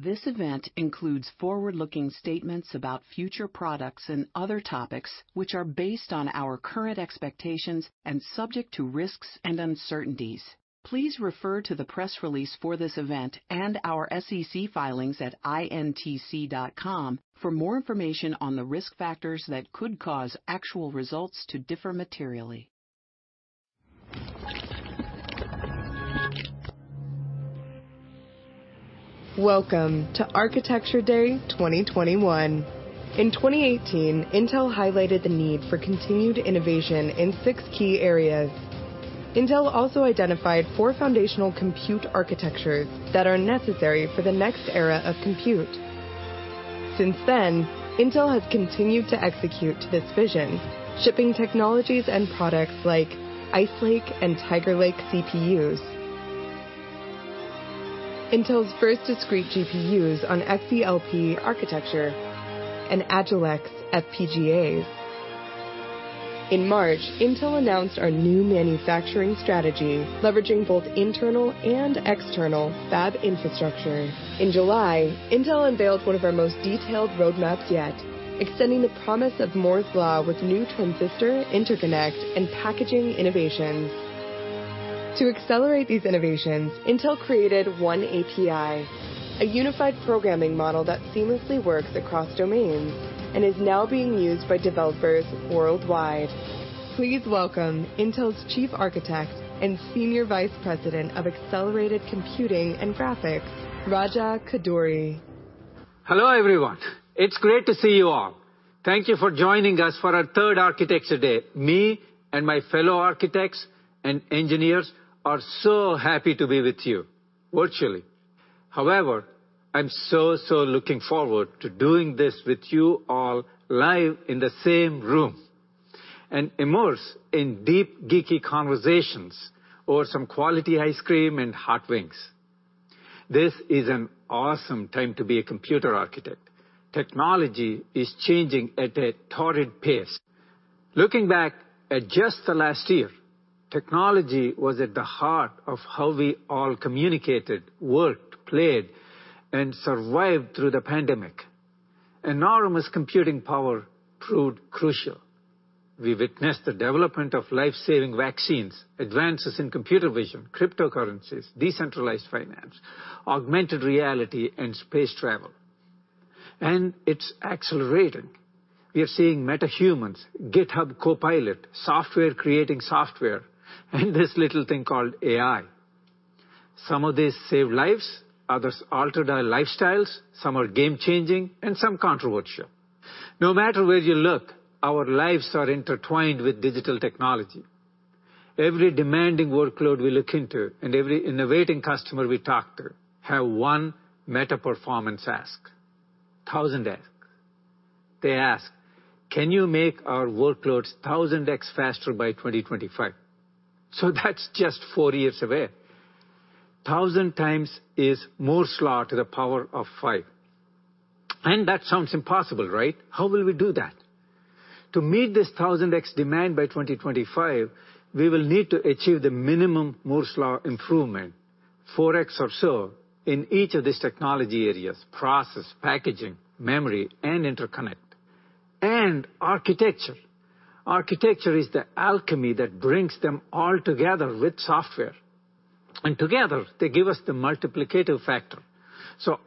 This event includes forward-looking statements about future products and other topics, which are based on our current expectations and subject to risks and uncertainties. Please refer to the press release for this event and our SEC filings at intc.com for more information on the risk factors that could cause actual results to differ materially. Welcome to Architecture Day 2021. In 2018, Intel highlighted the need for continued innovation in 6 key areas. Intel also identified four foundational compute architectures that are necessary for the next era of compute. Since then, Intel has continued to execute this vision, shipping technologies and products like Ice Lake and Tiger Lake CPUs, Intel's first discrete GPUs on Xe-LP architecture, and Agilex FPGAs. In March, Intel announced our new manufacturing strategy, leveraging both internal and external fab infrastructure. In July, Intel unveiled one of our most detailed roadmaps yet, extending the promise of Moore's Law with new transistor, interconnect, and packaging innovations. To accelerate these innovations, Intel created oneAPI, a unified programming model that seamlessly works across domains and is now being used by developers worldwide. Please welcome Intel's Chief Architect and Senior Vice President of Accelerated Computing and Graphics, Raja Koduri. Hello, everyone. It's great to see you all. Thank you for joining us for our Third Architecture Day. Me and my fellow architects and engineers are so happy to be with you virtually. However, I'm so looking forward to doing this with you all live in the same room and immerse in deep, geeky conversations over some quality ice cream and hot wings. This is an awesome time to be a computer architect. Technology is changing at a torrid pace. Looking back at just the last year, technology was at the heart of how we all communicated, worked, played, and survived through the pandemic. Enormous computing power proved crucial. We witnessed the development of life-saving vaccines, advances in computer vision, cryptocurrencies, decentralized finance, augmented reality, and space travel. It's accelerating. We are seeing MetaHuman, GitHub Copilot, software creating software, and this little thing called AI. Some of these save lives, others altered our lifestyles, some are game-changing, and some controversial. No matter where you look, our lives are intertwined with digital technology. Every demanding workload we look into and every innovating customer we talk to have one meta performance ask, 1,000 ask. They ask, "Can you make our workloads 1,000x faster by 2025?" That's just four years away. 1,000 times is Moore's Law to the power of five. That sounds impossible. How will we do that? To meet this 1,000x demand by 2025, we will need to achieve the minimum Moore's Law improvement, 4x or so, in each of these technology areas: process, packaging, memory, and interconnect, and architecture. Architecture is the alchemy that brings them all together with software. Together, they give us the multiplicative factor.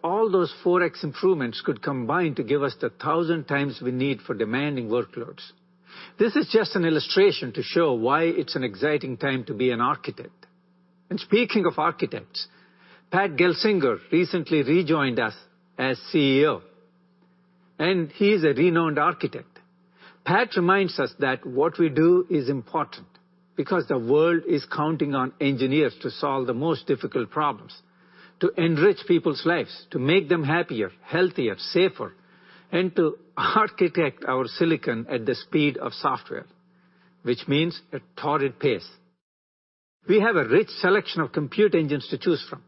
All those 4x improvements could combine to give us the 1,000 times we need for demanding workloads. This is just an illustration to show why it's an exciting time to be an architect. Speaking of architects, Pat Gelsinger recently rejoined us as CEO, and he is a renowned architect. Pat reminds us that what we do is important because the world is counting on engineers to solve the most difficult problems, to enrich people's lives, to make them happier, healthier, safer, and to architect our silicon at the speed of software, which means a torrid pace. We have a rich selection of compute engines to choose from.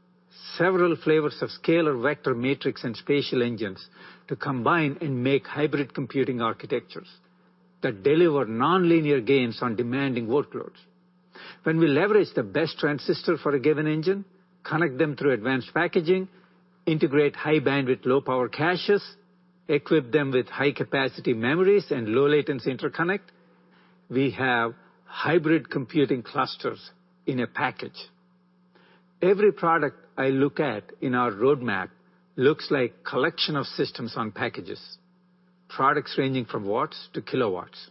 Several flavors of scalar vector matrix and spatial engines to combine and make hybrid computing architectures that deliver nonlinear gains on demanding workloads. When we leverage the best transistor for a given engine, connect them through advanced packaging, integrate high bandwidth, low power caches, equip them with high capacity memories and low latency interconnect, we have hybrid computing clusters in a package. Every product I look at in our roadmap looks like collection of systems on packages, products ranging from watts to kilowatts.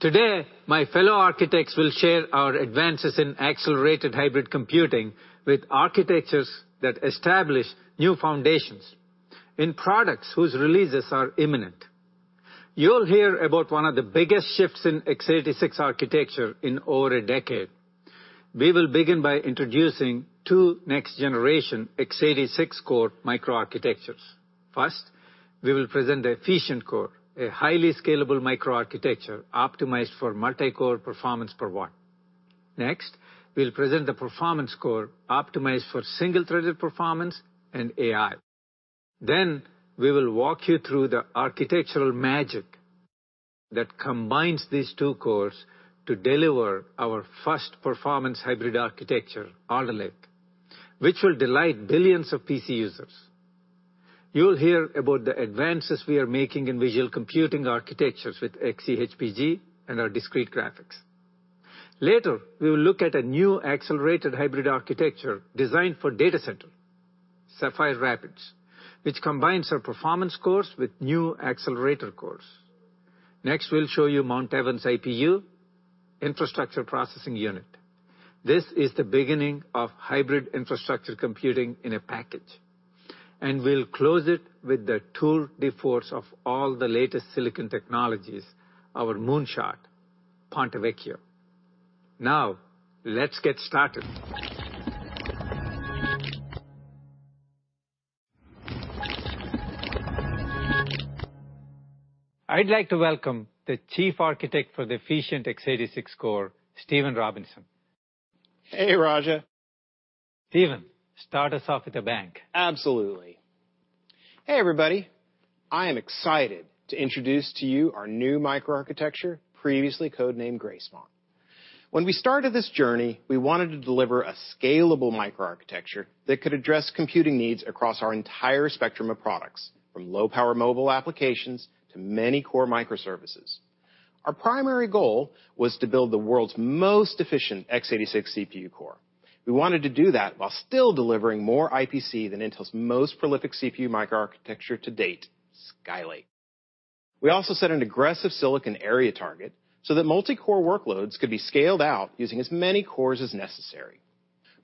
Today, my fellow architects will share our advances in accelerated hybrid computing with architectures that establish new foundations in products whose releases are imminent. You'll hear about one of the biggest shifts in x86 architecture in over a decade. We will begin by introducing two next generation x86 core microarchitectures. First, we will present the efficient core, a highly scalable microarchitecture optimized for multi-core performance per watt. Next, we'll present the performance core optimized for single threaded performance and AI. We will walk you through the architectural magic that combines these two cores to deliver our first performance hybrid architecture, Alder Lake, which will delight billions of PC users. You will hear about the advances we are making in visual computing architectures with Xe-HPG and our discrete graphics. Later, we will look at a new accelerated hybrid architecture designed for data center, Sapphire Rapids, which combines our performance cores with new accelerator cores. We'll show you Mount Evans IPU, infrastructure processing unit. This is the beginning of hybrid infrastructure computing in a package. We'll close it with the tour de force of all the latest silicon technologies, our moonshot, Ponte Vecchio. Let's get started. I'd like to welcome the Chief Architect for the Efficient x86 Core, Stephen Robinson. Hey, Raja. Stephen, start us off at the bank. Absolutely. Hey, everybody. I am excited to introduce to you our new microarchitecture, previously codenamed Gracemont. When we started this journey, we wanted to deliver a scalable microarchitecture that could address computing needs across our entire spectrum of products, from low-power mobile applications to many core microservices. Our primary goal was to build the world's most efficient x86 CPU core. We wanted to do that while still delivering more IPC than Intel's most prolific CPU microarchitecture to date, Skylake. We also set an aggressive silicon area target so that multi-core workloads could be scaled out using as many cores as necessary.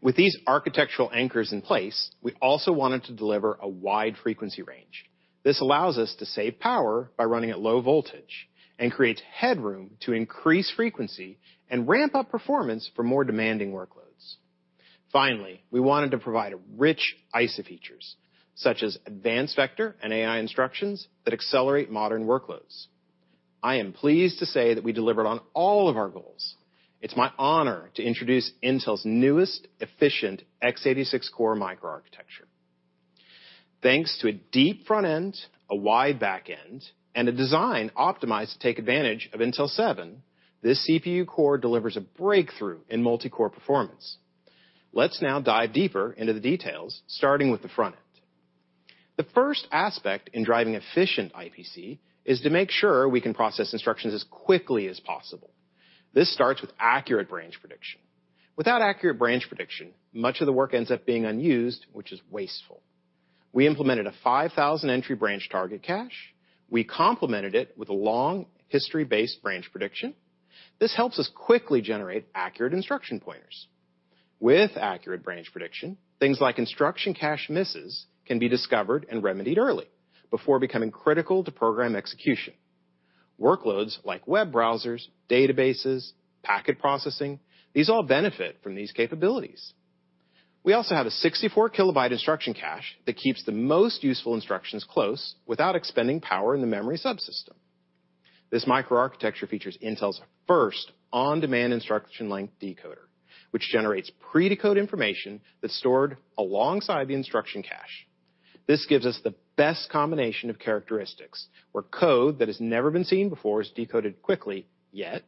With these architectural anchors in place, we also wanted to deliver a wide frequency range. This allows us to save power by running at low voltage and creates headroom to increase frequency and ramp up performance for more demanding workloads. Finally, we wanted to provide rich ISA features, such as advanced vector and AI instructions that accelerate modern workloads. I am pleased to say that we delivered on all of our goals. It's my honor to introduce Intel's newest efficient x86 core microarchitecture. Thanks to a deep front end, a wide back end, and a design optimized to take advantage of Intel 7, this CPU core delivers a breakthrough in multi-core performance. Let's now dive deeper into the details, starting with the front end. The first aspect in driving efficient IPC is to make sure we can process instructions as quickly as possible. This starts with accurate branch prediction. Without accurate branch prediction, much of the work ends up being unused, which is wasteful. We implemented a 5,000-entry branch target cache. We complemented it with a long history-based branch prediction. This helps us quickly generate accurate instruction pointers. With accurate branch prediction, things like instruction cache misses can be discovered and remedied early, before becoming critical to program execution. Workloads like web browsers, databases, packet processing, these all benefit from these capabilities. We also have a 64 KB instruction cache that keeps the most useful instructions close without expending power in the memory subsystem. This microarchitecture features Intel's first on-demand instruction length decoder, which generates pre-decode information that's stored alongside the instruction cache. This gives us the best combination of characteristics, where code that has never been seen before is decoded quickly, yet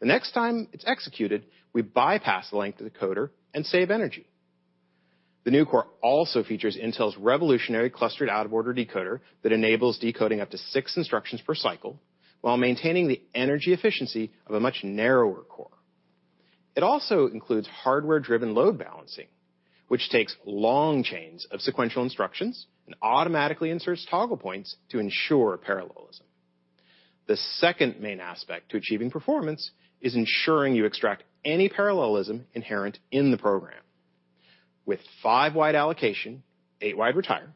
the next time it's executed, we bypass the length decoder and save energy. The new core also features Intel's revolutionary clustered out-of-order decoder that enables decoding up to six instructions per cycle while maintaining the energy efficiency of a much narrower core. It also includes hardware-driven load balancing, which takes long chains of sequential instructions and automatically inserts toggle points to ensure parallelism. The second main aspect to achieving performance is ensuring you extract any parallelism inherent in the program. With five-wide allocation, eight-wide retire,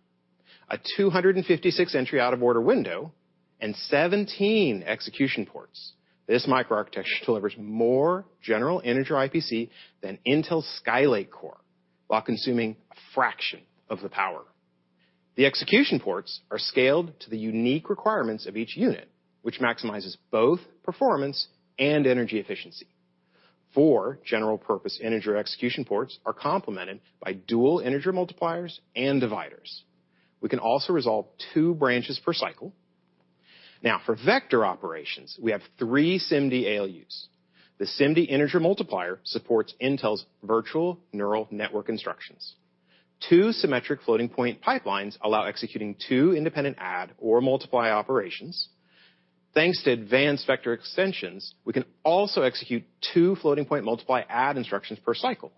a 256-entry out-of-order window, and 17 execution ports, this microarchitecture delivers more general integer IPC than Intel Skylake core while consuming a fraction of the power. The execution ports are scaled to the unique requirements of each unit, which maximizes both performance and energy efficiency. Four general-purpose integer execution ports are complemented by dual integer multipliers and dividers. We can also resolve two branches per cycle. For vector operations, we have three SIMD ALUs. The SIMD integer multiplier supports Intel's Vector Neural Network Instructions. Two symmetric floating-point pipelines allow executing two independent add or multiply operations. Thanks to Advanced Vector Extensions, we can also execute two floating-point multiply-add instructions per cycle.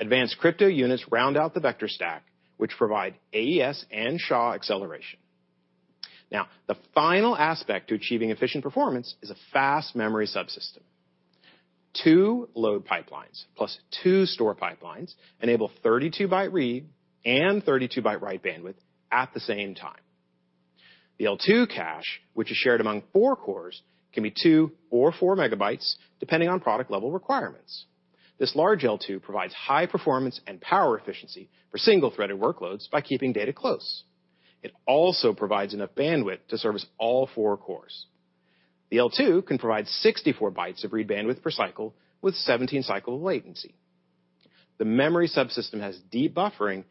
Advanced crypto units round out the vector stack, which provide AES and SHA acceleration. The final aspect to achieving efficient performance is a fast memory subsystem. Two load pipelines plus two store pipelines enable 32 byte read and 32 byte write bandwidth at the same time. The L2 cache, which is shared among four cores, can be 2 or 4 MB, depending on product level requirements. This large L2 provides high performance and power efficiency for single-threaded workloads by keeping data close. It also provides enough bandwidth to service all four cores. The L2 can provide 64 B of read bandwidth per cycle with 17-cycle latency. The memory subsystem has debuffering,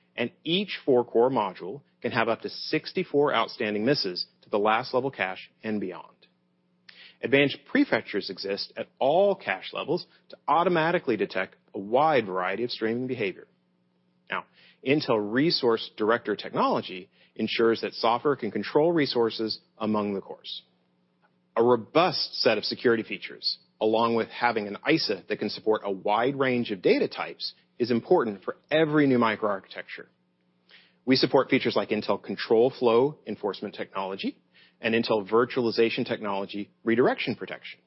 each four-core module can have up to 64 outstanding misses to the last level cache and beyond. Advanced prefetchers exist at all cache levels to automatically detect a wide variety of streaming behavior. Intel Resource Director Technology ensures that software can control resources among the cores. A robust set of security features, along with having an ISA that can support a wide range of data types, is important for every new microarchitecture. We support features like Intel Control-Flow Enforcement Technology and Intel Virtualization Technology Redirection Protection.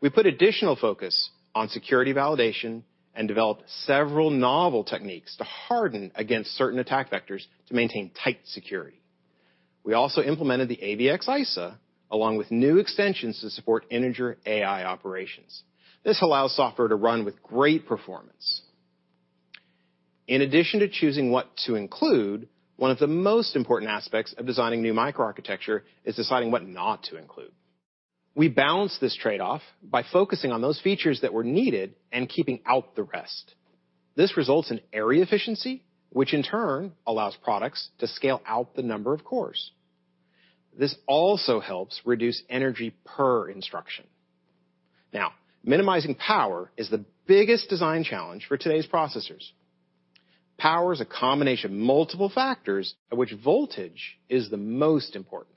We put additional focus on security validation and developed several novel techniques to harden against certain attack vectors to maintain tight security. We also implemented the AVX ISA, along with new extensions to support integer AI operations. This allows software to run with great performance. In addition to choosing what to include, one of the most important aspects of designing new microarchitecture is deciding what not to include. We balance this trade-off by focusing on those features that were needed and keeping out the rest. This results in area efficiency, which in turn allows products to scale out the number of cores. This also helps reduce energy per instruction. Minimizing power is the biggest design challenge for today's processors. Power is a combination of multiple factors of which voltage is the most important.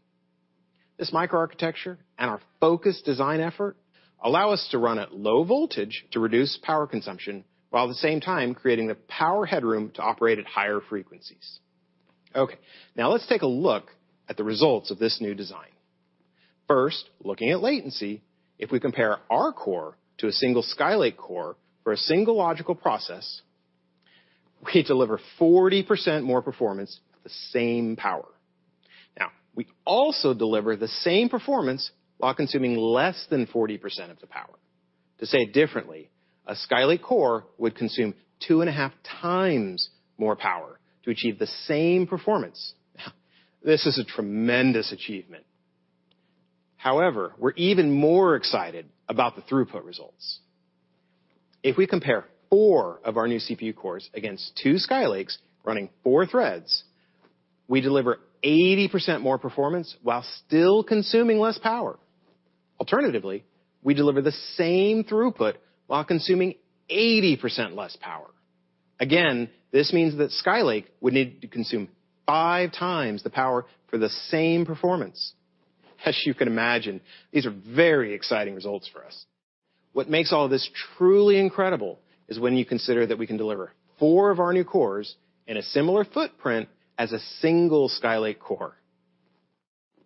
This microarchitecture and our focused design effort allow us to run at low voltage to reduce power consumption, while at the same time creating the power headroom to operate at higher frequencies. Let's take a look at the results of this new design. First, looking at latency, if we compare our core to a single Skylake core for a single logical process, we deliver 40% more performance at the same power. Now, we also deliver the same performance while consuming less than 40% of the power. To say it differently, a Skylake core would consume 2.5 times more power to achieve the same performance. This is a tremendous achievement. However, we are even more excited about the throughput results. If we compare four of our new CPU cores against two Skylakes running four threads, we deliver 80% more performance while still consuming less power. Alternatively, we deliver the same throughput while consuming 80% less power. Again, this means that Skylake would need to consume five times the power for the same performance. As you can imagine, these are very exciting results for us. What makes all this truly incredible is when you consider that we can deliver four of our new cores in a similar footprint as a single Skylake core.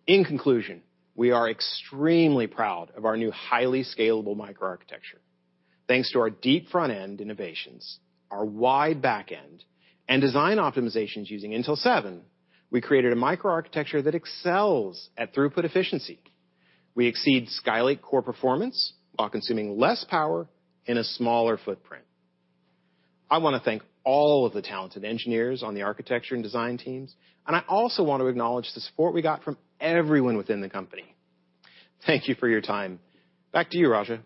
In conclusion, we are extremely proud of our new highly scalable microarchitecture. Thanks to our deep front-end innovations, our wide back end, and design optimizations using Intel 7, we created a microarchitecture that excels at throughput efficiency. We exceed Skylake core performance while consuming less power in a smaller footprint. I want to thank all of the talented engineers on the architecture and design teams, and I also want to acknowledge the support we got from everyone within the company. Thank you for your time. Back to you, Raja.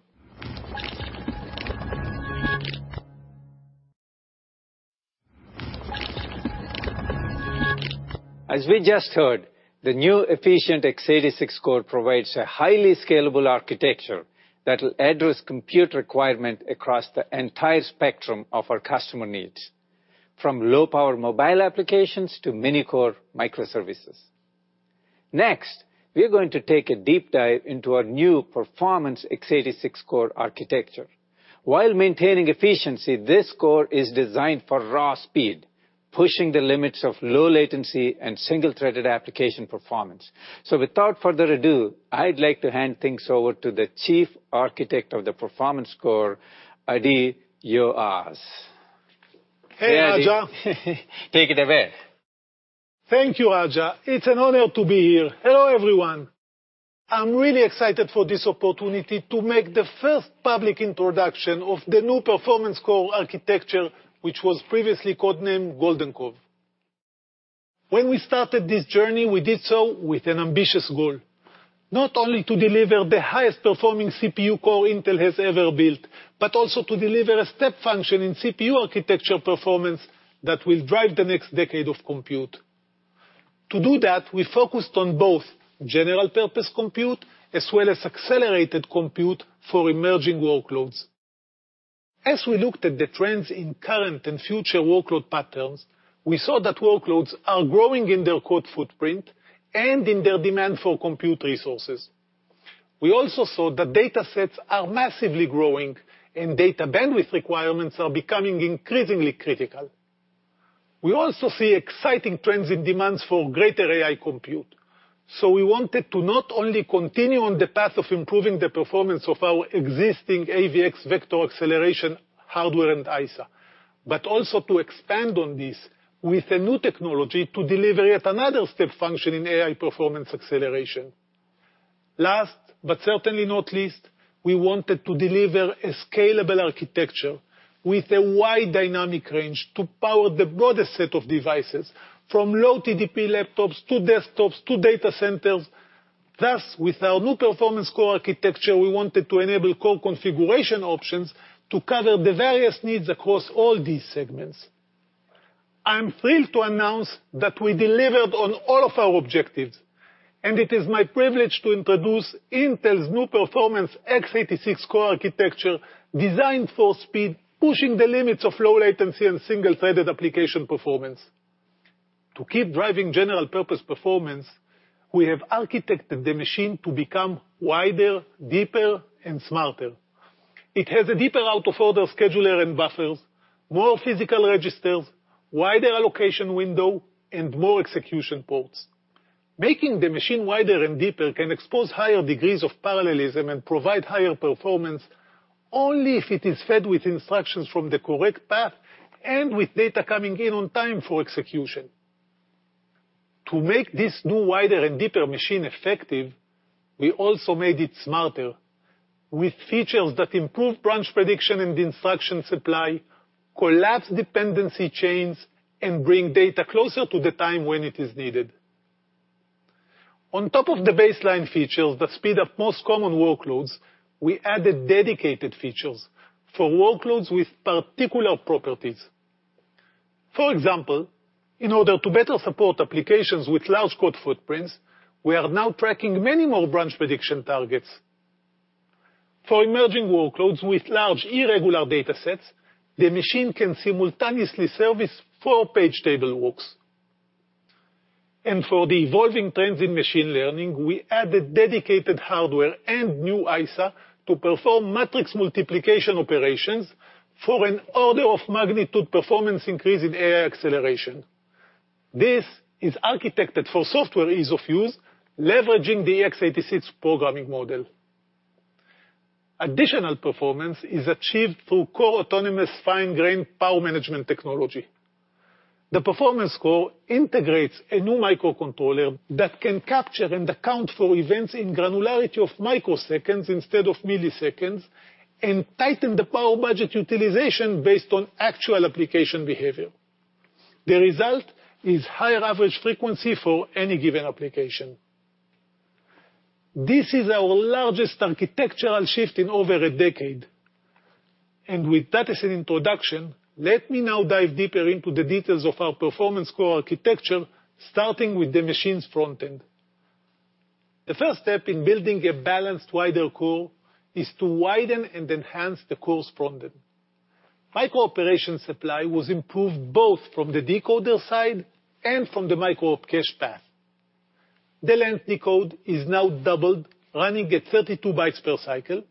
As we just heard, the new Efficient x86 Core provides a highly scalable architecture that will address compute requirement across the entire spectrum of our customer needs, from low-power mobile applications to mini-core microservices. Next, we are going to take a deep dive into our new Performance x86 Core architecture. While maintaining efficiency, this core is designed for raw speed, pushing the limits of low latency and single-threaded application performance. Without further ado, I'd like to hand things over to the Chief Architect of the Performance Core, Adi Yoaz. Hey, Raja. Take it away. Thank you, Raja. It's an honor to be here. Hello, everyone. I'm really excited for this opportunity to make the first public introduction of the new Performance Core architecture, which was previously codenamed Golden Cove. When we started this journey, we did so with an ambitious goal, not only to deliver the highest performing CPU core Intel has ever built, but also to deliver a step function in CPU architecture performance that will drive the next decade of compute. To do that, we focused on both general purpose compute as well as accelerated compute for emerging workloads. As we looked at the trends in current and future workload patterns, we saw that workloads are growing in their code footprint and in their demand for compute resources. We also saw that data sets are massively growing, and data bandwidth requirements are becoming increasingly critical. We also see exciting trends in demands for greater AI compute. We wanted to not only continue on the path of improving the performance of our existing AVX vector acceleration hardware and ISA, but also to expand on this with a new technology to deliver yet another step function in AI performance acceleration. Last, but certainly not least, we wanted to deliver a scalable architecture with a wide dynamic range to power the broadest set of devices, from low TDP laptops to desktops to data centers. With our new Performance Core architecture, we wanted to enable core configuration options to cover the various needs across all these segments. I am thrilled to announce that we delivered on all of our objectives, and it is my privilege to introduce Intel's new Performance x86 Core architecture, designed for speed, pushing the limits of low latency and single-threaded application performance. To keep driving general purpose performance, we have architected the machine to become wider, deeper, and smarter. It has a deeper out-of-order scheduler and buffers, more physical registers, wider allocation window, and more execution ports. Making the machine wider and deeper can expose higher degrees of parallelism and provide higher performance only if it is fed with instructions from the correct path and with data coming in on time for execution. To make this new wider and deeper machine effective, we also made it smarter with features that improve branch prediction and instruction supply, collapse dependency chains, and bring data closer to the time when it is needed. On top of the baseline features that speed up most common workloads, we added dedicated features for workloads with particular properties. For example, in order to better support applications with large code footprints, we are now tracking many more branch prediction targets. For emerging workloads with large irregular datasets, the machine can simultaneously service four-page table walks. For the evolving trends in machine learning, we added dedicated hardware and new ISA to perform matrix multiplication operations for an order of magnitude performance increase in AI acceleration. This is architected for software ease of use, leveraging the x86 programming model. Additional performance is achieved through core autonomous fine-grain power management technology. The Performance Core integrates a new microcontroller that can capture and account for events in granularity of microseconds instead of milliseconds and tighten the power budget utilization based on actual application behavior. The result is higher average frequency for any given application. This is our largest architectural shift in over a decade. With that as an introduction, let me now dive deeper into the details of our Performance Core architecture, starting with the machine's front end. The first step in building a balanced wider core is to widen and enhance the core's front end. Micro-operation supply was improved both from the decoder side and from the micro-op cache path. The length decode is now doubled, running at 32 B per cycle,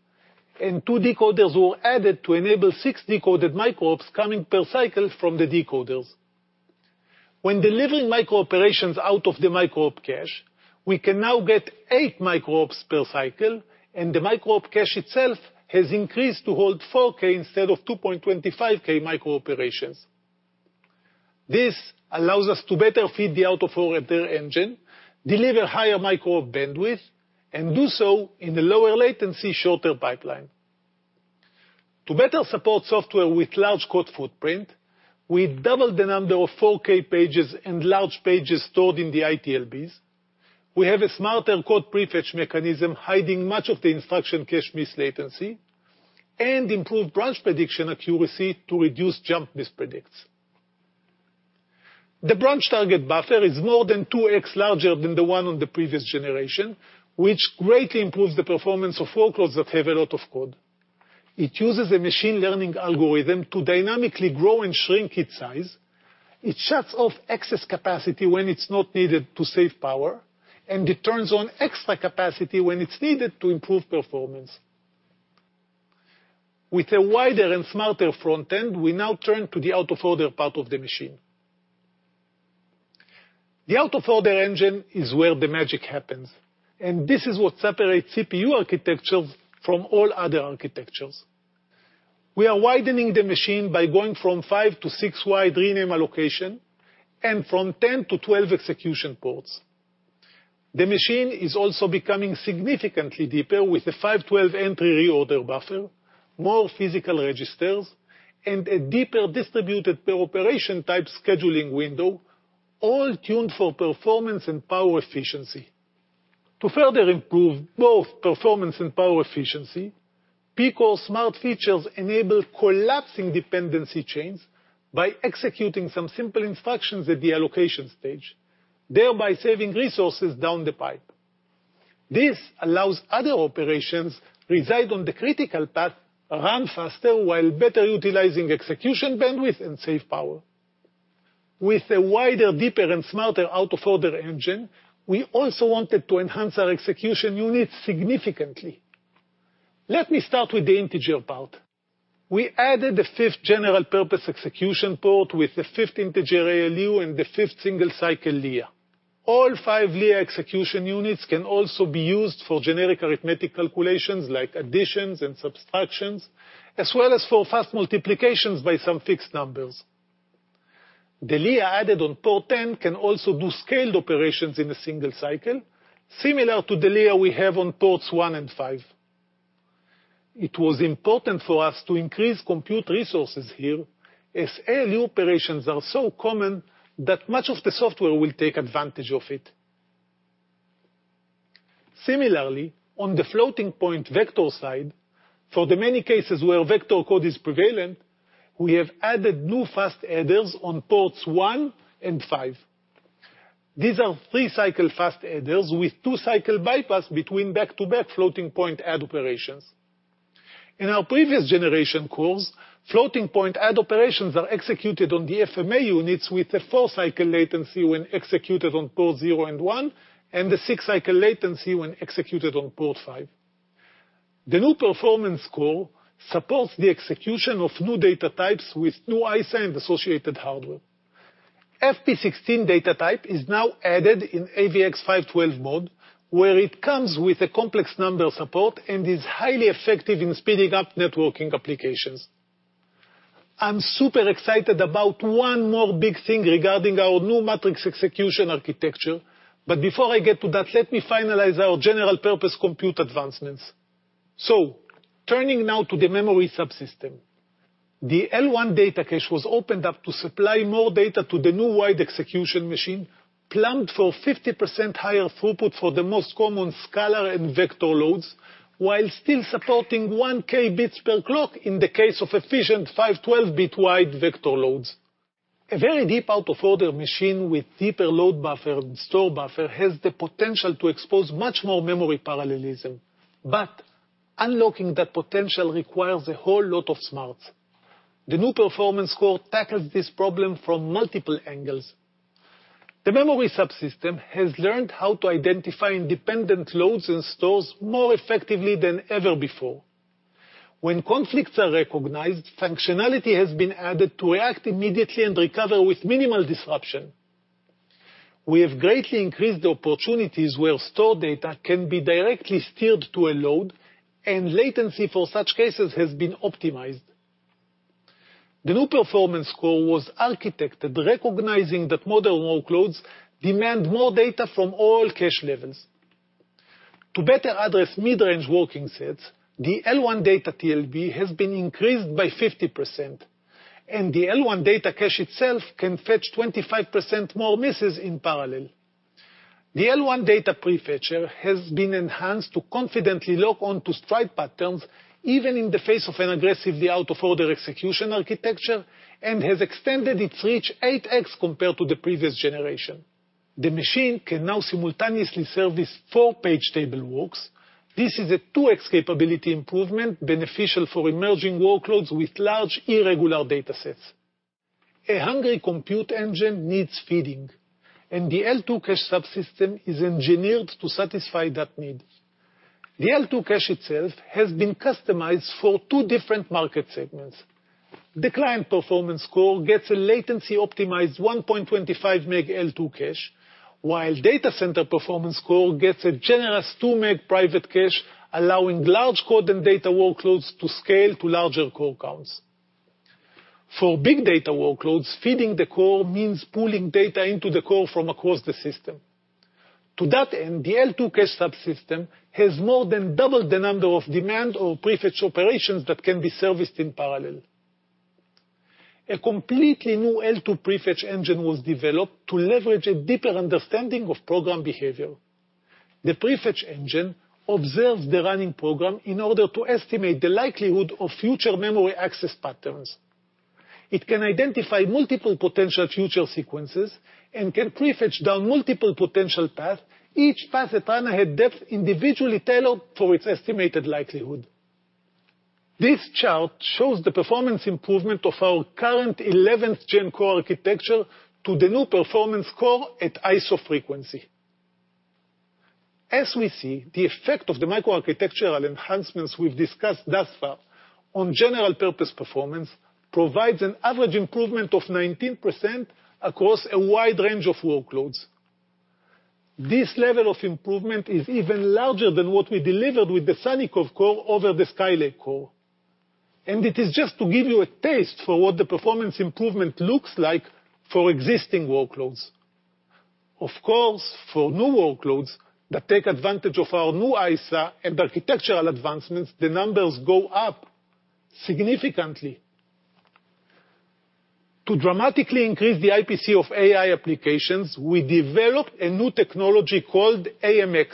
and two decoders were added to enable six decoded micro-ops coming per cycle from the decoders. When delivering micro-operations out of the micro-op cache, we can now get eight micro-ops per cycle, and the micro-op cache itself has increased to hold 4K instead of 2.25K micro-operations. This allows us to better feed the out-of-order engine, deliver higher micro-op bandwidth, and do so in a lower latency shorter pipeline. To better support software with large code footprint, we doubled the number of 4K pages and large pages stored in the ITLBs. We have a smarter code prefetch mechanism hiding much of the instruction cache miss latency, and improved branch prediction accuracy to reduce jump mispredicts. The branch target buffer is more than 2X larger than the one on the previous generation, which greatly improves the performance of workloads that have a lot of code. It uses a machine learning algorithm to dynamically grow and shrink its size. It shuts off excess capacity when it's not needed to save power, and it turns on extra capacity when it's needed to improve performance. With a wider and smarter front end, we now turn to the out-of-order part of the machine. The out-of-order engine is where the magic happens, and this is what separates CPU architectures from all other architectures. We are widening the machine by going from five to six wide rename allocation and from 10 to 12 execution ports. The machine is also becoming significantly deeper with the 512 entry reorder buffer, more physical registers, and a deeper distributed per operation type scheduling window, all tuned for performance and power efficiency. To further improve both performance and power efficiency, P-core smart features enable collapsing dependency chains by executing some simple instructions at the allocation stage, thereby saving resources down the pipe. This allows other operations reside on the critical path, run faster while better utilizing execution bandwidth and save power. With a wider, deeper, and smarter out-of-order engine, we also wanted to enhance our execution units significantly. Let me start with the integer part. We added a fifth general-purpose execution port with the fifth integer ALU and the fifth single-cycle LEA. All five LEA execution units can also be used for generic arithmetic calculations like additions and subtractions, as well as for fast multiplications by some fixed numbers. The LEA added on port 10 can also do scaled operations in a single cycle, similar to the LEA we have on ports one and five. It was important for us to increase compute resources here, as ALU operations are so common that much of the software will take advantage of it. Similarly, on the floating point vector side, for the many cases where vector code is prevalent, we have added new fast adders on ports one and five. These are three-cycle fast adders with two-cycle bypass between back-to-back floating point add operations. In our previous generation cores, floating point add operations are executed on the FMA units with a four-cycle latency when executed on port zero and one, and a six-cycle latency when executed on port five. The new performance core supports the execution of new data types with new ISA and associated hardware. FP16 data type is now added in AVX-512 mode, where it comes with a complex number support and is highly effective in speeding up networking applications. I'm super excited about one more big thing regarding our new matrix execution architecture. Before I get to that, let me finalize our general purpose compute advancements. Turning now to the memory subsystem. The L1 data cache was opened up to supply more data to the new wide execution machine, plumbed for 50% higher throughput for the most common scalar and vector loads, while still supporting 1K bit per clock in the case of efficient 512 bit wide vector loads. A very deep out-of-order machine with deeper load buffer and store buffer has the potential to expose much more memory parallelism. Unlocking that potential requires a whole lot of smarts. The new Performance Core tackles this problem from multiple angles. The memory subsystem has learned how to identify independent loads and stores more effectively than ever before. When conflicts are recognized, functionality has been added to react immediately and recover with minimal disruption. We have greatly increased the opportunities where store data can be directly steered to a load, and latency for such cases has been optimized. The new Performance Core was architected recognizing that modern workloads demand more data from all cache levels. To better address mid-range working sets, the L1 data TLB has been increased by 50%, and the L1 data cache itself can fetch 25% more misses in parallel. The L1 data prefetcher has been enhanced to confidently lock onto stride patterns, even in the face of an aggressively out-of-order execution architecture, and has extended its reach 8x compared to the previous generation. The machine can now simultaneously service four-page table walks. This is a 2x capability improvement beneficial for emerging workloads with large irregular datasets. A hungry compute engine needs feeding, and the L2 cache subsystem is engineered to satisfy that need. The L2 cache itself has been customized for two different market segments. The client P-core gets a latency-optimized 1.25 MB L2 cache, while data center P-core gets a generous 2 MB private cache, allowing large code and data workloads to scale to larger core counts. For big data workloads, feeding the core means pulling data into the core from across the system. To that end, the L2 cache subsystem has more than doubled the number of demand or prefetch operations that can be serviced in parallel. A completely new L2 prefetch engine was developed to leverage a deeper understanding of program behavior. The prefetch engine observes the running program in order to estimate the likelihood of future memory access patterns. It can identify multiple potential future sequences, and can prefetch down multiple potential paths, each path at runner head depth individually tailored for its estimated likelihood. This chart shows the performance improvement of our current 11th Gen core architecture to the new Performance Core at ISA frequency. As we see, the effect of the micro architectural enhancements we've discussed thus far on general purpose performance provides an average improvement of 19% across a wide range of workloads. This level of improvement is even larger than what we delivered with the Sunny Cove core over the Skylake core. It is just to give you a taste for what the performance improvement looks like for existing workloads. Of course, for new workloads that take advantage of our new ISA and architectural advancements, the numbers go up significantly. To dramatically increase the IPC of AI applications, we developed a new technology called AMX.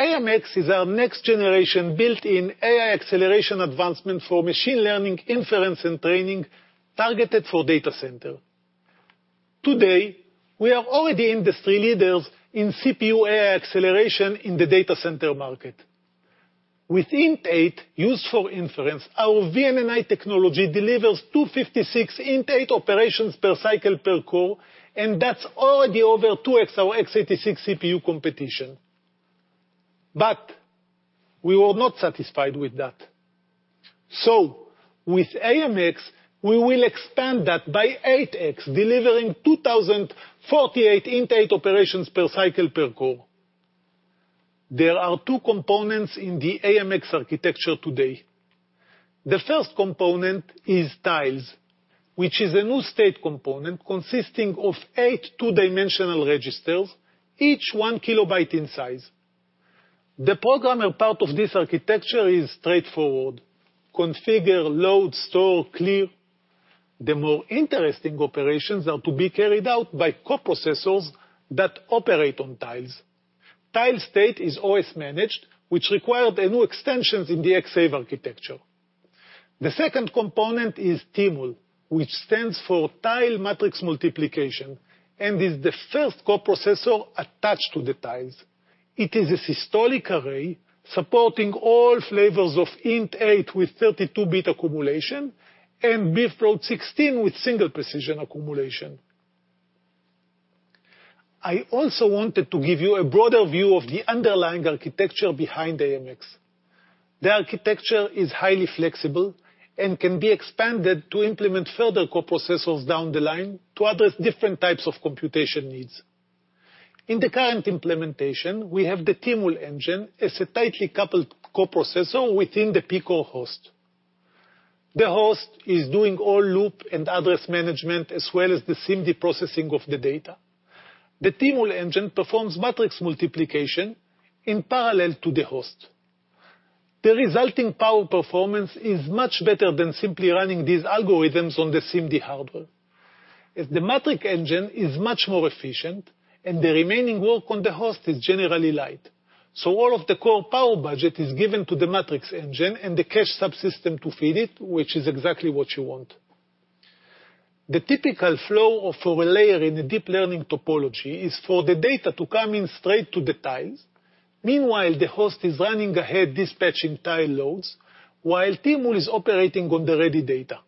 AMX is our next generation built-in AI acceleration advancement for machine learning, inference, and training targeted for data center. Today, we are already industry leaders in CPU AI acceleration in the data center market. With INT8 used for inference, our VNNI technology delivers 256 INT8 operations per cycle per core, that is already over 2x our x86 CPU competition. We were not satisfied with that. With AMX, we will expand that by 8x, delivering 2,048 INT8 operations per cycle per core. There are two components in the AMX architecture today. The first component is tiles, which is a new state component consisting of eight two-dimensional registers, each 1 KB in size. The programmer part of this architecture is straightforward: configure, load, store, clear. The more interesting operations are to be carried out by co-processors that operate on tiles. Tile state is always managed, which required new extensions in the XSAVE architecture. The second component is TMUL, which stands for Tile Matrix Multiplication and is the first co-processor attached to the tiles. It is a systolic array supporting all flavors of INT8 with 32-bit accumulation and BF16 with single-precision accumulation. I also wanted to give you a broader view of the underlying architecture behind AMX. The architecture is highly flexible and can be expanded to implement further co-processors down the line to address different types of computation needs. In the current implementation, we have the TMUL engine as a tightly coupled co-processor within the P-core host. The host is doing all loop and address management, as well as the SIMD processing of the data. The TMUL engine performs matrix multiplication in parallel to the host. The resulting power performance is much better than simply running these algorithms on the SIMD hardware, as the matrix engine is much more efficient and the remaining work on the host is generally light. All of the core power budget is given to the matrix engine and the cache subsystem to feed it, which is exactly what you want. The typical flow of a layer in a deep learning topology is for the data to come in straight to the tiles. Meanwhile, the host is running ahead dispatching tile loads while TMUL is operating on the ready data.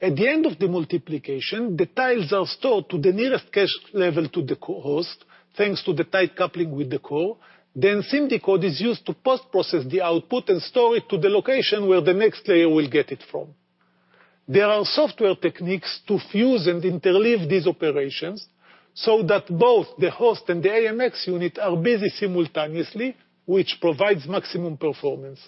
At the end of the multiplication, the tiles are stored to the nearest cache level to the co-host thanks to the tight coupling with the core. SIMD code is used to post-process the output and store it to the location where the next layer will get it from. There are software techniques to fuse and interleave these operations so that both the host and the AMX unit are busy simultaneously, which provides maximum performance.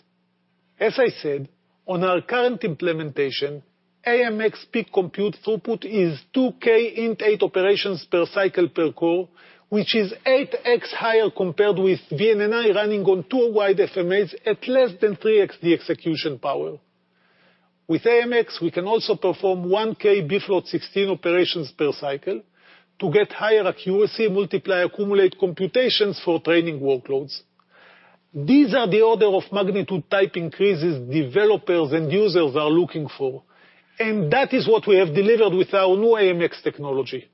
As I said, on our current implementation, AMX peak compute throughput is 2,000 INT8 operations per cycle per core, which is 8x higher compared with VNNI running on 2 wide FMAs at less than 3x the execution power. With AMX, we can also perform 1 K bfloat16 operations per cycle to get higher accuracy multiply accumulate computations for training workloads. These are the order of magnitude type increases developers and users are looking for, and that is what we have delivered with our new AMX technology.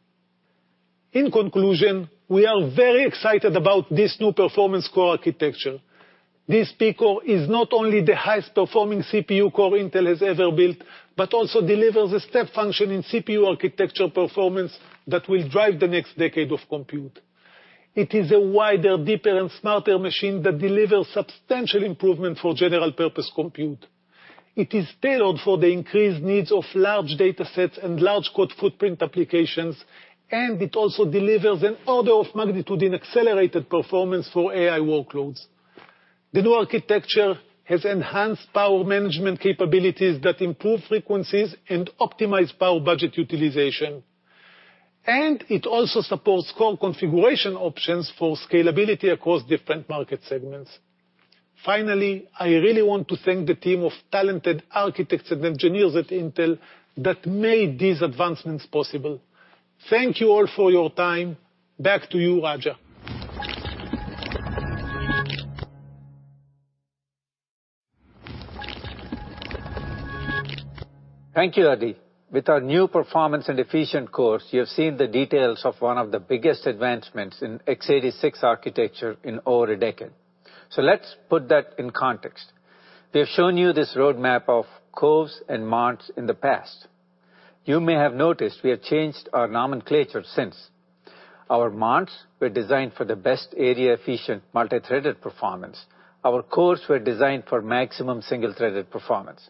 In conclusion, we are very excited about this new performance core architecture. This P-core is not only the highest performing CPU core Intel has ever built, but also delivers a step function in CPU architecture performance that will drive the next decade of compute. It is a wider, deeper, and smarter machine that delivers substantial improvement for general purpose compute. It is tailored for the increased needs of large datasets and large code footprint applications, and it also delivers an order of magnitude in accelerated performance for AI workloads. The new architecture has enhanced power management capabilities that improve frequencies and optimize power budget utilization, and it also supports core configuration options for scalability across different market segments. Finally, I really want to thank the team of talented architects and engineers at Intel that made these advancements possible. Thank you all for your time. Back to you, Raja. Thank you, Adi. With our new performance and efficient cores, you have seen the details of one of the biggest advancements in x86 architecture in over a decade. Let's put that in context. We have shown you this roadmap of cores and [Monts] in the past. You may have noticed we have changed our nomenclature since. Our [Monts] were designed for the best area-efficient multi-threaded performance. Our cores were designed for maximum single-threaded performance.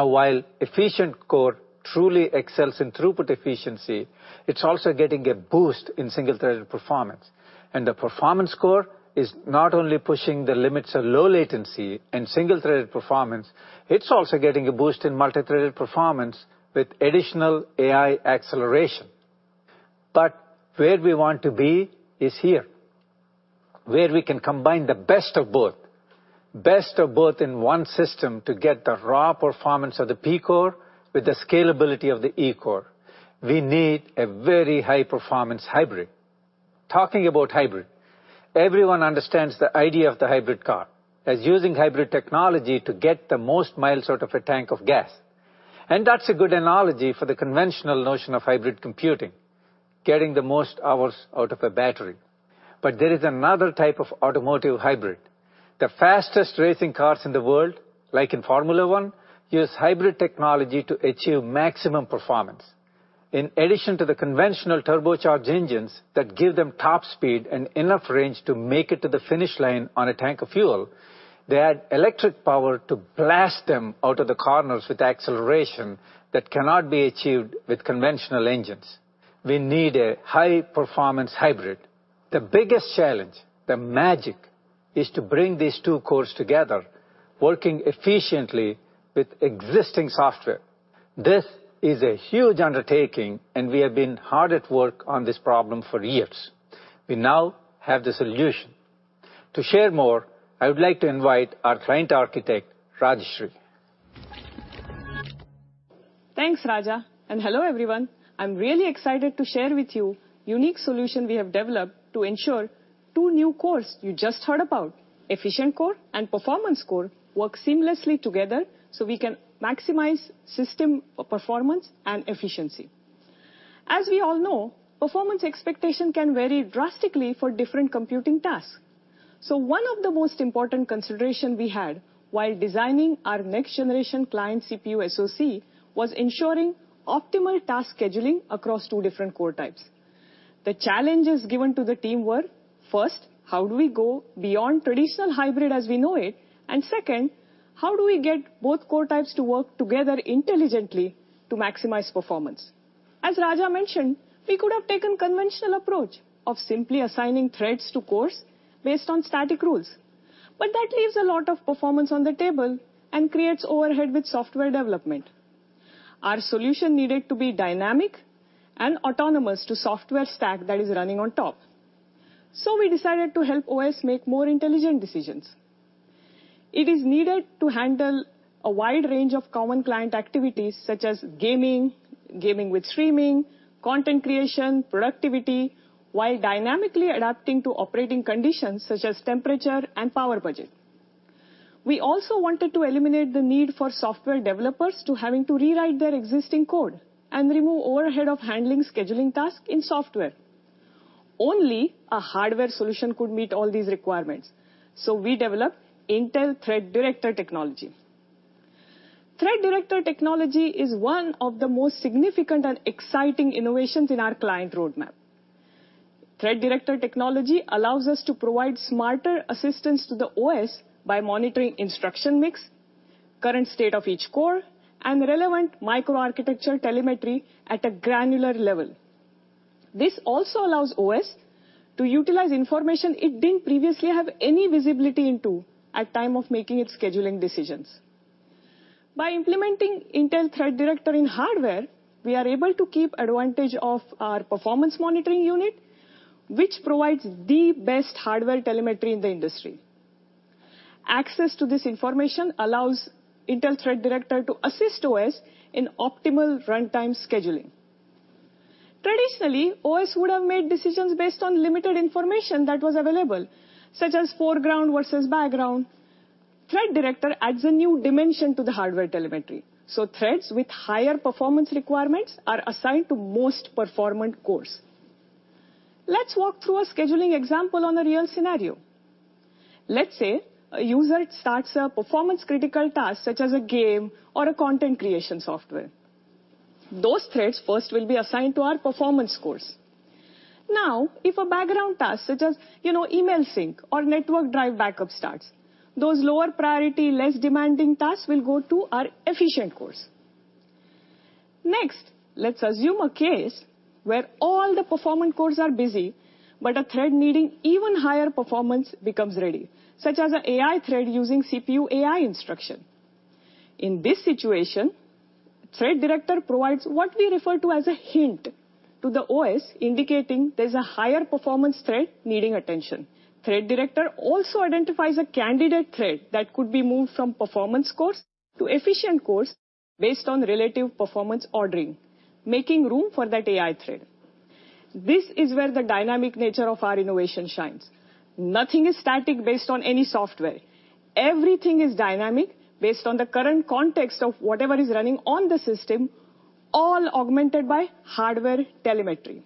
While efficient core truly excels in throughput efficiency, it's also getting a boost in single-threaded performance. The performance core is not only pushing the limits of low latency and single-threaded performance, it's also getting a boost in multi-threaded performance with additional AI acceleration. Where we want to be is here, where we can combine the best of both. Best of both in one system to get the raw performance of the P-core with the scalability of the E-core. We need a very high performance hybrid. Talking about hybrid, everyone understands the idea of the hybrid car, as using hybrid technology to get the most miles out of a tank of gas. That's a good analogy for the conventional notion of hybrid computing, getting the most hours out of a battery. There is another type of automotive hybrid. The fastest racing cars in the world, like in Formula One, use hybrid technology to achieve maximum performance. In addition to the conventional turbocharged engines that give them top speed and enough range to make it to the finish line on a tank of fuel, they add electric power to blast them out of the corners with acceleration that cannot be achieved with conventional engines. We need a high performance hybrid. The biggest challenge, the magic, is to bring these two cores together, working efficiently with existing software. This is a huge undertaking, and we have been hard at work on this problem for years. We now have the solution. To share more, I would like to invite our Client Architect, Rajshree. Thanks, Raja. Hello, everyone. I'm really excited to share with you unique solution we have developed to ensure two new cores you just heard about, Efficient-core and Performance-core, work seamlessly together so we can maximize system performance and efficiency. As we all know, performance expectation can vary drastically for different computing tasks. One of the most important consideration we had while designing our next generation client CPU SoC was ensuring optimal task scheduling across two different core types. The challenges given to the team were, first, how do we go beyond traditional hybrid as we know it? Second, how do we get both core types to work together intelligently to maximize performance? As Raja mentioned, we could have taken conventional approach of simply assigning threads to cores based on static rules. That leaves a lot of performance on the table and creates overhead with software development. Our solution needed to be dynamic and autonomous to software stack that is running on top. We decided to help OS make more intelligent decisions. It is needed to handle a wide range of common client activities, such as gaming with streaming, content creation, productivity, while dynamically adapting to operating conditions such as temperature and power budget. We also wanted to eliminate the need for software developers to having to rewrite their existing code and remove overhead of handling scheduling task in software. Only a hardware solution could meet all these requirements. We developed Intel Thread Director technology. Thread Director technology is one of the most significant and exciting innovations in our client roadmap. Thread Director technology allows us to provide smarter assistance to the OS by monitoring instruction mix, current state of each core, and relevant microarchitecture telemetry at a granular level. This also allows OS to utilize information it didn't previously have any visibility into at time of making its scheduling decisions. By implementing Intel Thread Director in hardware, we are able to keep advantage of our performance monitoring unit, which provides the best hardware telemetry in the industry. Access to this information allows Intel Thread Director to assist OS in optimal runtime scheduling. Traditionally, OS would have made decisions based on limited information that was available, such as foreground versus background. Thread Director adds a new dimension to the hardware telemetry. Threads with higher performance requirements are assigned to most performant cores. Let's walk through a scheduling example on a real scenario. Let's say a user starts a performance critical task, such as a game or a content creation software. Those threads first will be assigned to our Performance-cores. If a background task such as email sync or network drive backup starts, those lower priority, less demanding tasks will go to our Efficient-cores. Let's assume a case where all the performant cores are busy, but a thread needing even higher performance becomes ready, such as an AI thread using CPU AI instruction. In this situation, Thread Director provides what we refer to as a hint to the OS, indicating there's a higher performance thread needing attention. Thread Director also identifies a candidate thread that could be moved from Performance-cores to Efficient-cores based on relative performance ordering, making room for that AI thread. This is where the dynamic nature of our innovation shines. Nothing is static based on any software. Everything is dynamic based on the current context of whatever is running on the system, all augmented by hardware telemetry.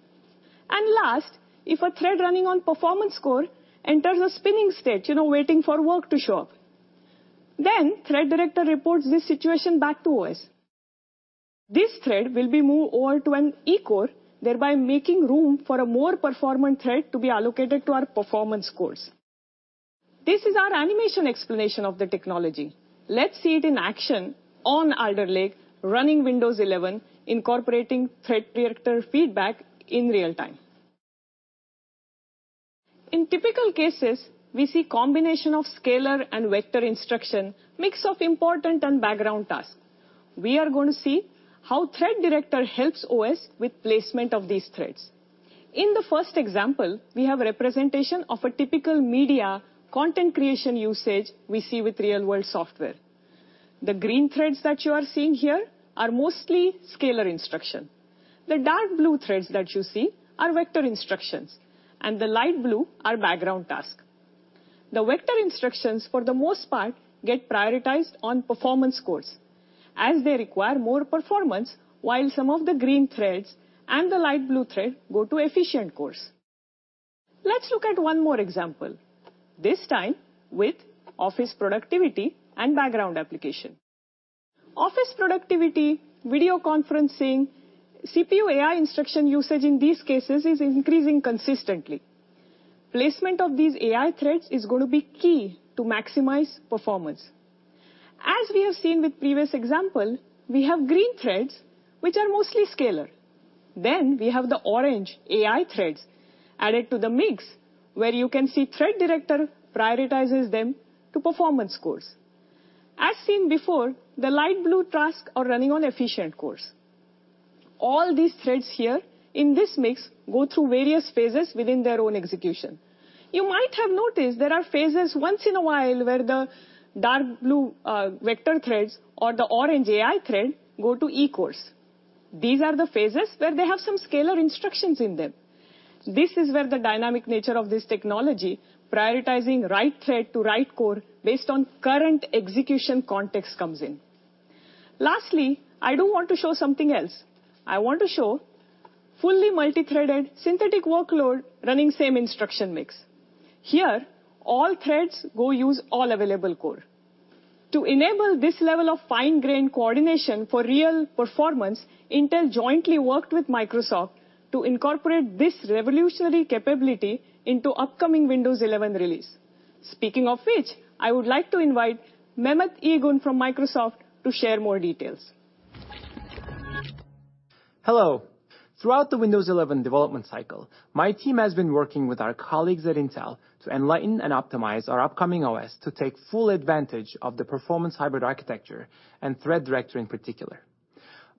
Last, if a thread running on Performance-core enters a spinning state, waiting for work to show up, Thread Director reports this situation back to OS. This thread will be moved over to an E-core, thereby making room for a more performant thread to be allocated to our Performance-cores. This is our animation explanation of the technology. Let's see it in action on Alder Lake, running Windows 11, incorporating Thread Director feedback in real-time. In typical cases, we see combination of scalar and vector instruction, mix of important and background tasks. We are going to see how Thread Director helps OS with placement of these threads. In the first example, we have a representation of a typical media content creation usage we see with real-world software. The green threads that you are seeing here are mostly scalar instruction. The dark blue threads that you see are vector instructions, and the light blue are background task. The vector instructions, for the most part, get prioritized on performance cores as they require more performance, while some of the green threads and the light blue thread go to efficient cores. Let's look at one more example, this time with office productivity and background application. Office productivity, video conferencing, CPU AI instruction usage in these cases is increasing consistently. Placement of these AI threads is going to be key to maximize performance. As we have seen with previous example, we have green threads which are mostly scalar. We have the orange AI threads added to the mix, where you can see Thread Director prioritizes them to Performance cores. As seen before, the light blue tasks are running on Efficient cores. All these threads here in this mix go through various phases within their own execution. You might have noticed there are phases once in a while where the dark blue vector threads or the orange AI thread go to E-cores. These are the phases where they have some scalar instructions in them. This is where the dynamic nature of this technology prioritizing right thread to right core based on current execution context comes in. I do want to show something else. I want to show fully multithreaded synthetic workload running same instruction mix. Here, all threads go use all available core. To enable this level of fine grain coordination for real performance, Intel jointly worked with Microsoft to incorporate this revolutionary capability into upcoming Windows 11 release. Speaking of which, I would like to invite Mehmet Iyigun from Microsoft to share more details. Hello. Throughout the Windows 11 development cycle, my team has been working with our colleagues at Intel to enlighten and optimize our upcoming OS to take full advantage of the performance hybrid architecture and Thread Director in particular.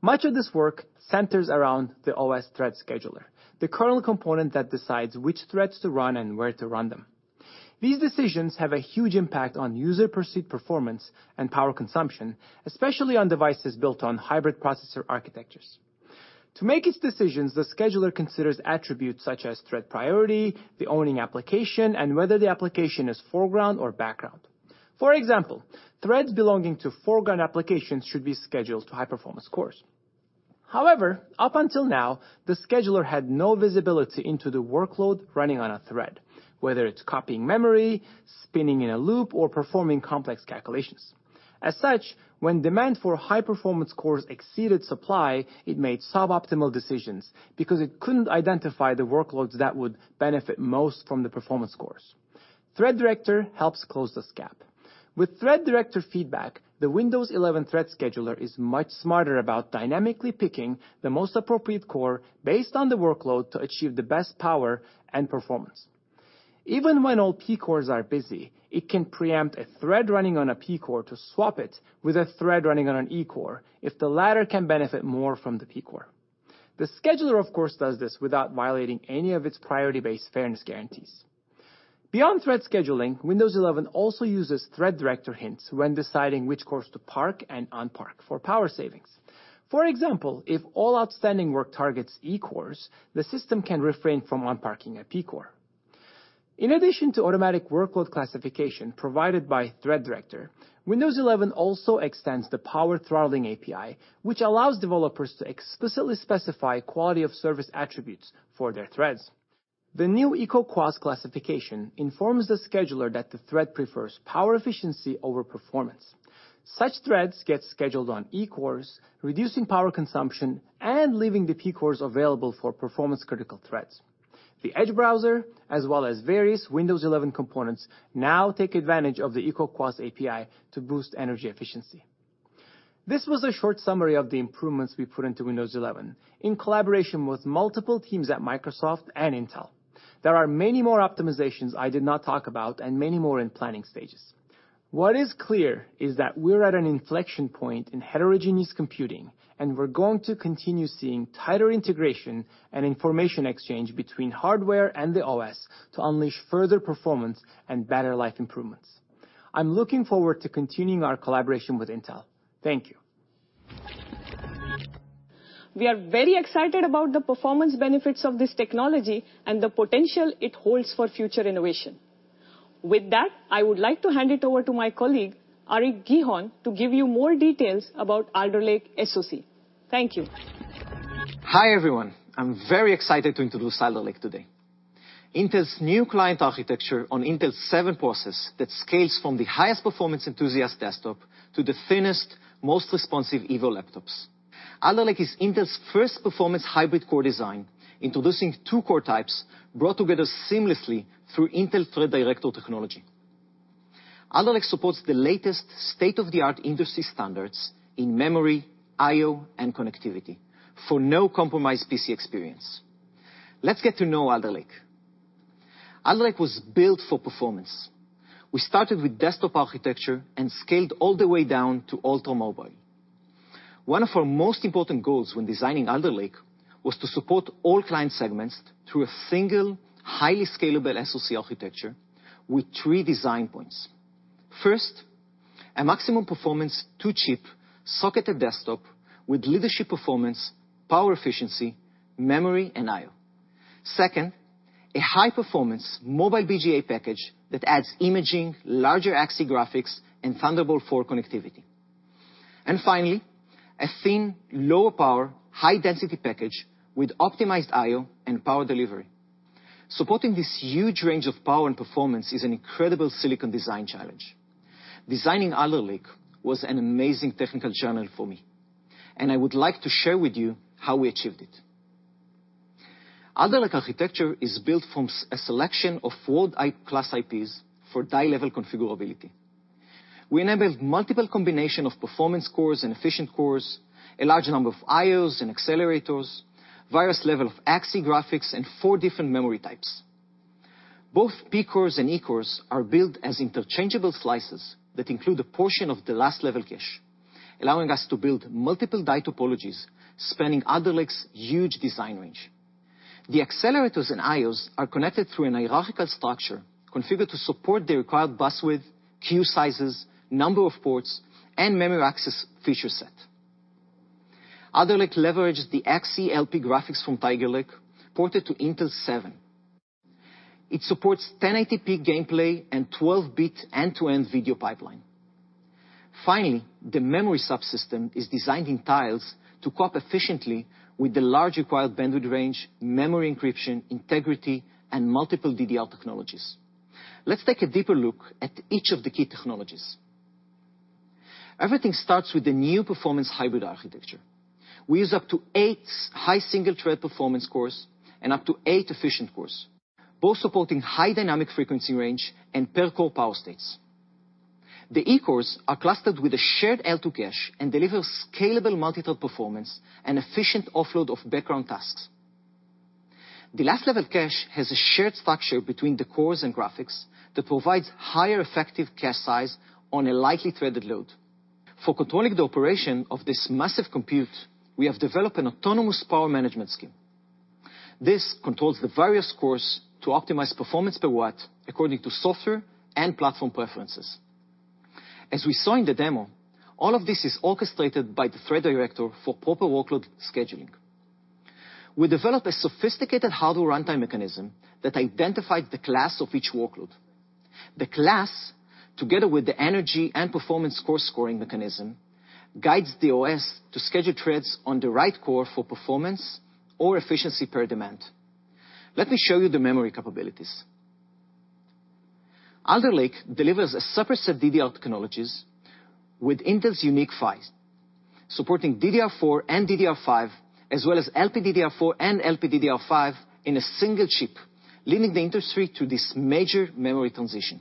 Much of this work centers around the OS thread scheduler, the kernel component that decides which threads to run and where to run them. These decisions have a huge impact on user perceived performance and power consumption, especially on devices built on hybrid processor architectures. To make its decisions, the scheduler considers attributes such as thread priority, the owning application, and whether the application is foreground or background. For example, threads belonging to foreground applications should be scheduled to high-performance cores. However, up until now, the scheduler had no visibility into the workload running on a thread, whether it's copying memory, spinning in a loop, or performing complex calculations. As such, when demand for high-performance cores exceeded supply, it made suboptimal decisions because it couldn't identify the workloads that would benefit most from the Performance-cores. Thread Director helps close this gap. With Thread Director feedback, the Windows 11 thread scheduler is much smarter about dynamically picking the most appropriate core based on the workload to achieve the best power and performance. Even when all P-cores are busy, it can preempt a thread running on a P-core to swap it with a thread running on an E-core if the latter can benefit more from the P-core. The scheduler, of course, does this without violating any of its priority-based fairness guarantees. Beyond thread scheduling, Windows 11 also uses Thread Director hints when deciding which cores to park and unpark for power savings. For example, if all outstanding work targets E-cores, the system can refrain from unparking a P-core. In addition to automatic workload classification provided by Thread Director, Windows 11 also extends the power throttling API, which allows developers to explicitly specify quality of service attributes for their threads. The new EcoQoS classification informs the scheduler that the thread prefers power efficiency over performance. Such threads get scheduled on E-cores, reducing power consumption and leaving the P-cores available for performance critical threads. The Edge browser, as well as various Windows 11 components, now take advantage of the EcoQoS API to boost energy efficiency. This was a short summary of the improvements we put into Windows 11 in collaboration with multiple teams at Microsoft and Intel. There are many more optimizations I did not talk about and many more in planning stages. What is clear is that we're at an inflection point in heterogeneous computing, and we're going to continue seeing tighter integration and information exchange between hardware and the OS to unleash further performance and better life improvements. I'm looking forward to continuing our collaboration with Intel. Thank you. We are very excited about the performance benefits of this technology and the potential it holds for future innovation. With that, I would like to hand it over to my colleague, Arik Gihon, to give you more details about Alder Lake SoC. Thank you. Hi, everyone. I'm very excited to introduce Alder Lake today, Intel's new client architecture on Intel 7 process that scales from the highest performance enthusiast desktop to the thinnest, most responsive Evo laptops. Alder Lake is Intel's first performance hybrid core design, introducing two core types brought together seamlessly through Intel Thread Director technology. Alder Lake supports the latest state-of-the-art industry standards in memory, I/O, and connectivity for no compromise PC experience. Let's get to know Alder Lake. Alder Lake was built for performance. We started with desktop architecture and scaled all the way down to ultra-mobile. One of our most important goals when designing Alder Lake was to support all client segments through a single, highly scalable SoC architecture with three design points. First, a maximum performance two chip socketed desktop with leadership performance, power efficiency, memory, and I/O. Second, a high performance mobile BGA package that adds imaging, larger Xe graphics, and Thunderbolt 4 connectivity. Finally, a thin, low power, high density package with optimized I/O and power delivery. Supporting this huge range of power and performance is an incredible silicon design challenge. Designing Alder Lake was an amazing technical journey for me, and I would like to share with you how we achieved it. Alder Lake architecture is built from a selection of world-class IPs for die-level configurability. We enable multiple combination of performance cores and efficient cores, a large number of I/Os and accelerators, various level of Xe graphics, and four different memory types. Both P-cores and E-cores are built as interchangeable slices that include a portion of the last level cache, allowing us to build multiple die topologies spanning Alder Lake's huge design range. The accelerators and I/Os are connected through a hierarchical structure configured to support the required bus width, queue sizes, number of ports, and memory access feature set. Alder Lake leverages the Xe-LP graphics from Tiger Lake ported to Intel 7. It supports 1080p gameplay and 12-bit end-to-end video pipeline. Finally, the memory subsystem is designed in tiles to cope efficiently with the large required bandwidth range, memory encryption, integrity, and multiple DDR technologies. Let's take a deeper look at each of the key technologies. Everything starts with the new performance hybrid architecture. We use up to eight high single-thread performance cores and up to eight efficient cores, both supporting high dynamic frequency range and per-core power states. The E-cores are clustered with a shared L2 cache and deliver scalable multi-thread performance and efficient offload of background tasks. The last-level cache has a shared structure between the cores and graphics that provides higher effective cache size on a lightly threaded load. For controlling the operation of this massive compute, we have developed an autonomous power management scheme. This controls the various cores to optimize performance per watt according to software and platform preferences. As we saw in the demo, all of this is orchestrated by the Thread Director for proper workload scheduling. We developed a sophisticated hardware runtime mechanism that identified the class of each workload. The class, together with the energy and performance core scoring mechanism, guides the OS to schedule threads on the right core for performance or efficiency per demand. Let me show you the memory capabilities. Alder Lake delivers a superset DDR technologies with Intel's unique PHYs, supporting DDR4 and DDR5 as well as LPDDR4 and LPDDR5 in a single chip, leading the industry through this major memory transition.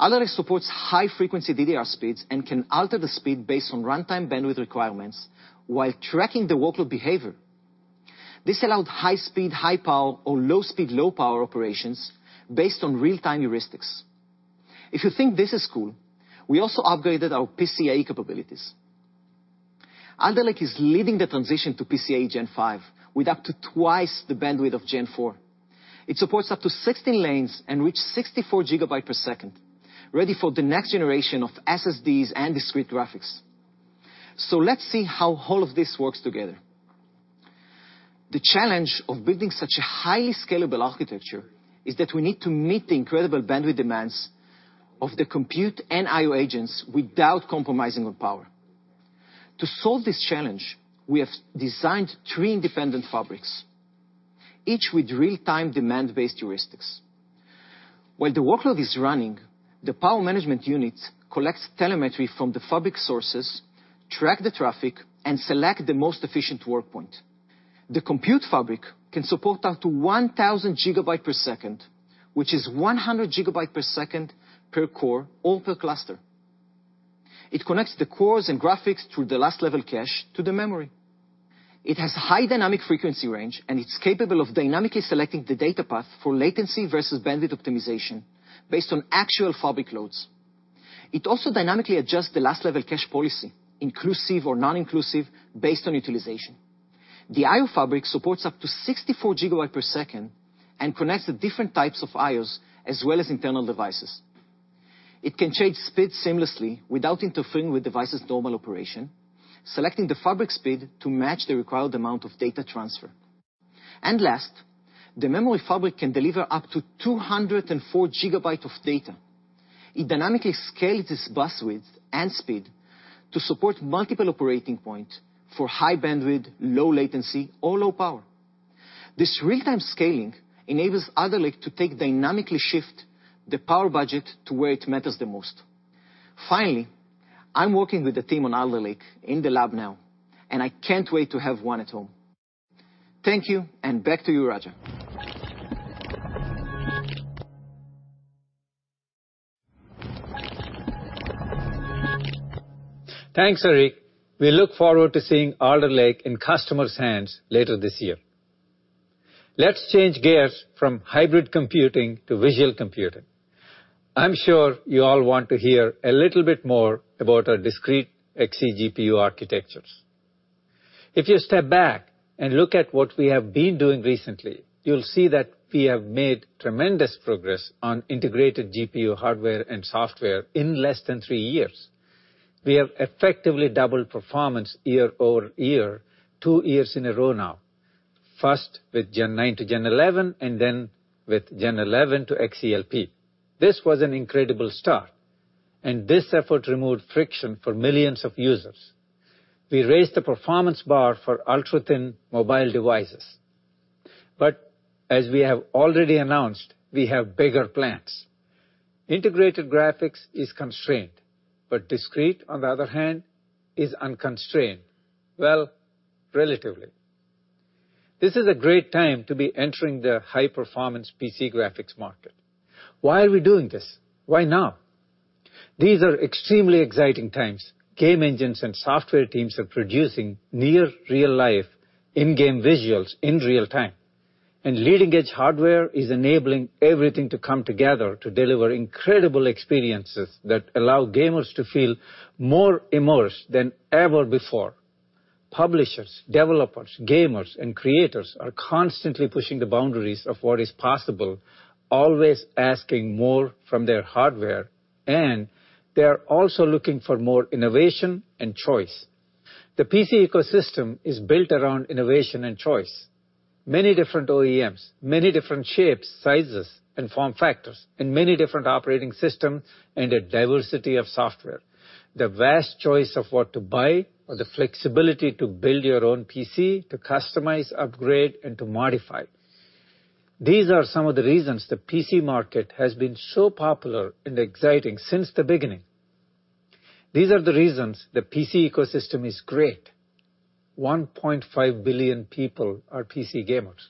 Alder Lake supports high-frequency DDR speeds and can alter the speed based on runtime bandwidth requirements while tracking the workload behavior. This allowed high speed / high power or low speed / low power operations based on real-time heuristics. If you think this is cool, we also upgraded our PCIe capabilities. Alder Lake is leading the transition to PCIe Gen 5, with up to twice the bandwidth of Gen 4. It supports up to 16 lanes and reach 64 GB per second, ready for the next generation of SSDs and discrete graphics. Let's see how all of this works together. The challenge of building such a highly scalable architecture is that we need to meet the incredible bandwidth demands of the compute and I/O agents without compromising on power. To solve this challenge, we have designed three independent fabrics, each with real-time, demand-based heuristics. While the workload is running, the power management unit collects telemetry from the fabric sources, track the traffic, and select the most efficient work point. The compute fabric can support up to 1,000 GB per second, which is 100 GB per second per core, or per cluster. It connects the cores and graphics through the last-level cache to the memory. It has high dynamic frequency range, and it's capable of dynamically selecting the data path for latency versus bandwidth optimization based on actual fabric loads. It also dynamically adjusts the last-level cache policy, inclusive or non-inclusive, based on utilization. The I/O fabric supports up to 64 GB per second and connects the different types of I/Os as well as internal devices. It can change speed seamlessly without interfering with device's normal operation, selecting the fabric speed to match the required amount of data transfer. Last, the memory fabric can deliver up to 204 GB of data. It dynamically scales its bus width and speed to support multiple operating point for high bandwidth, low latency, or low power. This real-time scaling enables Alder Lake to dynamically shift the power budget to where it matters the most. Finally, I'm working with the team on Alder Lake in the lab now, and I can't wait to have one at home. Thank you, and back to you, Raja. Thanks, Arik. We look forward to seeing Alder Lake in customers' hands later this year. Let's change gears from hybrid computing to visual computing. I'm sure you all want to hear a little bit more about our discrete Xe GPU architectures. If you step back and look at what we have been doing recently, you'll see that we have made tremendous progress on integrated GPU hardware and software in less than three years. We have effectively doubled performance year-over-year two years in a row now, first with Gen9 to Gen11, and then with Gen11 to Xe-LP. This was an incredible start, and this effort removed friction for millions of users. We raised the performance bar for ultra-thin mobile devices. As we have already announced, we have bigger plans. Integrated graphics is constrained, but discrete, on the other hand, is unconstrained. Well, relatively. This is a great time to be entering the high-performance PC graphics market. Why are we doing this? Why now? These are extremely exciting times. Game engines and software teams are producing near real-life in-game visuals in real time, and leading-edge hardware is enabling everything to come together to deliver incredible experiences that allow gamers to feel more immersed than ever before. Publishers, developers, gamers, and creators are constantly pushing the boundaries of what is possible, always asking more from their hardware, and they are also looking for more innovation and choice. The PC ecosystem is built around innovation and choice. Many different OEMs, many different shapes, sizes, and form factors, and many different operating systems, and a diversity of software. The vast choice of what to buy or the flexibility to build your own PC, to customize, upgrade, and to modify. These are some of the reasons the PC market has been so popular and exciting since the beginning. These are the reasons the PC ecosystem is great. 1.5 billion people are PC gamers.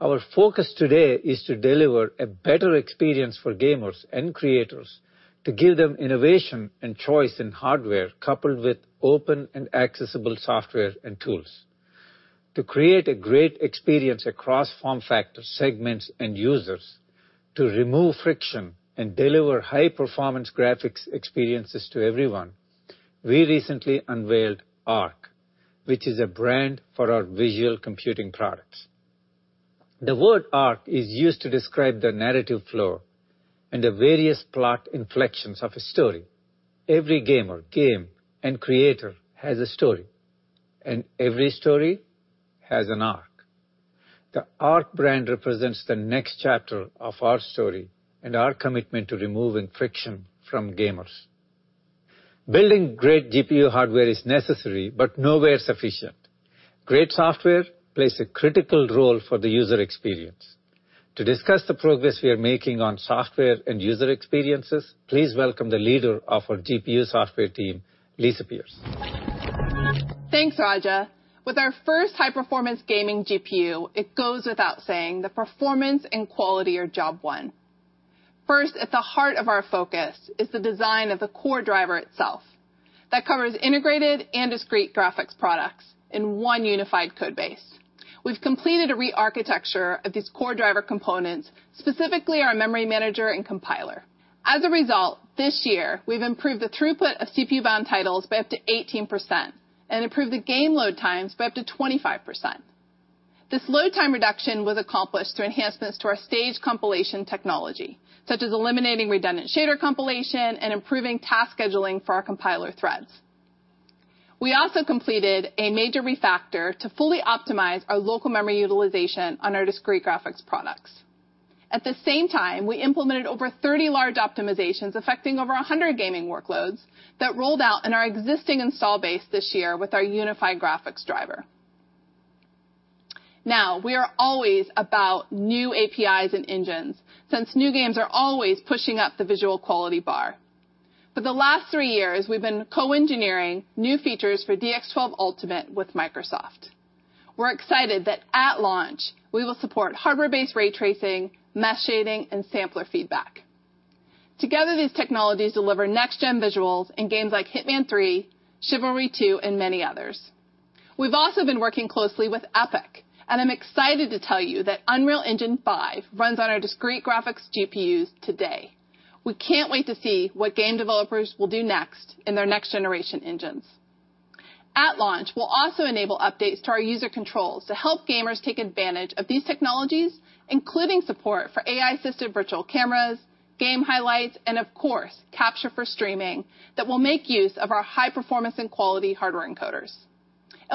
Our focus today is to deliver a better experience for gamers and creators, to give them innovation and choice in hardware, coupled with open and accessible software and tools. To create a great experience across form factor segments and users, to remove friction and deliver high-performance graphics experiences to everyone, we recently unveiled Arc, which is a brand for our visual computing products. The word arc is used to describe the narrative flow and the various plot inflections of a story. Every gamer, game, and creator has a story, and every story has an arc. The Arc brand represents the next chapter of our story and our commitment to removing friction from gamers. Building great GPU hardware is necessary but nowhere sufficient. Great software plays a critical role for the user experience. To discuss the progress we are making on software and user experiences, please welcome the leader of our GPU software team, Lisa Pearce. Thanks, Raja. With our first high-performance gaming GPU, it goes without saying that performance and quality are job one. At the heart of our focus is the design of the core driver itself. That covers integrated and discrete graphics products in one unified code base. We've completed a re-architecture of these core driver components, specifically our memory manager and compiler. As a result, this year, we've improved the throughput of CPU-bound titles by up to 18% and improved the game load times by up to 25%. This load time reduction was accomplished through enhancements to our stage compilation technology, such as eliminating redundant shader compilation and improving task scheduling for our compiler threads. We also completed a major refactor to fully optimize our local memory utilization on our discrete graphics products. At the same time, we implemented over 30 large optimizations affecting over 100 gaming workloads that rolled out in our existing install base this year with our unified graphics driver. Now, we are always about new APIs and engines since new games are always pushing up the visual quality bar. For the last three years, we've been co-engineering new features for DX12 Ultimate with Microsoft. We're excited that at launch, we will support hardware-based ray tracing, mesh shading, and sampler feedback. Together, these technologies deliver next-gen visuals in games like "Hitman 3," "Chivalry 2," and many others. We've also been working closely with Epic, and I'm excited to tell you that Unreal Engine 5 runs on our discrete graphics GPUs today. We can't wait to see what game developers will do next in their next-generation engines. At launch, we'll also enable updates to our user controls to help gamers take advantage of these technologies, including support for AI-assisted virtual cameras, game highlights, and of course, capture for streaming that will make use of our high performance and quality hardware encoders.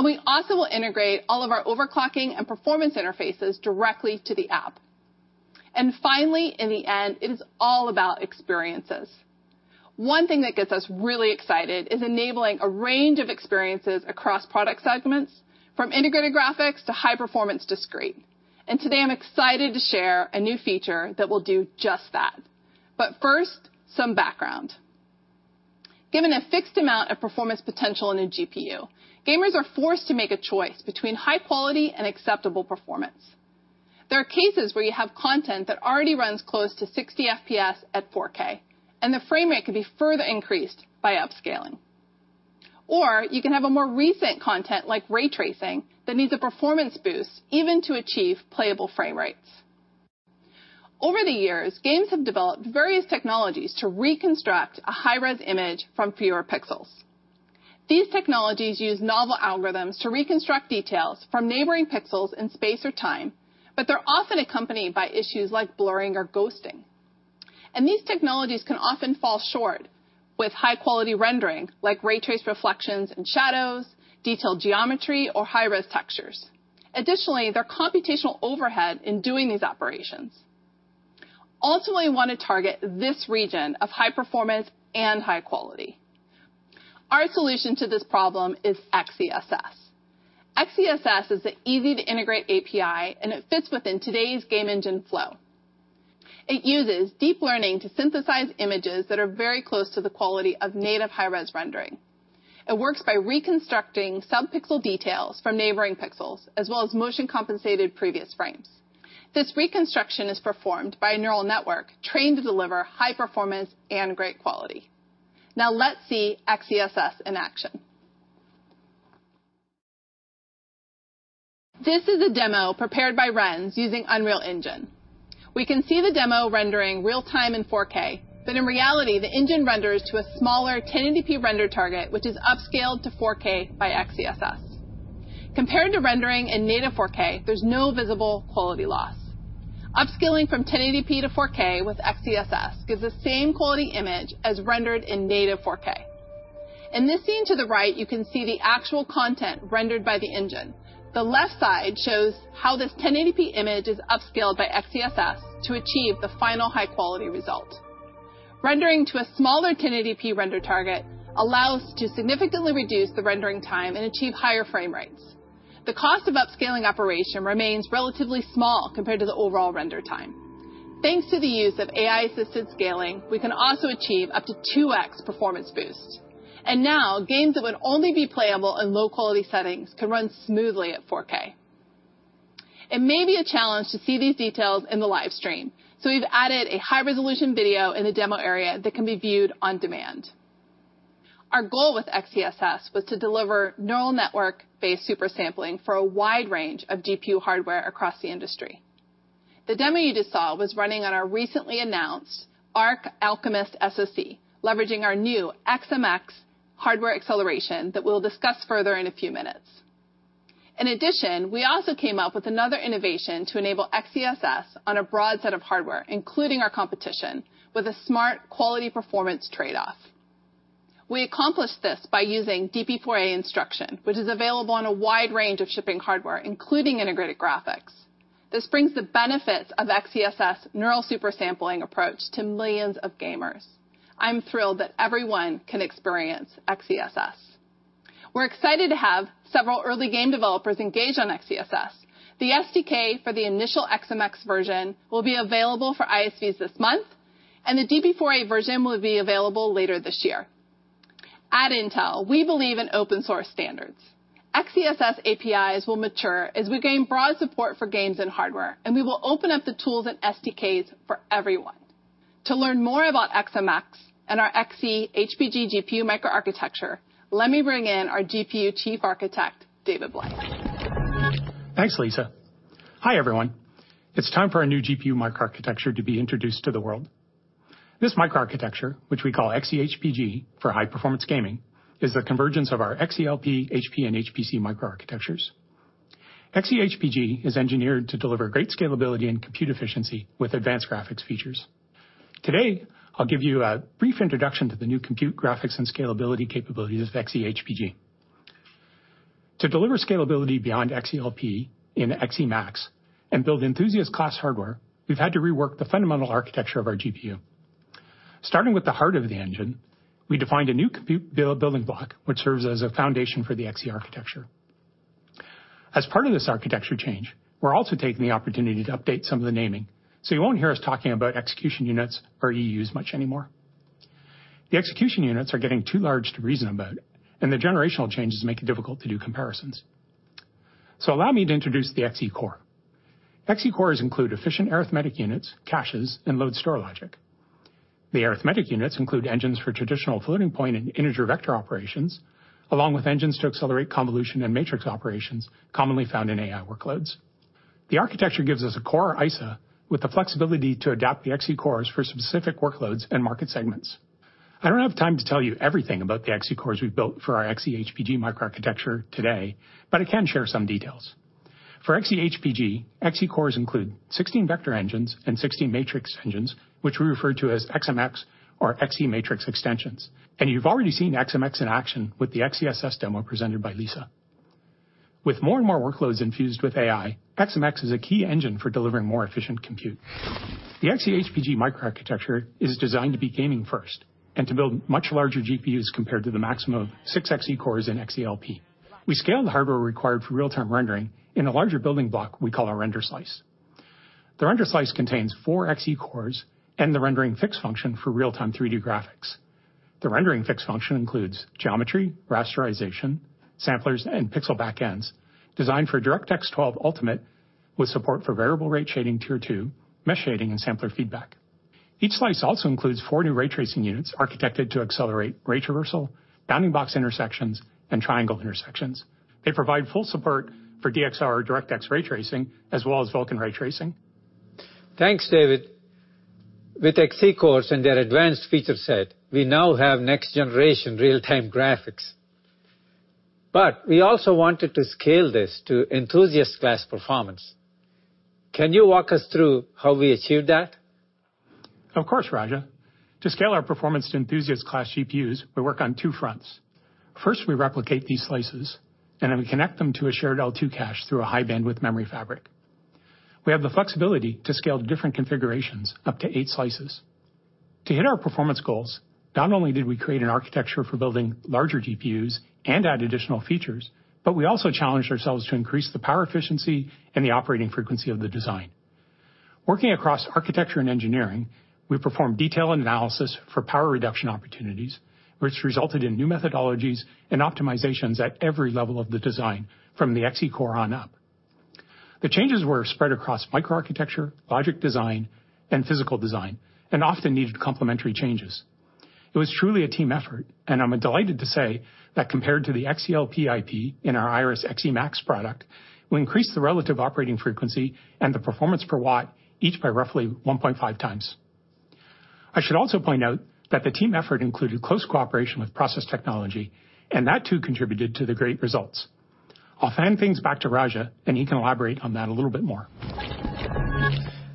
We also will integrate all of our overclocking and performance interfaces directly to the app. Finally, in the end, it is all about experiences. One thing that gets us really excited is enabling a range of experiences across product segments, from integrated graphics to high-performance discrete. Today, I'm excited to share a new feature that will do just that. First, some background. Given a fixed amount of performance potential in a GPU, gamers are forced to make a choice between high quality and acceptable performance. There are cases where you have content that already runs close to 60 FPS at 4K, and the frame rate can be further increased by upscaling. You can have a more recent content like ray tracing that needs a performance boost even to achieve playable frame rates. Over the years, games have developed various technologies to reconstruct a high-res image from fewer pixels. These technologies use novel algorithms to reconstruct details from neighboring pixels in space or time, but they're often accompanied by issues like blurring or ghosting. These technologies can often fall short with high-quality rendering, like ray trace reflections and shadows, detailed geometry, or high-res textures. Additionally, there are computational overhead in doing these operations. Ultimately, we want to target this region of high performance and high quality. Our solution to this problem is XeSS. XeSS is an easy-to-integrate API, and it fits within today's game engine flow. It uses deep learning to synthesize images that are very close to the quality of native high-res rendering. It works by reconstructing sub-pixel details from neighboring pixels, as well as motion-compensated previous frames. This reconstruction is performed by a neural network trained to deliver high performance and great quality. Now let's see XeSS in action. This is a demo prepared by Rens using Unreal Engine. We can see the demo rendering real-time in 4K, but in reality, the engine renders to a smaller 1080p render target, which is upscaled to 4K by XeSS. Compared to rendering in native 4K, there's no visible quality loss. Upscaling from 1080p to 4K with XeSS gives the same quality image as rendered in native 4K. In this scene to the right, you can see the actual content rendered by the engine. The left side shows how this 1080p image is upscaled by XeSS to achieve the final high-quality result. Rendering to a smaller 1080p render target allows to significantly reduce the rendering time and achieve higher frame rates. The cost of upscaling operation remains relatively small compared to the overall render time. Thanks to the use of AI-assisted scaling, we can also achieve up to 2X performance boost. Now, games that would only be playable in low-quality settings can run smoothly at 4K. It may be a challenge to see these details in the live stream, so we've added a high-resolution video in the demo area that can be viewed on demand. Our goal with XeSS was to deliver neural network-based super sampling for a wide range of GPU hardware across the industry. The demo you just saw was running on our recently announced Arc Alchemist SoC, leveraging our new XMX hardware acceleration that we will discuss further in a few minutes. In addition, we also came up with another innovation to enable XeSS on a broad set of hardware, including our competition, with a smart quality-performance trade-off. We accomplished this by using DP4a instruction, which is available on a wide range of shipping hardware, including integrated graphics. This brings the benefits of XeSS neural super sampling approach to millions of gamers. I am thrilled that everyone can experience XeSS. We are excited to have several early game developers engage on XeSS. The SDK for the initial XMX version will be available for ISVs this month, and the DP4a version will be available later this year. At Intel, we believe in open-source standards. XeSS APIs will mature as we gain broad support for games and hardware, and we will open up the tools and SDKs for everyone. To learn more about XMX and our Xe-HPG GPU microarchitecture, let me bring in our GPU Chief Architect, David Blythe. Thanks, Lisa. Hi, everyone. It's time for our new GPU microarchitecture to be introduced to the world. This microarchitecture, which we call Xe-HPG for high-performance gaming, is the convergence of our Xe-LP, HP, and HPC microarchitectures. Xe-HPG is engineered to deliver great scalability and compute efficiency with advanced graphics features. Today, I'll give you a brief introduction to the new compute graphics and scalability capabilities of Xe-HPG. To deliver scalability beyond Xe-LP in Xe MAX and build enthusiast class hardware, we've had to rework the fundamental architecture of our GPU. Starting with the heart of the engine, we defined a new compute building block, which serves as a foundation for the Xe architecture. As part of this architecture change, we're also taking the opportunity to update some of the naming, so you won't hear us talking about execution units or EUs much anymore. The execution units are getting too large to reason about, and the generational changes make it difficult to do comparisons. Allow me to introduce the Xe Core. Xe Cores include efficient arithmetic units, caches, and load store logic. The arithmetic units include engines for traditional floating point and integer vector operations, along with engines to accelerate convolution and matrix operations commonly found in AI workloads. The architecture gives us a core ISA with the flexibility to adapt the Xe Cores for specific workloads and market segments. I don't have time to tell you everything about the Xe Cores we've built for our Xe-HPG microarchitecture today, but I can share some details. For Xe-HPG, Xe Cores include 16 vector engines and 16 matrix engines, which we refer to as XMX or Xe Matrix Extensions. You've already seen XMX in action with the XeSS demo presented by Lisa. With more and more workloads infused with AI, XMX is a key engine for delivering more efficient compute. The Xe-HPG microarchitecture is designed to be gaming first and to build much larger GPUs compared to the maximum of six Xe-cores in Xe-LP. We scaled the hardware required for real-time rendering in a larger building block we call our render slice. The render slice contains four Xe-cores and the rendering fixed function for real-time 3D graphics. The rendering fixed function includes geometry, rasterization, samplers, and pixel backends. Designed for DirectX 12 Ultimate with support for variable rate shading tier two, mesh shading, and sampler feedback. Each slice also includes four new ray tracing units architected to accelerate ray traversal, bounding box intersections, and triangle intersections. They provide full support for DXR or DirectX ray tracing, as well as Vulkan ray tracing. Thanks, David. With Xe-cores and their advanced feature set, we now have next-generation real-time graphics. We also wanted to scale this to enthusiast class performance. Can you walk us through how we achieved that? Of course, Raja. To scale our performance to enthusiast class GPUs, we work on two fronts. First, we replicate these slices, and then we connect them to a shared L2 cache through a high-bandwidth memory fabric. We have the flexibility to scale different configurations up to eight slices. To hit our performance goals, not only did we create an architecture for building larger GPUs and add additional features, but we also challenged ourselves to increase the power efficiency and the operating frequency of the design. Working across architecture and engineering, we performed detailed analysis for power reduction opportunities, which resulted in new methodologies and optimizations at every level of the design from the Xe-core on up. The changes were spread across microarchitecture, logic design, and physical design, and often needed complementary changes. It was truly a team effort, and I'm delighted to say that compared to the Xe-LP IP in our Iris Xe MAX product, we increased the relative operating frequency and the performance per watt each by roughly 1.5 times. I should also point out that the team effort included close cooperation with process technology, and that too contributed to the great results. I'll hand things back to Raja, and he can elaborate on that a little bit more.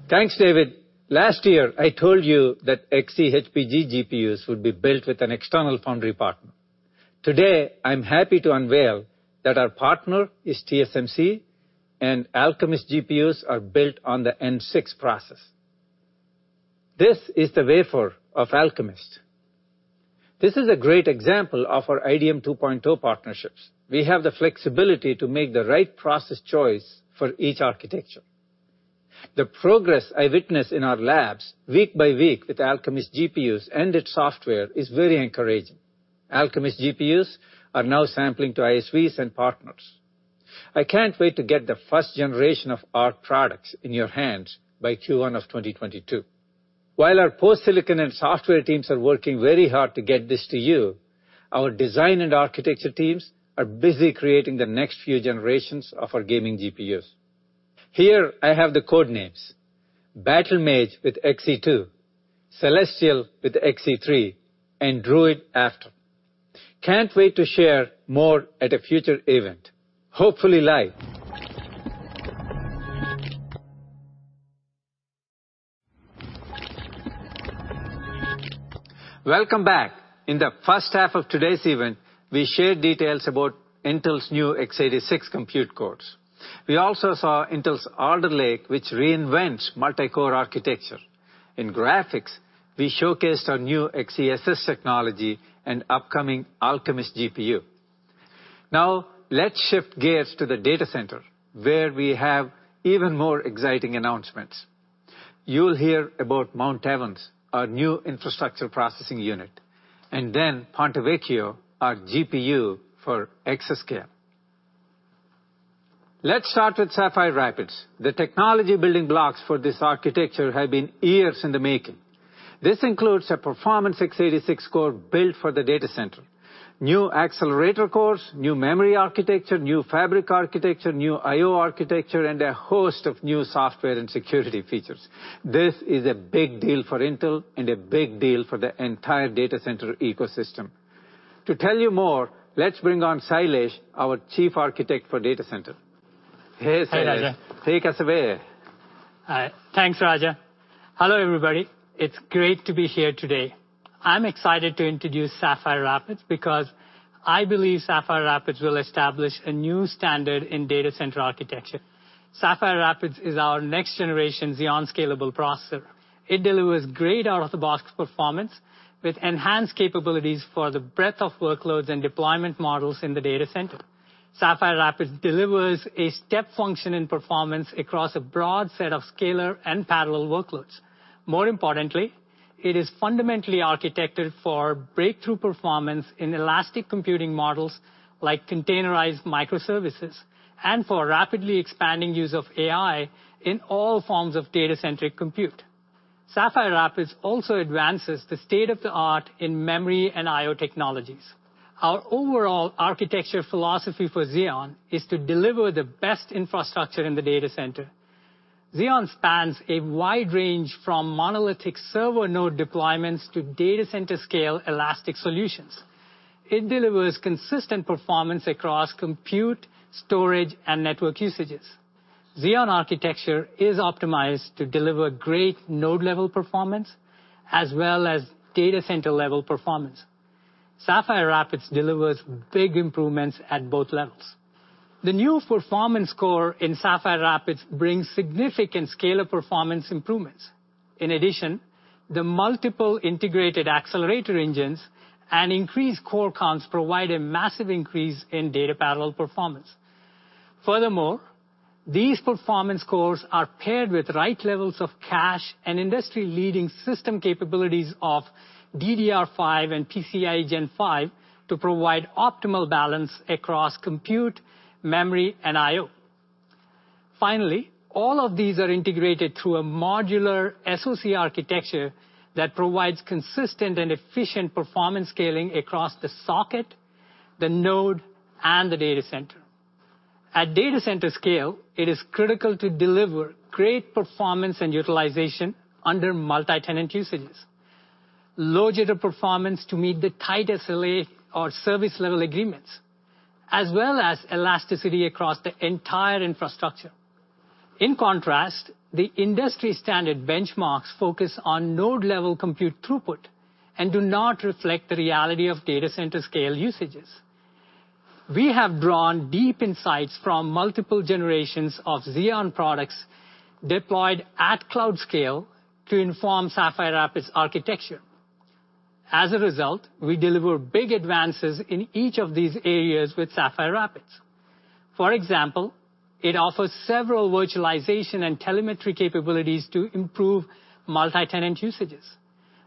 Thanks, David. Last year, I told you that Xe-HPG GPUs would be built with an external foundry partner. I'm happy to unveil that our partner is TSMC and Alchemist GPUs are built on the N6 process. This is the wafer of Alchemist. This is a great example of our IDM 2.0 partnerships. We have the flexibility to make the right process choice for each architecture. The progress I witness in our labs week by week with Alchemist GPUs and its software is very encouraging. Alchemist GPUs are now sampling to ISVs and partners. I can't wait to get the first generation of our products in your hands by Q1 of 2022. While our post-silicon and software teams are working very hard to get this to you, our design and architecture teams are busy creating the next few generations of our gaming GPUs. Here, I have the codenames, Battlemage with Xe2, Celestial with Xe3, and Druid after. Can't wait to share more at a future event, hopefully live. Welcome back. In the first half of today's event, we shared details about Intel's new x86 compute cores. We also saw Intel's Alder Lake, which reinvents multi-core architecture. In graphics, we showcased our new XeSS technology and upcoming Alchemist GPU. Let's shift gears to the data center, where we have even more exciting announcements. You'll hear about Mount Evans, our new infrastructure processing unit, and then Ponte Vecchio, our GPU for exascale. Let's start with Sapphire Rapids. The technology building blocks for this architecture have been years in the making. This includes a performance x86 core built for the data center, new accelerator cores, new memory architecture, new fabric architecture, new I/O architecture, and a host of new software and security features. This is a big deal for Intel and a big deal for the entire data center ecosystem. To tell you more, let's bring on Sailesh, our Chief Architect for Data Center. Hey, Sailesh. Hey, Raja. Take us away. Hi. Thanks, Raja. Hello, everybody. It's great to be here today. I'm excited to introduce Sapphire Rapids because I believe Sapphire Rapids will establish a new standard in data center architecture. Sapphire Rapids is our next-generation Xeon scalable processor. It delivers great out-of-the-box performance with enhanced capabilities for the breadth of workloads and deployment models in the data center. Sapphire Rapids delivers a step function in performance across a broad set of scalar and parallel workloads. More importantly, it is fundamentally architected for breakthrough performance in elastic computing models like containerized microservices, and for rapidly expanding use of AI in all forms of data-centric compute. Sapphire Rapids also advances the state of the art in memory and I/O technologies. Our overall architecture philosophy for Xeon is to deliver the best infrastructure in the data center. Xeon spans a wide range from monolithic server node deployments to data center scale elastic solutions. It delivers consistent performance across compute, storage, and network usages. Xeon architecture is optimized to deliver great node-level performance, as well as data center-level performance. Sapphire Rapids delivers big improvements at both levels. The new Performance Core in Sapphire Rapids brings significant scalar performance improvements. In addition, the multiple integrated accelerator engines and increased core counts provide a massive increase in data parallel performance. Furthermore, these Performance Cores are paired with the right levels of cache and industry-leading system capabilities of DDR5 and PCIe Gen 5 to provide optimal balance across compute, memory, and I/O. Finally, all of these are integrated through a modular SoC architecture that provides consistent and efficient performance scaling across the socket, the node, and the data center. At data center scale, it is critical to deliver great performance and utilization under multi-tenant usages, low jitter performance to meet the tight SLA or service level agreements, as well as elasticity across the entire infrastructure. In contrast, the industry standard benchmarks focus on node-level compute throughput and do not reflect the reality of data center scale usages. We have drawn deep insights from multiple generations of Xeon products deployed at cloud scale to inform Sapphire Rapids architecture. As a result, we deliver big advances in each of these areas with Sapphire Rapids. For example, it offers several virtualization and telemetry capabilities to improve multi-tenant usages.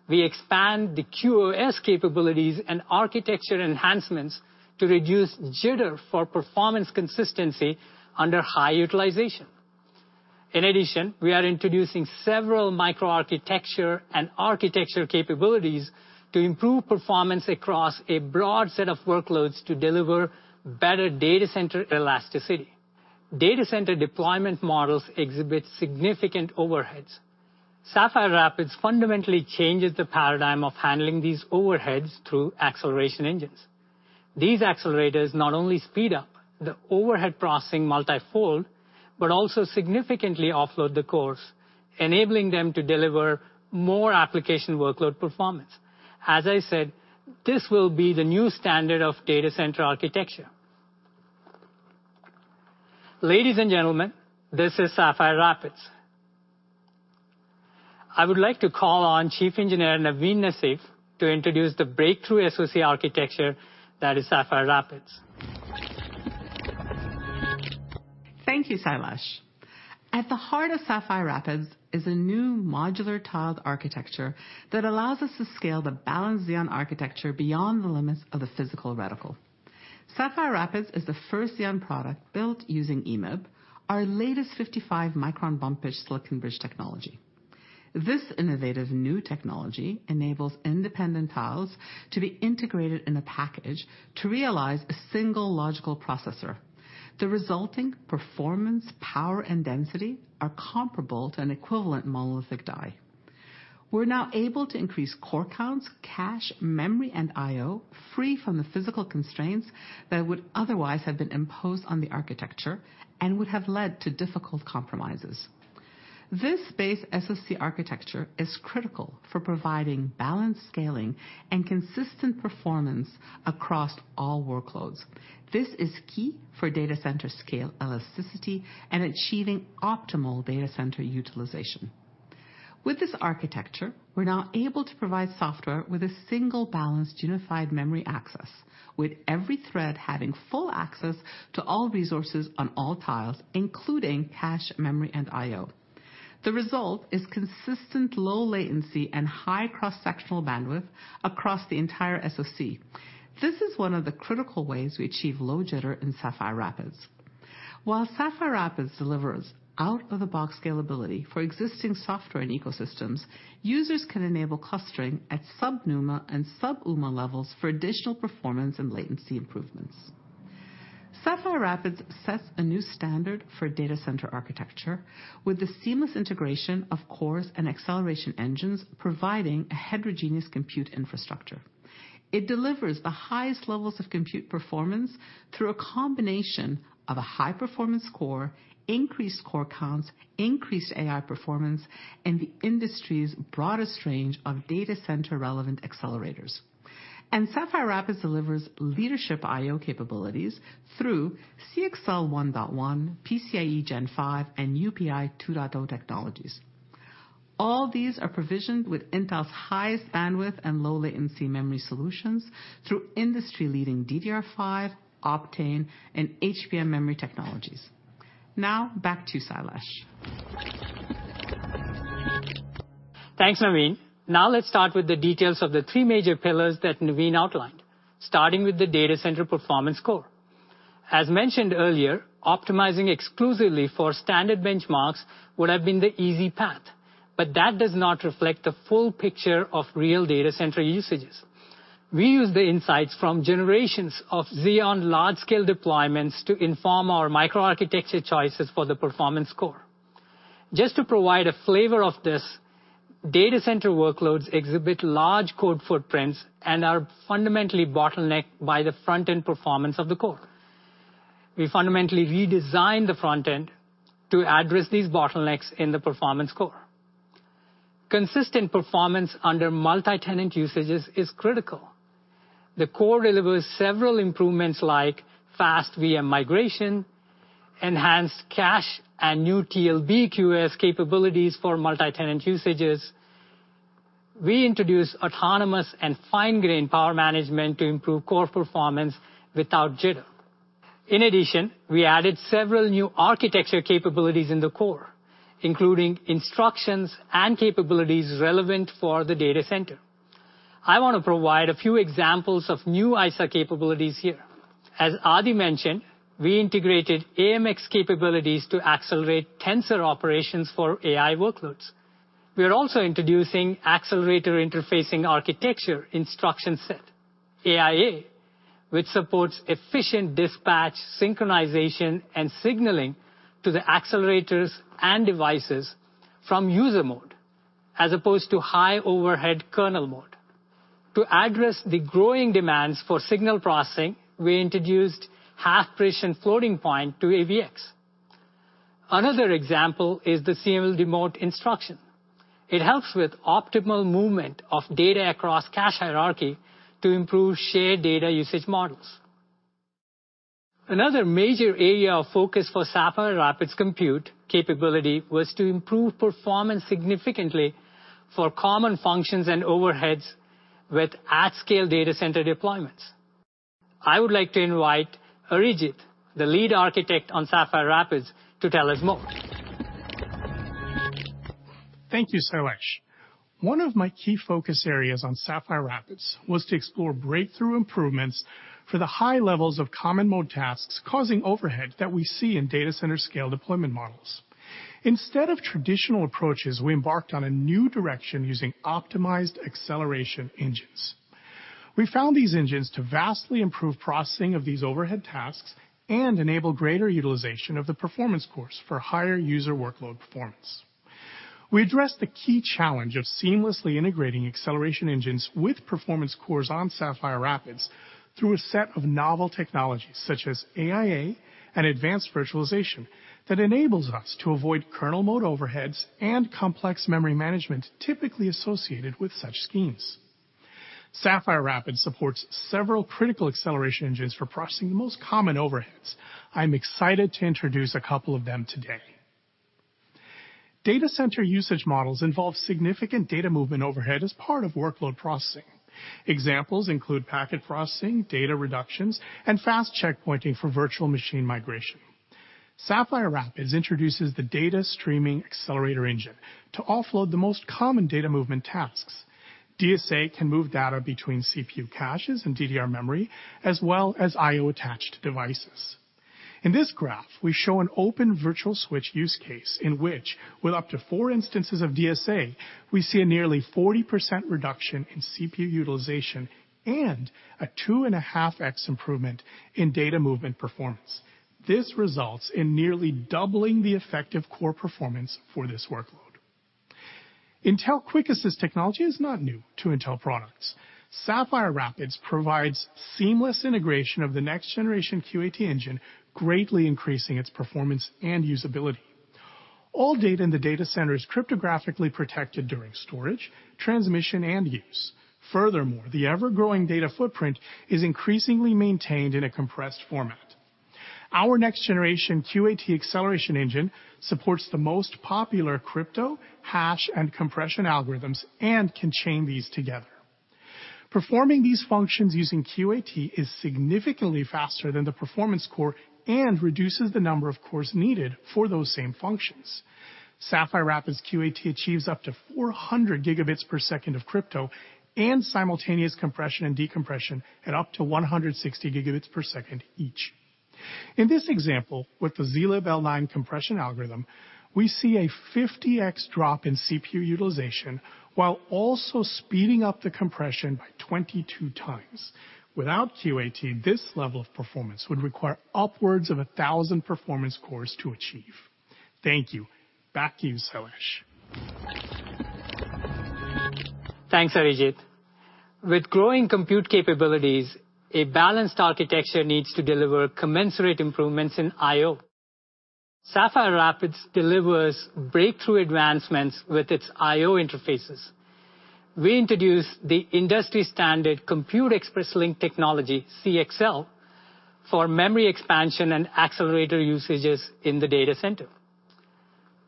We expand the QoS capabilities and architecture enhancements to reduce jitter for performance consistency under high utilization. In addition, we are introducing several microarchitecture and architecture capabilities to improve performance across a broad set of workloads to deliver better data center elasticity. Data center deployment models exhibit significant overheads. Sapphire Rapids fundamentally changes the paradigm of handling these overheads through acceleration engines. These accelerators not only speed up the overhead processing multifold, but also significantly offload the cores, enabling them to deliver more application workload performance. As I said, this will be the new standard of data center architecture. Ladies and gentlemen, this is Sapphire Rapids. I would like to call on Chief Engineer Nevine Nassif to introduce the breakthrough SoC architecture that is Sapphire Rapids. Thank you, Sailesh. At the heart of Sapphire Rapids is a new modular tiled architecture that allows us to scale the balanced Xeon architecture beyond the limits of the physical reticle. Sapphire Rapids is the first Xeon product built using EMIB, our latest 55-micron bump pitch silicon bridge technology. This innovative new technology enables independent tiles to be integrated in a package to realize a single logical processor. The resulting performance, power, and density are comparable to an equivalent monolithic die. We're now able to increase core counts, cache, memory, and IO, free from the physical constraints that would otherwise have been imposed on the architecture and would have led to difficult compromises. This base SoC architecture is critical for providing balanced scaling and consistent performance across all workloads. This is key for data center scale elasticity and achieving optimal data center utilization. With this architecture, we're now able to provide software with a single balanced unified memory access, with every thread having full access to all resources on all tiles, including cache, memory, and IO. The result is consistent low latency and high cross-sectional bandwidth across the entire SoC. This is one of the critical ways we achieve low jitter in Sapphire Rapids. While Sapphire Rapids delivers out-of-the-box scalability for existing software and ecosystems, users can enable clustering at sub-NUMA and sub-UMA levels for additional performance and latency improvements. Sapphire Rapids sets a new standard for data center architecture with the seamless integration of cores and acceleration engines providing a heterogeneous compute infrastructure. It delivers the highest levels of compute performance through a combination of a high-performance core, increased core counts, increased AI performance, and the industry's broadest range of data center-relevant accelerators. Sapphire Rapids delivers leadership IO capabilities through CXL 1.1, PCIe Gen5, and UPI 2.0 technologies. All these are provisioned with Intel's highest bandwidth and low latency memory solutions through industry-leading DDR5, Optane, and HBM memory technologies. Now back to Sailesh. Thanks, Nevine. Let's start with the details of the three major pillars that Nevine outlined, starting with the data center performance core. As mentioned earlier, optimizing exclusively for standard benchmarks would have been the easy path, but that does not reflect the full picture of real data center usages. We use the insights from generations of Xeon large-scale deployments to inform our microarchitecture choices for the performance core. Just to provide a flavor of this, data center workloads exhibit large code footprints and are fundamentally bottlenecked by the front-end performance of the core. We fundamentally redesigned the front end to address these bottlenecks in the performance core. Consistent performance under multi-tenant usages is critical. The core delivers several improvements like fast VM migration, enhanced cache, and new TLB QoS capabilities for multi-tenant usages. We introduced autonomous and fine-grained power management to improve core performance without jitter. In addition, we added several new architecture capabilities in the core, including instructions and capabilities relevant for the data center. I want to provide a few examples of new ISA capabilities here. As Adi mentioned, we integrated AMX capabilities to accelerate tensor operations for AI workloads. We are also introducing Accelerator Interfacing Architecture instruction set, AIA, which supports efficient dispatch, synchronization, and signaling to the accelerators and devices from user mode, as opposed to high-overhead kernel mode. To address the growing demands for signal processing, we introduced half-precision floating point to AVX. Another example is the CLDEMOTE instruction. It helps with optimal movement of data across cache hierarchy to improve shared data usage models. Another major area of focus for Sapphire Rapids compute capability was to improve performance significantly for common functions and overheads with at-scale data center deployments. I would like to invite Arijit, the lead architect on Sapphire Rapids, to tell us more. Thank you, Sailesh. One of my key focus areas on Sapphire Rapids was to explore breakthrough improvements for the high levels of common mode tasks causing overhead that we see in data center scale deployment models. Instead of traditional approaches, we embarked on a new direction using optimized acceleration engines. We found these engines to vastly improve processing of these overhead tasks and enable greater utilization of the performance cores for higher user workload performance. We addressed the key challenge of seamlessly integrating acceleration engines with performance cores on Sapphire Rapids through a set of novel technologies such as AIA and advanced virtualization that enables us to avoid kernel mode overheads and complex memory management typically associated with such schemes. Sapphire Rapids supports several critical acceleration engines for processing the most common overheads. I'm excited to introduce a couple of them today. Data center usage models involve significant data movement overhead as part of workload processing. Examples include packet processing, data reductions, and fast checkpointing for virtual machine migration. Sapphire Rapids introduces the data streaming accelerator engine to offload the most common data movement tasks. DSA can move data between CPU caches and DDR memory, as well as I/O attached devices. In this graph, we show an open virtual switch use case in which with up to 4 instances of DSA, we see a nearly 40% reduction in CPU utilization and a 2.5x improvement in data movement performance. This results in nearly doubling the effective core performance for this workload. Intel QuickAssist Technology is not new to Intel products. Sapphire Rapids provides seamless integration of the next generation QAT engine, greatly increasing its performance and usability. All data in the data center is cryptographically protected during storage, transmission, and use. The ever-growing data footprint is increasingly maintained in a compressed format. Our next generation QAT acceleration engine supports the most popular crypto, hash, and compression algorithms and can chain these together. Performing these functions using QAT is significantly faster than the performance core and reduces the number of cores needed for those same functions. Sapphire Rapids QAT achieves up to 400 Gbps of crypto and simultaneous compression and decompression at up to 160 Gbps each. In this example, with the zlib L9 compression algorithm, we see a 50x drop in CPU utilization while also speeding up the compression by 22 times. Without QAT, this level of performance would require upwards of 1,000 performance cores to achieve. Thank you. Back to you, Sailesh. Thanks, Arijit. With growing compute capabilities, a balanced architecture needs to deliver commensurate improvements in I/O. Sapphire Rapids delivers breakthrough advancements with its I/O interfaces. We introduce the industry standard Compute Express Link technology, CXL, for memory expansion and accelerator usages in the data center.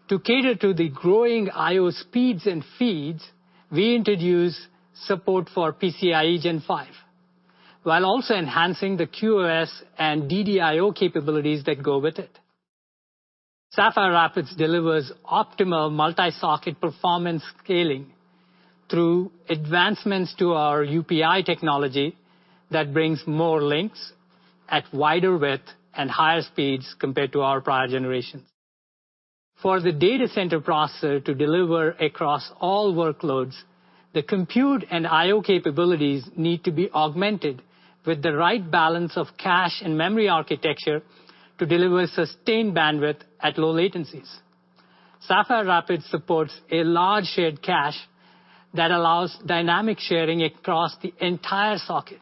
To cater to the growing I/O speeds and feeds, we introduce support for PCIe Gen 5, while also enhancing the QoS and DDIO capabilities that go with it. Sapphire Rapids delivers optimal multi-socket performance scaling through advancements to our UPI technology that brings more links at wider width and higher speeds compared to our prior generations. For the data center processor to deliver across all workloads, the compute and I/O capabilities need to be augmented with the right balance of cache and memory architecture to deliver sustained bandwidth at low latencies. Sapphire Rapids supports a large shared cache that allows dynamic sharing across the entire socket.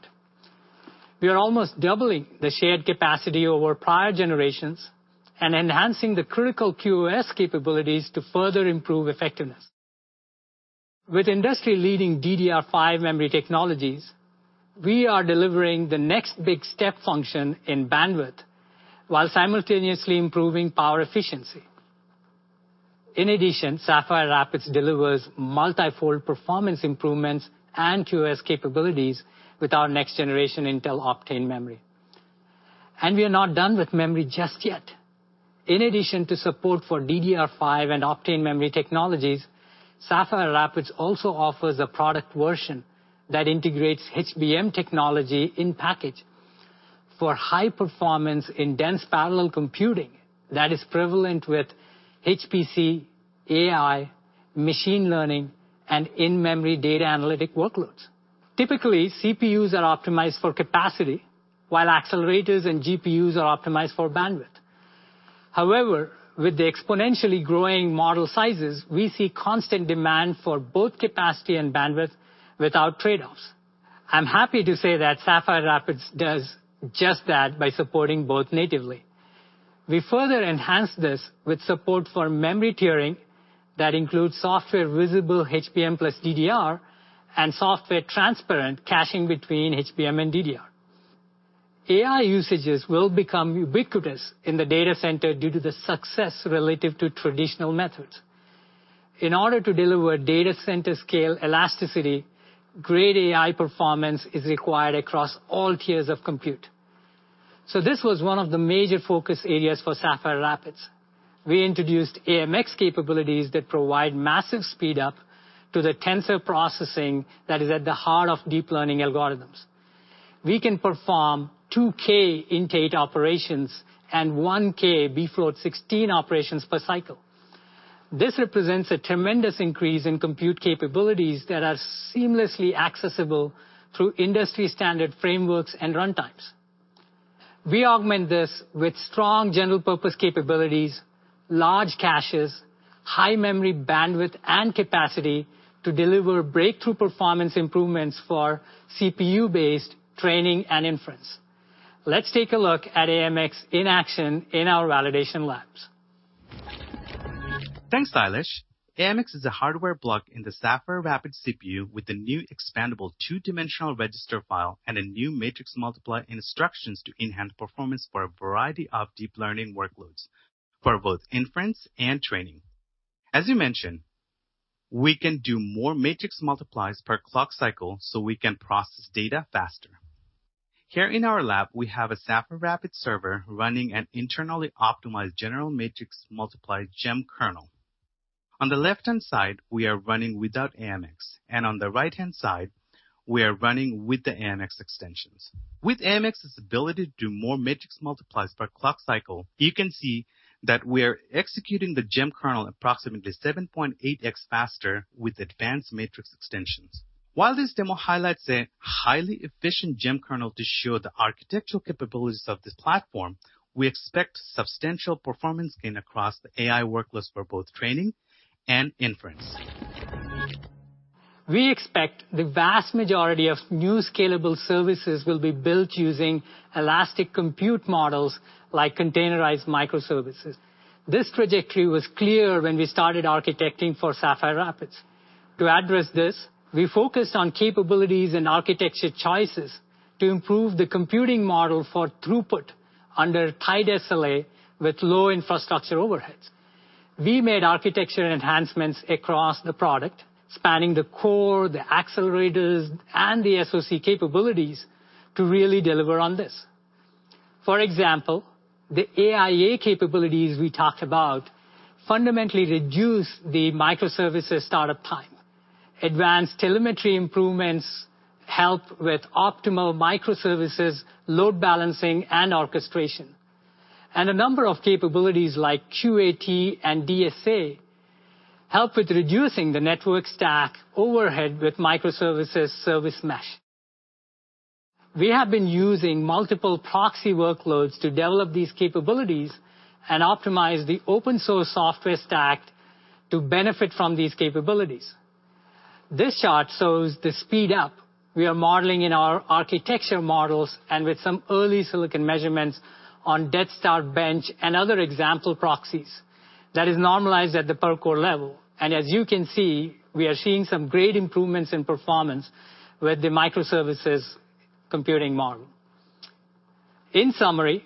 We are almost doubling the shared capacity over prior generations and enhancing the critical QoS capabilities to further improve effectiveness. With industry-leading DDR5 memory technologies, we are delivering the next big step function in bandwidth while simultaneously improving power efficiency. In addition, Sapphire Rapids delivers multifold performance improvements and QoS capabilities with our next generation Intel Optane memory. We are not done with memory just yet. In addition to support for DDR5 and Optane memory technologies, Sapphire Rapids also offers a product version that integrates HBM technology in package for high performance in dense parallel computing that is prevalent with HPC, AI, machine learning, and in-memory data analytic workloads. Typically, CPUs are optimized for capacity, while accelerators and GPUs are optimized for bandwidth. However, with the exponentially growing model sizes, we see constant demand for both capacity and bandwidth without trade-offs. I'm happy to say that Sapphire Rapids does just that by supporting both natively. We further enhance this with support for memory tiering that includes software visible HBM plus DDR and software transparent caching between HBM and DDR. AI usages will become ubiquitous in the data center due to the success relative to traditional methods. In order to deliver data center scale elasticity, great AI performance is required across all tiers of compute. This was one of the major focus areas for Sapphire Rapids. We introduced AMX capabilities that provide massive speed up to the tensor processing that is at the heart of deep learning algorithms. We can perform 2K INT8 operations and 1K bfloat16 operations per cycle. This represents a tremendous increase in compute capabilities that are seamlessly accessible through industry standard frameworks and runtimes. We augment this with strong general purpose capabilities, large caches, high memory bandwidth, and capacity to deliver breakthrough performance improvements for CPU-based training and inference. Let's take a look at AMX in action in our validation labs. Thanks, Sailesh. AMX is a hardware block in the Sapphire Rapids CPU with a new expandable two-dimensional register file and a new matrix multiplier instructions to enhance performance for a variety of deep learning workloads for both inference and training. As you mentioned, we can do more matrix multiplies per clock cycle so we can process data faster. Here in our lab, we have a Sapphire Rapids server running an internally optimized general matrix multiplier GEMM kernel. On the left-hand side, we are running without AMX, and on the right-hand side, we are running with the AMX extensions. With AMX's ability to do more matrix multiplies per clock cycle, you can see that we are executing the GEMM kernel approximately 7.8x faster with advanced matrix extensions. While this demo highlights a highly efficient GEMM kernel to show the architectural capabilities of this platform, we expect substantial performance gain across the AI workloads for both training and inference. We expect the vast majority of new scalable services will be built using elastic compute models like containerized microservices. This trajectory was clear when we started architecting for Sapphire Rapids. To address this, we focused on capabilities and architecture choices to improve the computing model for throughput under tight SLA with low infrastructure overheads. We made architecture enhancements across the product, spanning the core, the accelerators, and the SoC capabilities to really deliver on this. For example, the AIA capabilities we talked about fundamentally reduce the microservices startup time. Advanced telemetry improvements help with optimal microservices load balancing and orchestration. A number of capabilities like QAT and DSA help with reducing the network stack overhead with microservices service mesh. We have been using multiple proxy workloads to develop these capabilities and optimize the open source software stack to benefit from these capabilities. This chart shows the speed up we are modeling in our architecture models and with some early silicon measurements on DeathStarBench and other example proxies that is normalized at the per core level. As you can see, we are seeing some great improvements in performance with the microservices computing model. In summary,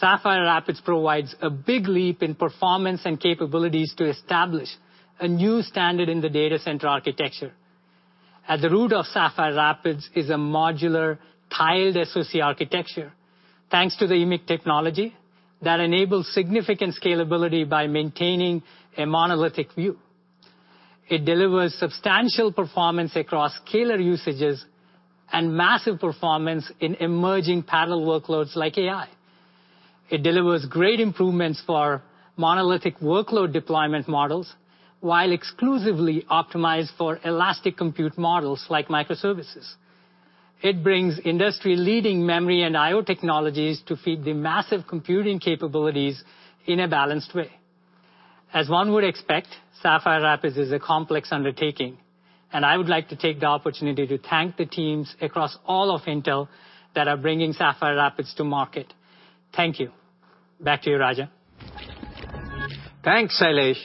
Sapphire Rapids provides a big leap in performance and capabilities to establish a new standard in the data center architecture. At the root of Sapphire Rapids is a modular tiled SoC architecture, thanks to the EMIB technology that enables significant scalability by maintaining a monolithic view. It delivers substantial performance across scalar usages and massive performance in emerging parallel workloads like AI. It delivers great improvements for monolithic workload deployment models, while exclusively optimized for elastic compute models like microservices. It brings industry-leading memory and I/O technologies to feed the massive computing capabilities in a balanced way. As one would expect, Sapphire Rapids is a complex undertaking, and I would like to take the opportunity to thank the teams across all of Intel that are bringing Sapphire Rapids to market. Thank you. Back to you, Raja. Thanks, Sailesh.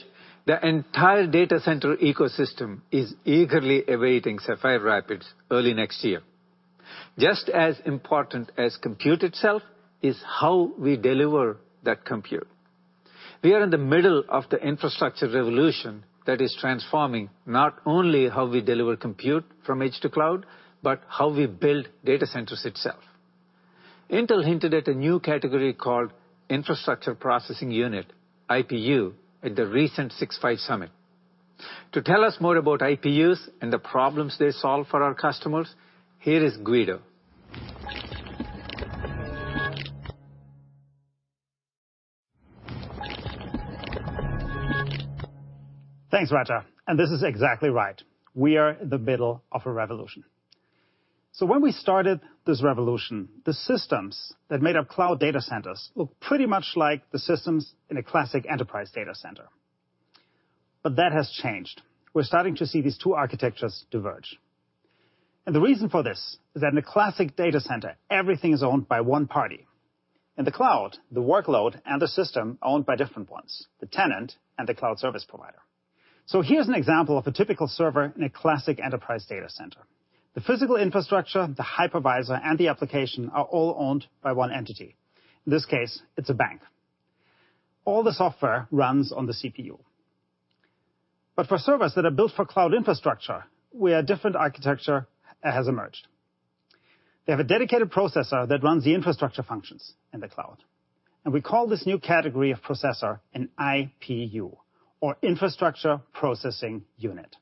The entire data center ecosystem is eagerly awaiting Sapphire Rapids early next year. Just as important as compute itself is how we deliver that compute. We are in the middle of the infrastructure revolution that is transforming not only how we deliver compute from edge to cloud, but how we build data centers itself. Intel hinted at a new category called Infrastructure Processing Unit, IPU, at the recent Six Five Summit. To tell us more about IPUs and the problems they solve for our customers, here is Guido. Thanks, Raja. This is exactly right. We are in the middle of a revolution. When we started this revolution, the systems that made up cloud data centers looked pretty much like the systems in a classic enterprise data center. But that has changed. We're starting to see these two architectures diverge. The reason for this is that in a classic data center, everything is owned by one party. In the cloud, the workload and the system are owned by different ones, the tenant and the cloud service provider. Here's an example of a typical server in a classic enterprise data center. The physical infrastructure, the hypervisor, and the application are all owned by one entity. In this case, it's a bank. All the software runs on the CPU. For servers that are built for cloud infrastructure, where a different architecture has emerged. They have a dedicated processor that runs the infrastructure functions in the cloud. We call this new category of processor an IPU or infrastructure processing unit.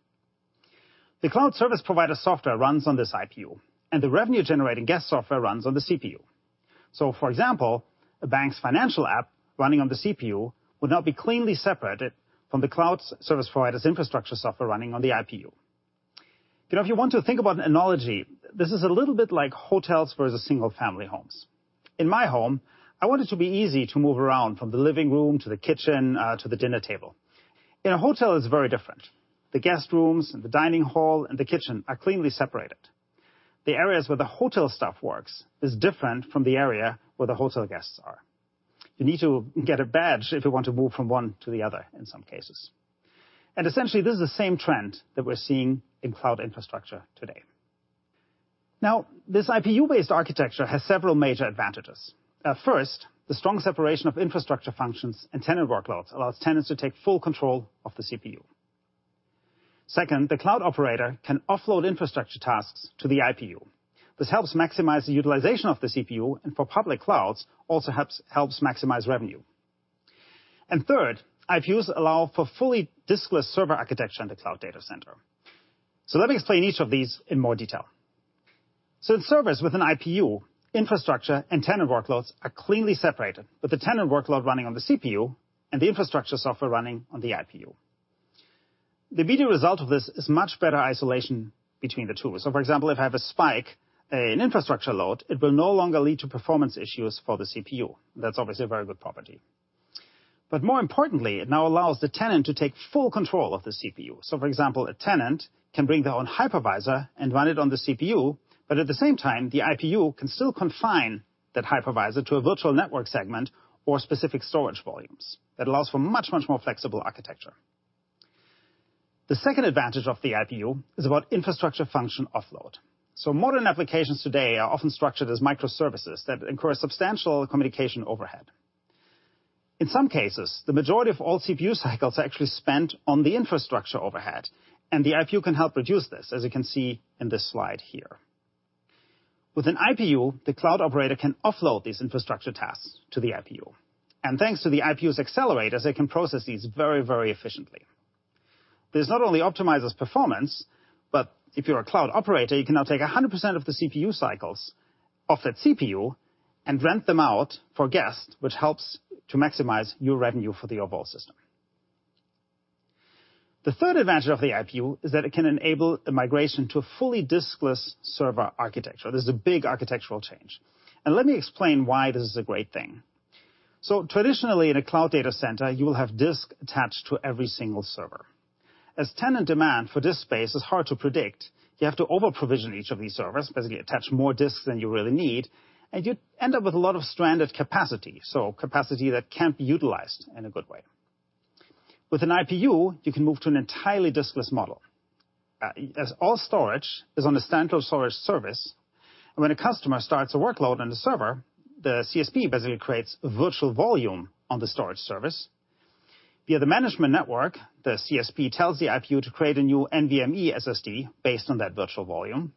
The cloud service provider software runs on this IPU, and the revenue-generating guest software runs on the CPU. For example, a bank's financial app running on the CPU would now be cleanly separated from the cloud service provider's infrastructure software running on the IPU. If you want to think about an analogy, this is a little bit like hotels versus single-family homes. In my home, I want it to be easy to move around from the living room to the kitchen to the dinner table. In a hotel, it's very different. The guest rooms and the dining hall and the kitchen are cleanly separated. The areas where the hotel staff works is different from the area where the hotel guests are. You need to get a badge if you want to move from one to the other in some cases. Essentially, this is the same trend that we're seeing in cloud infrastructure today. This IPU-based architecture has several major advantages. First, the strong separation of infrastructure functions and tenant workloads allows tenants to take full control of the CPU. Second, the cloud operator can offload infrastructure tasks to the IPU. This helps maximize the utilization of the CPU and for public clouds also helps maximize revenue. Third, IPUs allow for fully diskless server architecture in the cloud data center. Let me explain each of these in more detail. In servers with an IPU, infrastructure and tenant workloads are cleanly separated, with the tenant workload running on the CPU and the infrastructure software running on the IPU. The immediate result of this is much better isolation between the two. For example, if I have a spike in infrastructure load, it will no longer lead to performance issues for the CPU. That's obviously a very good property. More importantly, it now allows the tenant to take full control of the CPU. For example, a tenant can bring their own hypervisor and run it on the CPU, but at the same time, the IPU can still confine that hypervisor to a virtual network segment or specific storage volumes. That allows for much, much more flexible architecture. The second advantage of the IPU is about infrastructure function offload. Modern applications today are often structured as microservices that incur substantial communication overhead. In some cases, the majority of all CPU cycles are actually spent on the infrastructure overhead, and the IPU can help reduce this, as you can see in this slide here. With an IPU, the cloud operator can offload these infrastructure tasks to the IPU. Thanks to the IPU's accelerators, they can process these very efficiently. This not only optimizes performance, but if you're a cloud operator, you can now take 100% of the CPU cycles off that CPU and rent them out for guests, which helps to maximize your revenue for the overall system. The third advantage of the IPU is that it can enable the migration to a fully diskless server architecture. This is a big architectural change. Let me explain why this is a great thing. Traditionally in a cloud data center, you will have disk attached to every single server. As tenant demand for disk space is hard to predict, you have to over-provision each of these servers, basically attach more disks than you really need, and you end up with a lot of stranded capacity, so capacity that can't be utilized in a good way. With an IPU, you can move to an entirely diskless model. As all storage is on a central storage service, and when a customer starts a workload on the server, the CSP basically creates a virtual volume on the storage service. Via the management network, the CSP tells the IPU to create a new NVMe SSD based on that virtual volume.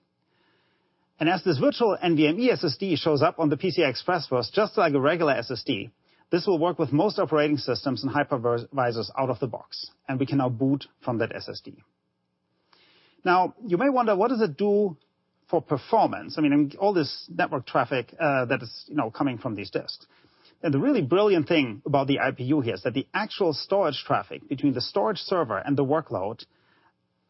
As this virtual NVMe SSD shows up on the PCI Express bus just like a regular SSD, this will work with most operating systems and hypervisors out of the box, and we can now boot from that SSD. You may wonder, what does it do for performance? All this network traffic that is coming from these disks. The really brilliant thing about the IPU here is that the actual storage traffic between the storage server and the workload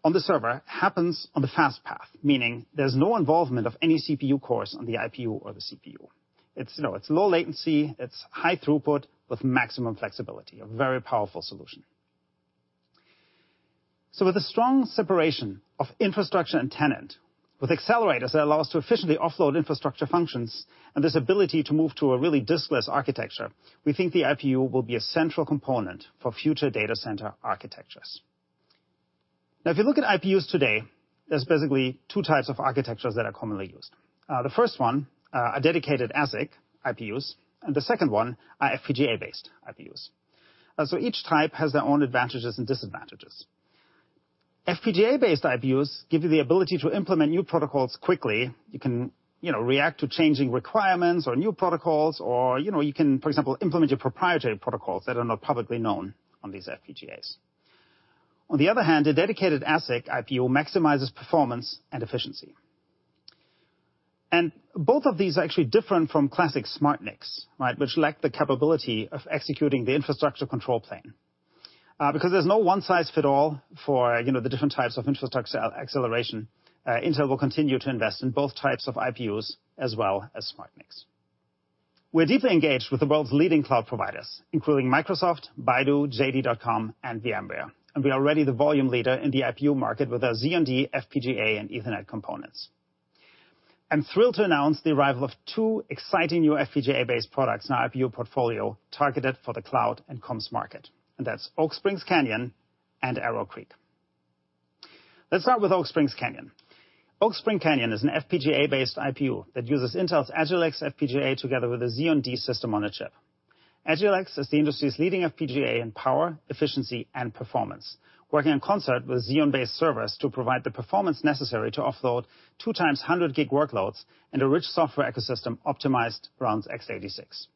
on the server happens on the fast path, meaning there's no involvement of any CPU cores on the IPU or the CPU. It's low latency, it's high throughput with maximum flexibility, a very powerful solution. With a strong separation of infrastructure and tenant, with accelerators that allow us to efficiently offload infrastructure functions, and this ability to move to a really diskless architecture, we think the IPU will be a central component for future data center architectures. If you look at IPUs today, there's basically two types of architectures that are commonly used. The first one are dedicated ASIC IPUs, and the second one are FPGA-based IPUs. Each type has their own advantages and disadvantages. FPGA-based IPUs give you the ability to implement new protocols quickly. You can react to changing requirements or new protocols, or you can, for example, implement your proprietary protocols that are not publicly known on these FPGAs. On the other hand, a dedicated ASIC IPU maximizes performance and efficiency. Both of these are actually different from classic SmartNICs, which lack the capability of executing the infrastructure control plane. Because there's no one-size-fit-all for the different types of infrastructure acceleration, Intel will continue to invest in both types of IPUs as well as SmartNICs. We're deeply engaged with the world's leading cloud providers, including Microsoft, Baidu, JD.com, and VMware. We are already the volume leader in the IPU market with our Xeon D FPGA and Ethernet components. I'm thrilled to announce the arrival of two exciting new FPGA-based products in our IPU portfolio targeted for the cloud and comms market. That's Oak Springs Canyon and Arrow Creek. Let's start with Oak Springs Canyon. Oak Springs Canyon is an FPGA-based IPU that uses Intel Agilex FPGA together with a Xeon D system on a chip. Agilex is the industry's leading FPGA in power, efficiency, and performance, working in concert with Xeon-based servers to provide the performance necessary to offload two times 100 GB workloads and a rich software ecosystem optimized around x86.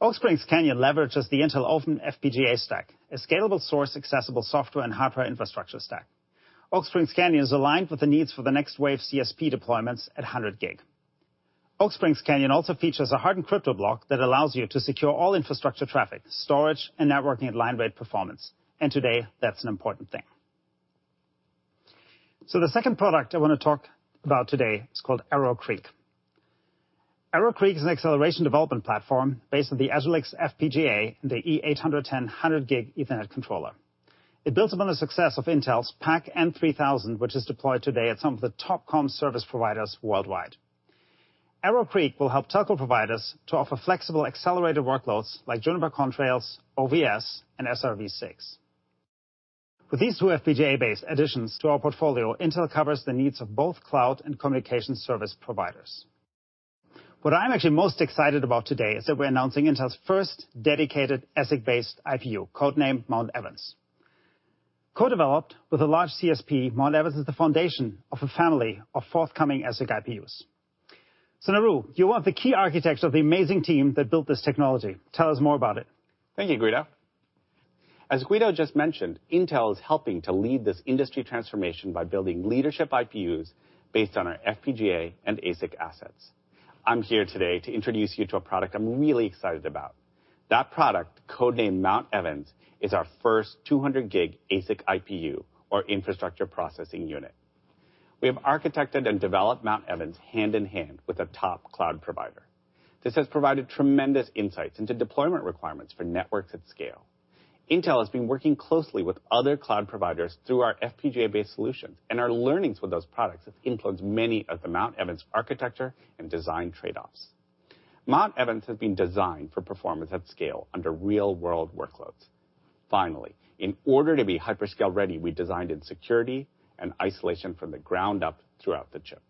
Oak Springs Canyon leverages the Intel Open FPGA Stack, a scalable source accessible software and hardware infrastructure stack. Oak Springs Canyon is aligned with the needs for the next wave CSP deployments at 100 GB. Oak Springs Canyon also features a hardened crypto block that allows you to secure all infrastructure traffic, storage, and networking at line rate performance. Today, that's an important thing. The second product I want to talk about today is called Arrow Creek. Arrow Creek is an acceleration development platform based on the Agilex FPGA and the E810 100 GB Ethernet controller. It builds upon the success of Intel's PAC N3000, which is deployed today at some of the top comms service providers worldwide. Arrow Creek will help telco providers to offer flexible accelerated workloads like Juniper Contrail, OVS, and SRv6. With these two FPGA-based additions to our portfolio, Intel covers the needs of both cloud and communication service providers. What I'm actually most excited about today is that we're announcing Intel's first dedicated ASIC-based IPU, codenamed Mount Evans. Co-developed with a large CSP, Mount Evans is the foundation of a family of forthcoming ASIC IPUs. Naru, you're one of the key architects of the amazing team that built this technology. Tell us more about it. Thank you, Guido. As Guido just mentioned, Intel is helping to lead this industry transformation by building leadership IPUs based on our FPGA and ASIC assets. I'm here today to introduce you to a product I'm really excited about. That product, codenamed Mount Evans, is our first 200 GB ASIC IPU, or infrastructure processing unit. We have architected and developed Mount Evans hand-in-hand with a top cloud provider. This has provided tremendous insights into deployment requirements for networks at scale. Intel has been working closely with other cloud providers through our FPGA-based solutions, and our learnings with those products have influenced many of the Mount Evans architecture and design trade-offs. Mount Evans has been designed for performance at scale under real-world workloads. Finally, in order to be hyperscale ready, we designed in security and isolation from the ground up throughout the chip.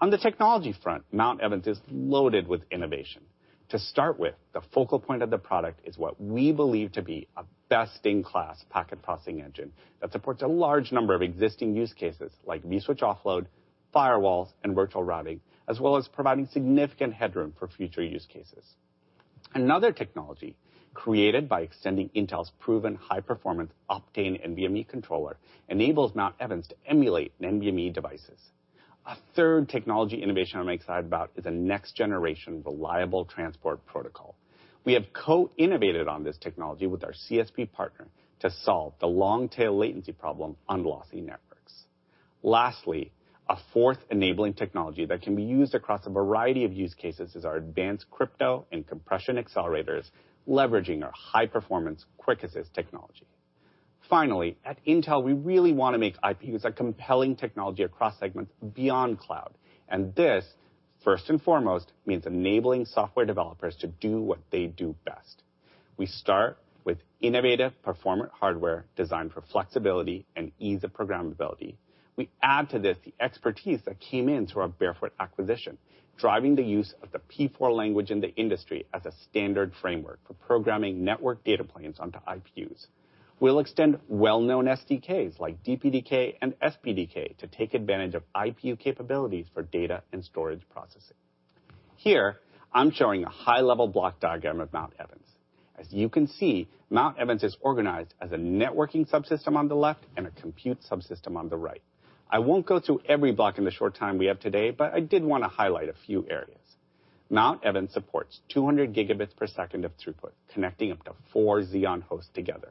On the technology front, Mount Evans is loaded with innovation. To start with, the focal point of the product is what we believe to be a best-in-class packet processing engine that supports a large number of existing use cases like vSwitch Offload, firewalls, and virtual routing, as well as providing significant headroom for future use cases. Another technology created by extending Intel's proven high-performance Optane NVMe controller enables Mount Evans to emulate NVMe devices. A third technology innovation I'm excited about is a next generation reliable transport protocol. We have co-innovated on this technology with our CSP partner to solve the long tail latency problem on lossy networks. Lastly, a fourth enabling technology that can be used across a variety of use cases is our advanced crypto and compression accelerators, leveraging our high performance QuickAssist Technology. Finally, at Intel, we really want to make IPUs a compelling technology across segments beyond cloud. This, first and foremost, means enabling software developers to do what they do best. We start with innovative performant hardware designed for flexibility and ease of programmability. We add to this the expertise that came in through our Barefoot acquisition, driving the use of the P4 language in the industry as a standard framework for programming network data planes onto IPUs. We'll extend well-known SDKs like DPDK and SPDK to take advantage of IPU capabilities for data and storage processing. Here, I'm showing a high-level block diagram of Mount Evans. As you can see, Mount Evans is organized as a networking subsystem on the left and a compute subsystem on the right. I won't go through every block in the short time we have today, but I did want to highlight a few areas. Mount Evans supports 200 Gbps of throughput, connecting up to four Xeon hosts together.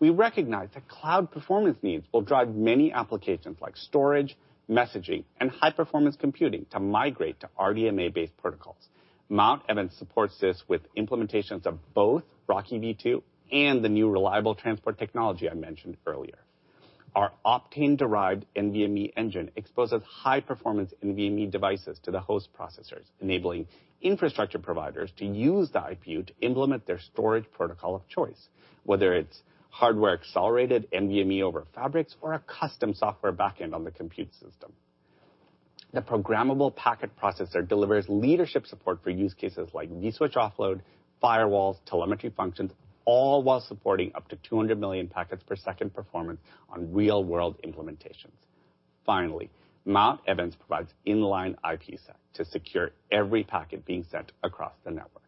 We recognize that cloud performance needs will drive many applications like storage, messaging, and high performance computing to migrate to RDMA-based protocols. Mount Evans supports this with implementations of both RoCE v2 and the new reliable transport technology I mentioned earlier. Our Optane-derived NVMe engine exposes high-performance NVMe devices to the host processors, enabling infrastructure providers to use the IPU to implement their storage protocol of choice, whether it's hardware accelerated NVMe over Fabrics or a custom software backend on the compute system. The programmable packet processor delivers leadership support for use cases like vSwitch Offload, firewalls, telemetry functions, all while supporting up to 200 million packets per second performance on real-world implementations. Finally, Mount Evans provides inline IPsec to secure every packet being sent across the network.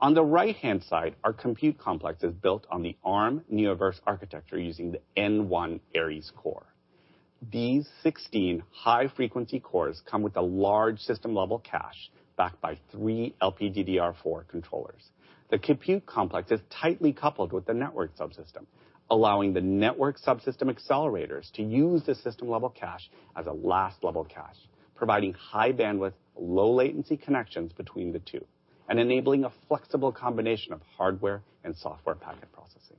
On the right-hand side, our compute complex is built on the Arm Neoverse architecture using the Neoverse N1 core. These 16 high-frequency cores come with a large system-level cache backed by three LPDDR4 controllers. The compute complex is tightly coupled with the network subsystem, allowing the network subsystem accelerators to use the system-level cache as a last-level cache, providing high bandwidth, low latency connections between the two, and enabling a flexible combination of hardware and software packet processing.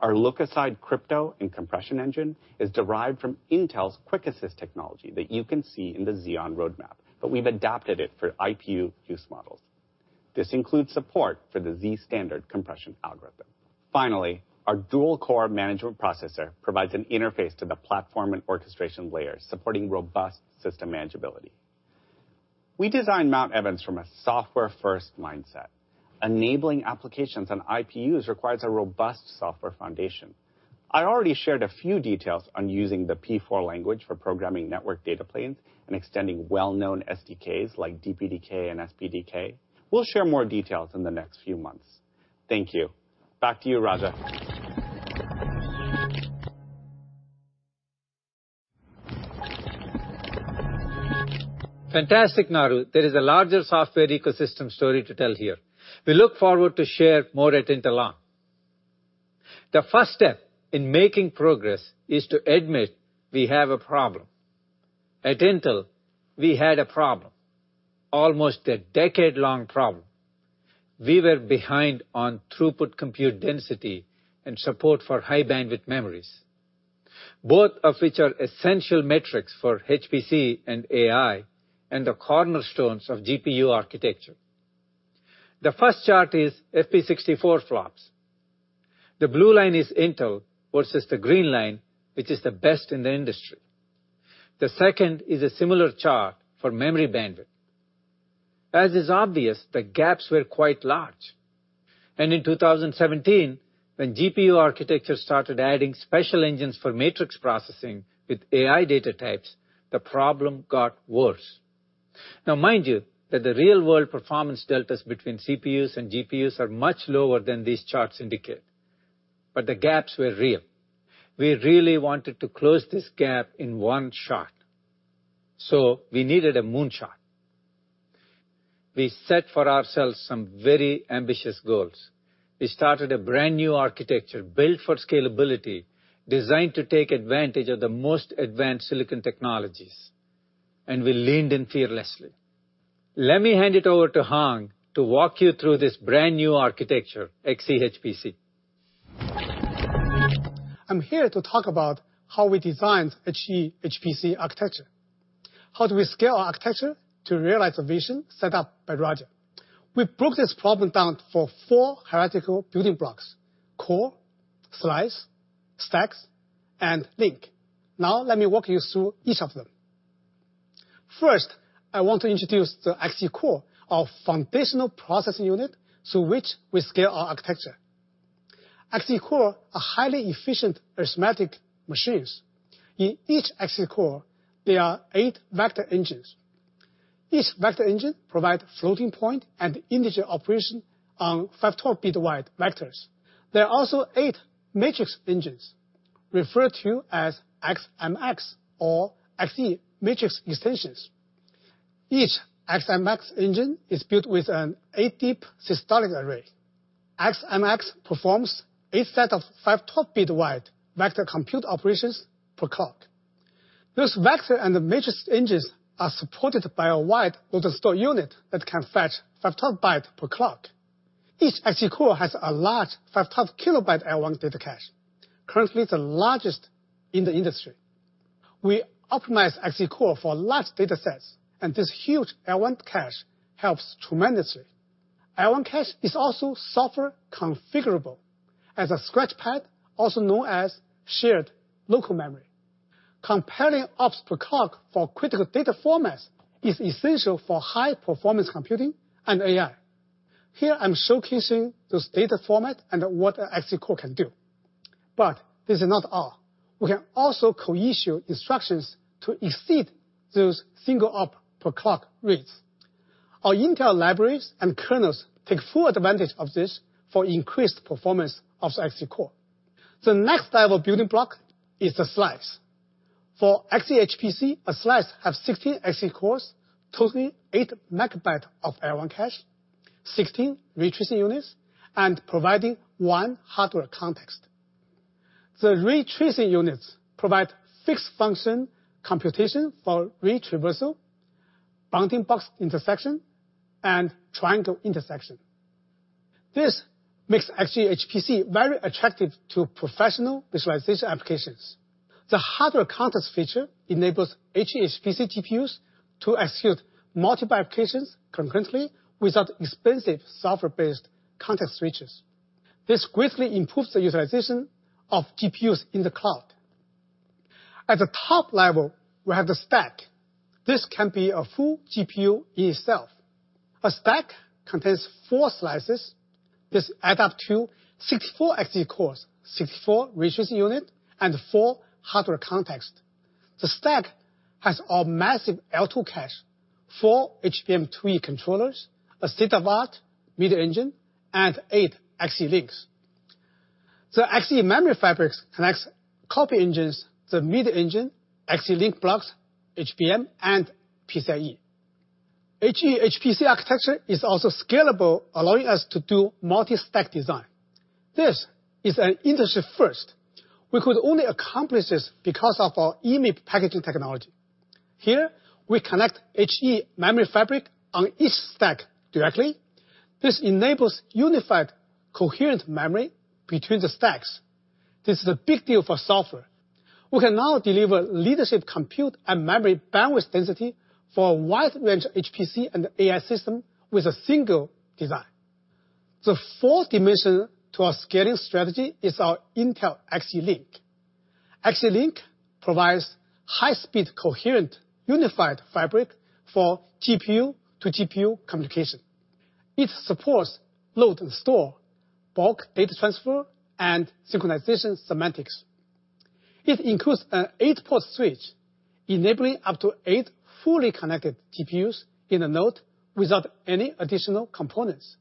Our lookaside crypto and compression engine is derived from Intel's QuickAssist Technology that you can see in the Xeon roadmap, but we've adapted it for IPU use models. This includes support for the Zstandard compression algorithm. Finally, our dual-core management processor provides an interface to the platform and orchestration layers, supporting robust system manageability. We designed Mount Evans from a software-first mindset. Enabling applications on IPUs requires a robust software foundation. I already shared a few details on using the P4 language for programming network data planes and extending well-known SDKs like DPDK and SPDK. We'll share more details in the next few months. Thank you. Back to you, Raja. Fantastic, Naru. There is a larger software ecosystem story to tell here. We look forward to share more at Intel On. The first step in making progress is to admit we have a problem. At Intel, we had a problem, almost a decade-long problem. We were behind on throughput compute density and support for high bandwidth memories, both of which are essential metrics for HPC and AI and the cornerstones of GPU architecture. The first chart is FP64 flops. The blue line is Intel versus the green line, which is the best in the industry. The second is a similar chart for memory bandwidth. As is obvious, the gaps were quite large. In 2017, when GPU architecture started adding special engines for matrix processing with AI data types, the problem got worse. Now, mind you that the real-world performance deltas between CPUs and GPUs are much lower than these charts indicate. The gaps were real. We really wanted to close this gap in one shot, so we needed a moonshot. We set for ourselves some very ambitious goals. We started a brand-new architecture built for scalability, designed to take advantage of the most advanced silicon technologies, and we leaned in fearlessly. Let me hand it over to Hong to walk you through this brand-new architecture, Xe-HPC. I'm here to talk about how we designed Xe-HPC architecture. How do we scale our architecture to realize the vision set up by Raja? We broke this problem down for four hierarchical building blocks: core, slice, stacks, and link. Let me walk you through each of them. First, I want to introduce the Xe-core, our foundational processing unit through which we scale our architecture. Xe-cores are highly efficient arithmetic machines. In each Xe-core, there are eight vector engines. Each vector engine provide floating point and integer operation on five 12-bit wide vectors. There are also eight matrix engines referred to as XMX or Xe Matrix Extensions. Each XMX engine is built with an eight deep systolic array. XMX performs eight set of five 12-bit wide vector compute operations per clock. Those vector and the matrix engines are supported by a wide load and store unit that can fetch 512 B per clock. Each Xe-core has a large 512 KB L1 data cache, currently the largest in the industry. We optimize Xe-core for large data sets, and this huge L1 cache helps tremendously. L1 cache is also software configurable as a scratchpad, also known as shared local memory. Compelling ops per clock for critical data formats is essential for high performance computing and AI. Here, I'm showcasing this data format and what a Xe-core can do. This is not all. We can also co-issue instructions to exceed those single op per clock rates. Our Intel libraries and kernels take full advantage of this for increased performance of the Xe-core. The next level building block is the slice. For Xe-HPC, a slice has 16 Xe-cores, totaling 8 MB of L1 cache, 16 ray tracing units, and providing one hardware context. The ray tracing units provide fixed function computation for ray traversal, bounding box intersection, and triangle intersection. This makes Xe-HPC very attractive to professional visualization applications. The hardware context feature enables Xe-HPC GPUs to execute multiple applications concurrently without expensive software-based context switches. This greatly improves the utilization of GPUs in the cloud. At the top level, we have the stack. This can be a full GPU in itself. A stack contains four slices. This adds up to 64 Xe-cores, 64 ray tracing units, and four hardware contexts. The stack has a massive L2 cache, four HBM3 controllers, a state-of-the-art media engine, and eight Xe-Links. The Xe memory fabric connects copy engines, the media engine, Xe-Link blocks, HBM, and PCIe. Xe-HPC architecture is also scalable, allowing us to do multi-stack design. This is an industry first. We could only accomplish this because of our EMIB packaging technology. Here, we connect HBM memory fabric on each stack directly. This enables unified coherent memory between the stacks. This is a big deal for software. We can now deliver leadership, compute, and memory bandwidth density for a wide range of HPC and AI systems with a single design. The fourth dimension to our scaling strategy is our Xe-Link. Xe-Link provides high-speed, coherent, unified fabric for GPU to GPU communication. It supports load and store, bulk data transfer, and synchronization semantics. It includes an eight-port switch, enabling up to eight fully connected GPUs in a node without any additional components.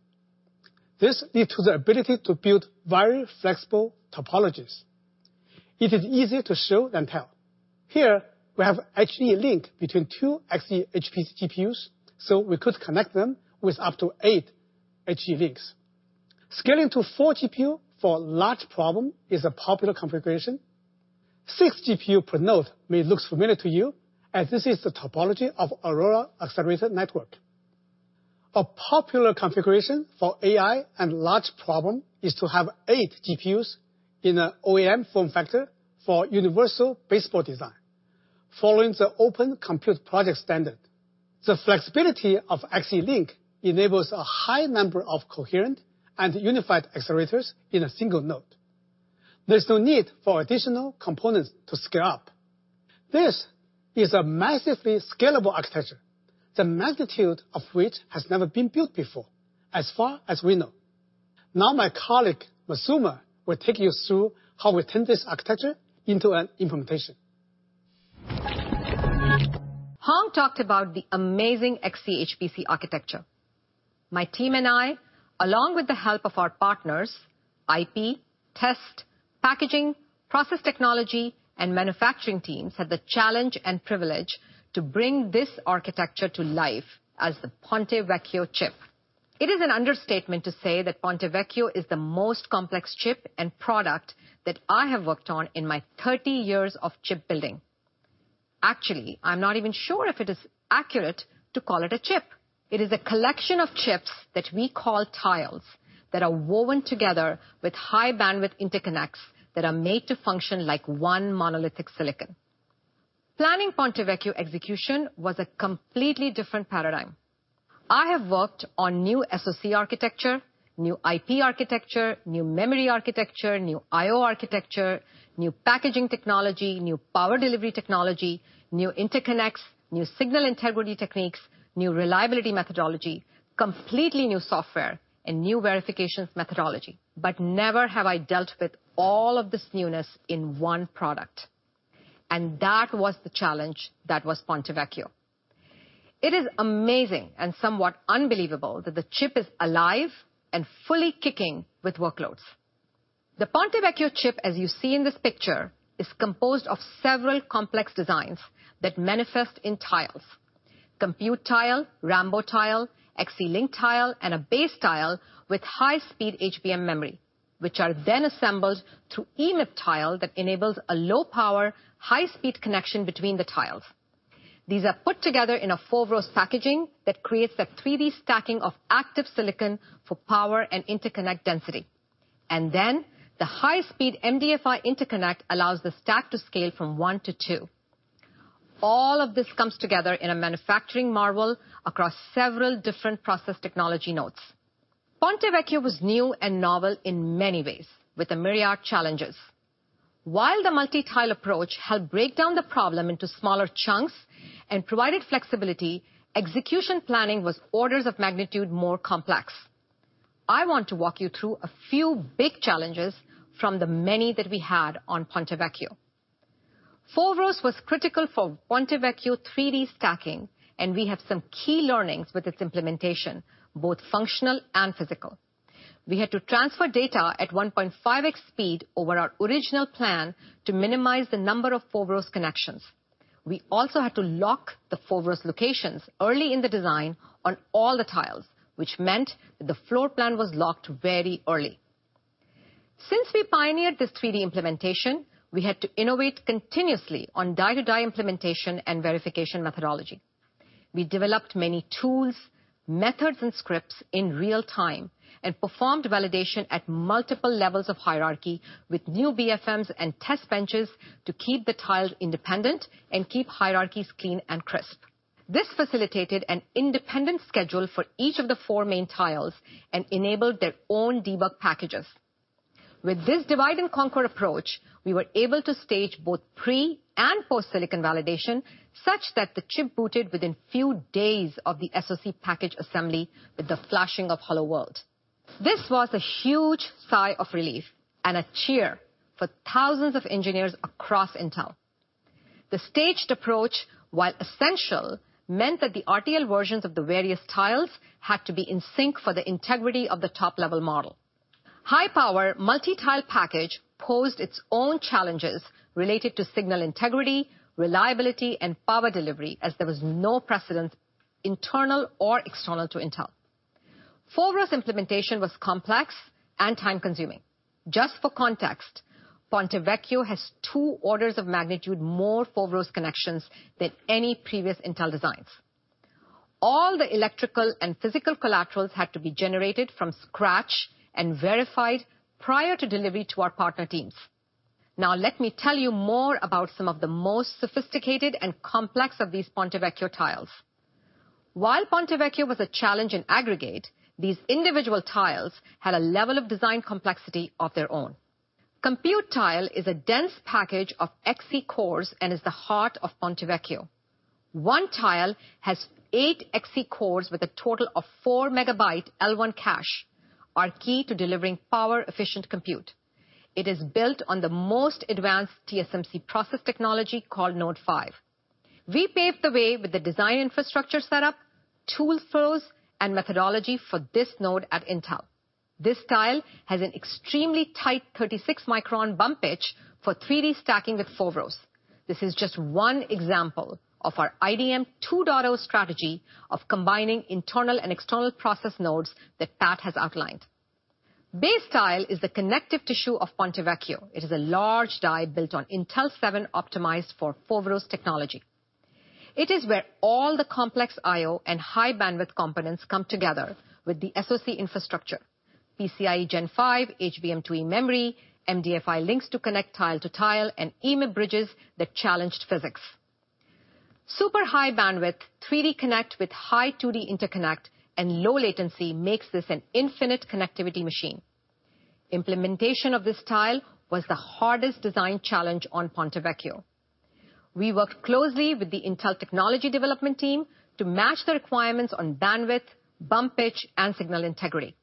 This leads to the ability to build very flexible topologies. It is easier to show than tell. Here, we have Xe-Link between two Xe-HPC GPUs. We could connect them with up to eight Xe-Links. Scaling to four GPU for large problem is a popular configuration. Six GPU per node may look familiar to you, as this is the topology of Aurora accelerated network. A popular configuration for AI and large problem is to have eight GPUs in an OAM form factor for Universal Baseboard design following the Open Compute Project Standard. The flexibility of Xe Link enables a high number of coherent and unified accelerators in a single node. There's no need for additional components to scale up. This is a massively scalable architecture, the magnitude of which has never been built before, as far as we know. My colleague, Masooma, will take you through how we turn this architecture into an implementation. Hong talked about the amazing Xe-HPC architecture. My team and I, along with the help of our partners, IP, test, packaging, process technology, and manufacturing teams, had the challenge and privilege to bring this architecture to life as the Ponte Vecchio chip. It is an understatement to say that Ponte Vecchio is the most complex chip and product that I have worked on in my 30 years of chip building. Actually, I'm not even sure if it is accurate to call it a chip. It is a collection of chips that we call tiles that are woven together with high bandwidth interconnects that are made to function like one monolithic silicon. Planning Ponte Vecchio execution was a completely different paradigm. I have worked on new SoC architecture, new IP architecture, new memory architecture, new I/O architecture, new packaging technology, new power delivery technology, new interconnects, new signal integrity techniques, new reliability methodology, completely new software, and new verifications methodology. Never have I dealt with all of this newness in one product, and that was the challenge that was Ponte Vecchio. It is amazing and somewhat unbelievable that the chip is alive and fully kicking with workloads. The Ponte Vecchio chip, as you see in this picture, is composed of several complex designs that manifest in tiles. Compute tile, Rambo tile, Xe-Link tile, and a base tile with high-speed HBM memory, which are then assembled through EMIB tile that enables a low-power, high-speed connection between the tiles. These are put together in a Foveros packaging that creates that 3D stacking of active silicon for power and interconnect density. The high-speed MDFI interconnect allows the stack to scale from 1 to 2. All of this comes together in a manufacturing marvel across several different process technology nodes. Ponte Vecchio was new and novel in many ways, with a myriad challenges. While the multi-tile approach helped break down the problem into smaller chunks and provided flexibility, execution planning was orders of magnitude more complex. I want to walk you through a few big challenges from the many that we had on Ponte Vecchio. Foveros was critical for Ponte Vecchio 3D stacking, and we have some key learnings with its implementation, both functional and physical. We had to transfer data at 1.5x speed over our original plan to minimize the number of Foveros connections. We also had to lock the Foveros locations early in the design on all the tiles, which meant that the floor plan was locked very early. Since we pioneered this 3D implementation, we had to innovate continuously on die to die implementation and verification methodology. We developed many tools, methods, and scripts in real time and performed validation at multiple levels of hierarchy with new BFMs and test benches to keep the tiles independent and keep hierarchies clean and crisp. This facilitated an independent schedule for each of the four main tiles and enabled their own debug packages. With this divide and conquer approach, we were able to stage both pre- and post-silicon validation, such that the chip booted within few days of the SoC package assembly with the flashing of Hello World. This was a huge sigh of relief and a cheer for thousands of engineers across Intel. The staged approach, while essential, meant that the RTL versions of the various tiles had to be in sync for the integrity of the top-level model. High-power, multi-tile package posed its own challenges related to signal integrity, reliability, and power delivery, as there was no precedent, internal or external, to Intel. Foveros implementation was complex and time-consuming. Just for context, Ponte Vecchio has two orders of magnitude more Foveros connections than any previous Intel designs. All the electrical and physical collaterals had to be generated from scratch and verified prior to delivery to our partner teams. Now let me tell you more about some of the most sophisticated and complex of these Ponte Vecchio tiles. While Ponte Vecchio was a challenge in aggregate, these individual tiles had a level of design complexity of their own. Compute tile is a dense package of Xe cores and is the heart of Ponte Vecchio. One tile has eight Xe-cores with a total of 4 MB L1 cache, are key to delivering power-efficient compute. It is built on the most advanced TSMC process technology called N5. We paved the way with the design infrastructure setup, tool flows, and methodology for this node at Intel. This tile has an extremely tight 36 micron bump pitch for 3D stacking with Foveros. This is just one example of our IDM 2.0 strategy of combining internal and external process nodes that Pat has outlined. Base tile is the connective tissue of Ponte Vecchio. It is a large die built on Intel 7 optimized for Foveros technology. It is where all the complex I/O and high bandwidth components come together with the SoC infrastructure, PCIe Gen 5, HBM2E memory, MDFI links to connect tile to tile, and EMIB bridges that challenged physics. Super high bandwidth, 3D connect with high 2D interconnect and low latency makes this an infinite connectivity machine. Implementation of this tile was the hardest design challenge on Ponte Vecchio. We worked closely with the Intel technology development team to match the requirements on bandwidth, bump pitch, and signal integrity.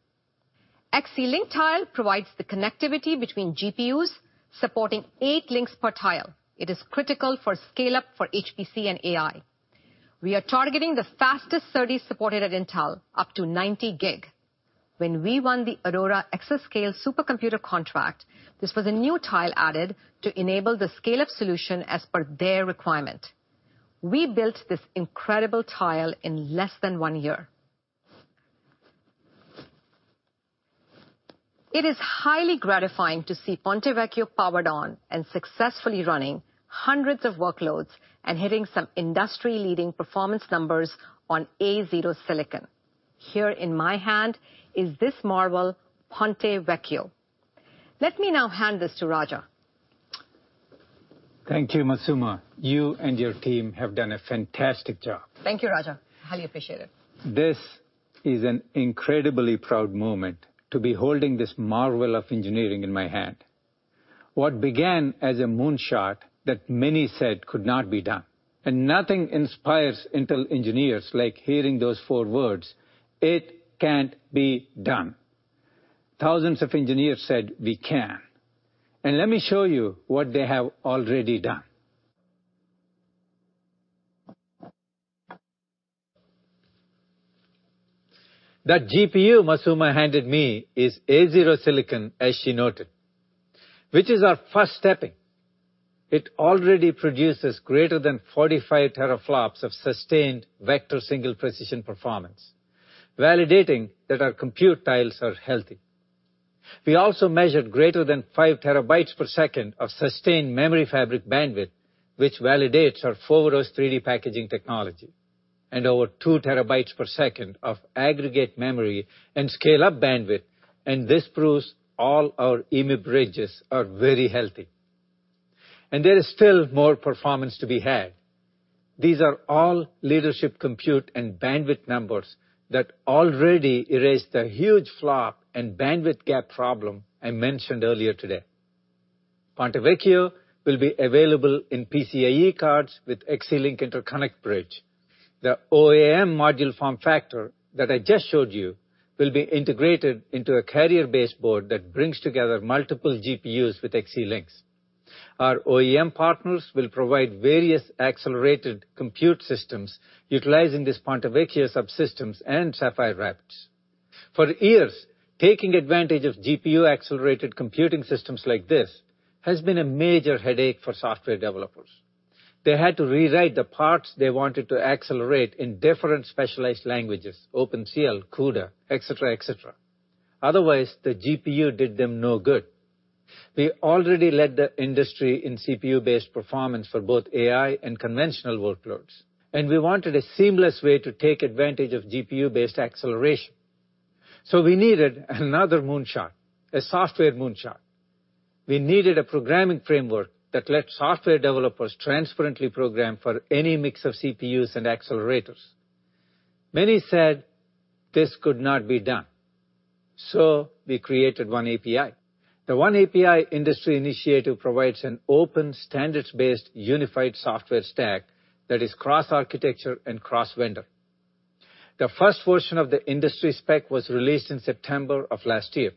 Xe-Link tile provides the connectivity between GPUs supporting eight links per tile. It is critical for scale-up for HPC and AI. We are targeting the fastest SerDes supported at Intel, up to 90 GB. When we won the Aurora Exascale supercomputer contract, this was a new tile added to enable the scale-up solution as per their requirement. We built this incredible tile in less than one year. It is highly gratifying to see Ponte Vecchio powered on and successfully running hundreds of workloads and hitting some industry-leading performance numbers on A0 silicon. Here in my hand is this marvel, Ponte Vecchio. Let me now hand this to Raja. Thank you, Masooma. You and your team have done a fantastic job. Thank you, Raja. Highly appreciate it. This is an incredibly proud moment to be holding this marvel of engineering in my hand. What began as a moonshot that many said could not be done, nothing inspires Intel engineers like hearing those four words, it can't be done. Thousands of engineers said we can, let me show you what they have already done. That GPU Masooma handed me is a zero silicon, as she noted, which is our first stepping. It already produces greater than 45 teraflops of sustained vector single precision performance, validating that our compute tiles are healthy. We also measured greater than 5 TB per second of sustained memory fabric bandwidth, which validates our Foveros 3D packaging technology, over 2 TB per second of aggregate memory and scale-up bandwidth, this proves all our EMIB bridges are very healthy. There is still more performance to be had. These are all leadership compute and bandwidth numbers that already erase the huge flop and bandwidth gap problem I mentioned earlier today. Ponte Vecchio will be available in PCIe cards with Xe-Link interconnect bridge. The OEM module form factor that I just showed you will be integrated into a carrier baseboard that brings together multiple GPUs with Xe-Links. Our OEM partners will provide various accelerated compute systems utilizing this Ponte Vecchio subsystems and Sapphire Rapids. For years, taking advantage of GPU-accelerated computing systems like this has been a major headache for software developers. They had to rewrite the parts they wanted to accelerate in different specialized languages, OpenCL, CUDA, et cetera. Otherwise, the GPU did them no good. We already led the industry in CPU-based performance for both AI and conventional workloads, and we wanted a seamless way to take advantage of GPU-based acceleration. We needed another moonshot, a software moonshot. We needed a programming framework that let software developers transparently program for any mix of CPUs and accelerators. Many said this could not be done. We created oneAPI. The oneAPI industry initiative provides an open, standards-based, unified software stack that is cross-architecture and cross-vendor. The first version of the industry spec was released in September of last year,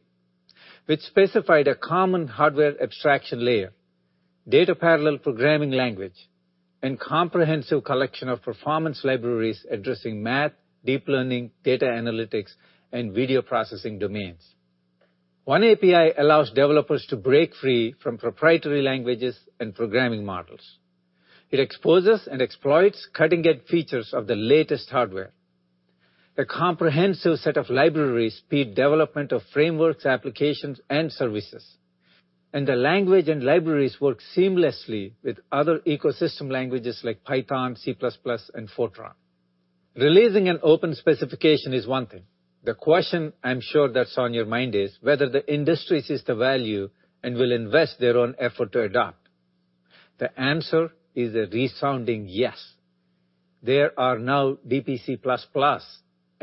which specified a common hardware abstraction layer, data parallel programming language, and comprehensive collection of performance libraries addressing math, deep learning, data analytics, and video processing domains. OneAPI allows developers to break free from proprietary languages and programming models. It exposes and exploits cutting-edge features of the latest hardware. A comprehensive set of libraries speed development of frameworks, applications, and services. The language and libraries work seamlessly with other ecosystem languages like Python, C++, and Fortran. Releasing an open specification is one thing. The question I'm sure that's on your mind is whether the industry sees the value and will invest their own effort to adopt. The answer is a resounding yes. There are now DPC++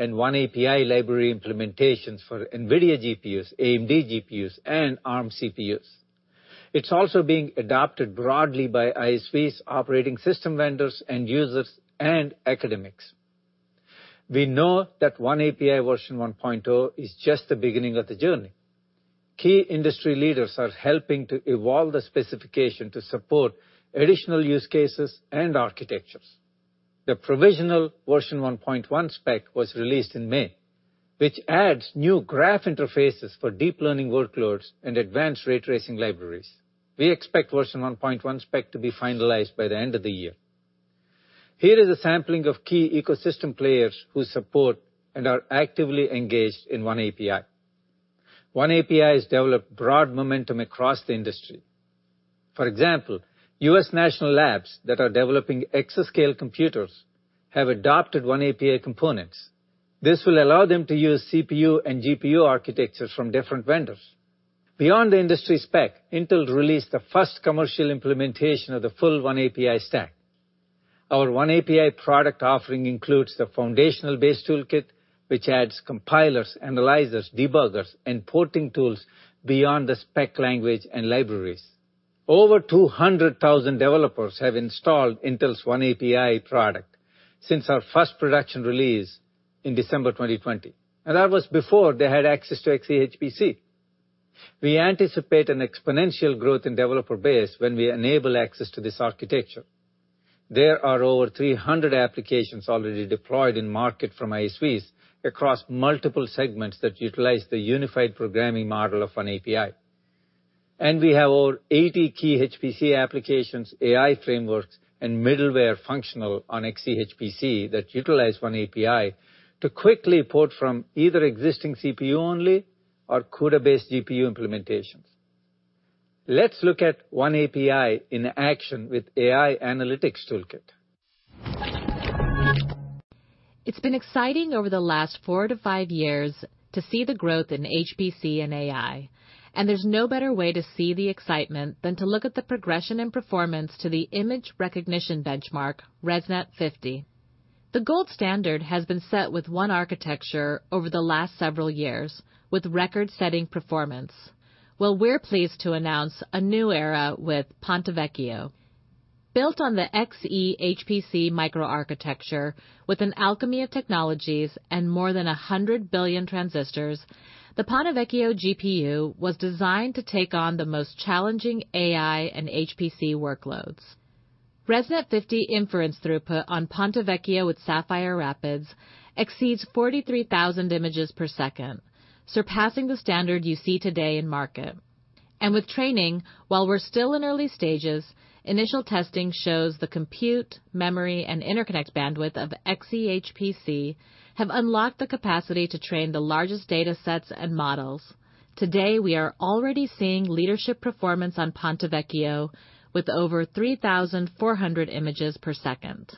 and oneAPI library implementations for NVIDIA GPUs, AMD GPUs, and Arm CPUs. It's also being adopted broadly by ISVs, operating system vendors, end users, and academics. We know that oneAPI version 1.0 is just the beginning of the journey. Key industry leaders are helping to evolve the specification to support additional use cases and architectures. The provisional version 1.1 spec was released in May, which adds new graph interfaces for deep learning workloads and advanced ray tracing libraries. We expect version 1.1 spec to be finalized by the end of the year. Here is a sampling of key ecosystem players who support and are actively engaged in oneAPI. OneAPI has developed broad momentum across the industry. For example, U.S. national labs that are developing exascale computers have adopted oneAPI components. This will allow them to use CPU and GPU architectures from different vendors. Beyond the industry spec, Intel released the first commercial implementation of the full oneAPI stack. Our oneAPI product offering includes the foundational base toolkit, which adds compilers, analyzers, debuggers, and porting tools beyond the spec language and libraries. Over 200,000 developers have installed Intel's oneAPI product since our first production release in December 2020, and that was before they had access to Xe-HPC. We anticipate an exponential growth in developer base when we enable access to this architecture. There are over 300 applications already deployed in market from ISVs across multiple segments that utilize the unified programming model of oneAPI. We have over 80 key HPC applications, AI frameworks, and middleware functional on Xe-HPC that utilize oneAPI to quickly port from either existing CPU-only or CUDA-based GPU implementations. Let's look at oneAPI in action with AI Analytics Toolkit. It's been exciting over the last four to five years to see the growth in HPC and AI, and there's no better way to see the excitement than to look at the progression and performance to the image recognition benchmark, ResNet-50. The gold standard has been set with one architecture over the last several years with record-setting performance. Well, we're pleased to announce a new era with Ponte Vecchio. Built on the Xe-HPC microarchitecture with an alchemy of technologies and more than 100 billion transistors, the Ponte Vecchio GPU was designed to take on the most challenging AI and HPC workloads. ResNet-50 inference throughput on Ponte Vecchio with Sapphire Rapids exceeds 43,000 images per second, surpassing the standard you see today in market. With training, while we're still in early stages, initial testing shows the compute, memory, and interconnect bandwidth of Xe-HPC have unlocked the capacity to train the largest data sets and models. Today, we are already seeing leadership performance on Ponte Vecchio with over 3,400 images per second.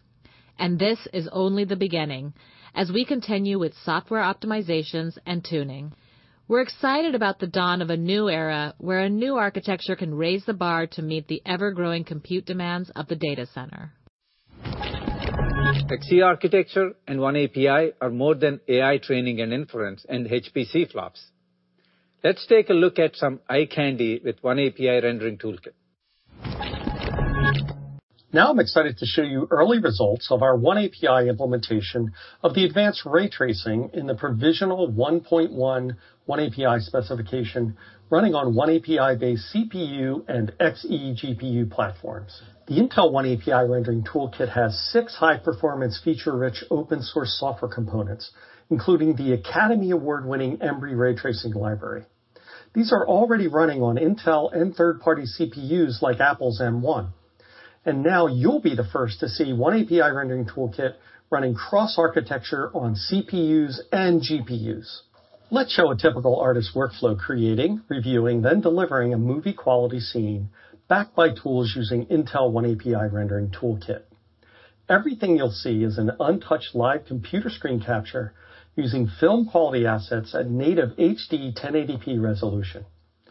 This is only the beginning as we continue with software optimizations and tuning. We're excited about the dawn of a new era where a new architecture can raise the bar to meet the ever-growing compute demands of the data center. Xe architecture and oneAPI are more than AI training and inference and HPC flops. Let's take a look at some eye candy with oneAPI Rendering Toolkit. Now I'm excited to show you early results of our oneAPI implementation of the advanced ray tracing in the provisional 1.1 oneAPI specification running on oneAPI-based CPU and Xe GPU platforms. The Intel oneAPI Rendering Toolkit has six high-performance, feature-rich, open source software components, including the Academy Award-winning Intel Embree ray tracing library. These are already running on Intel and third-party CPUs like Apple's M1. Now you'll be the first to see oneAPI Rendering Toolkit running cross-architecture on CPUs and GPUs. Let's show a typical artist workflow creating, reviewing, then delivering a movie-quality scene backed by tools using Intel oneAPI Rendering Toolkit. Everything you'll see is an untouched live computer screen capture using film-quality assets at native HD 1080p resolution.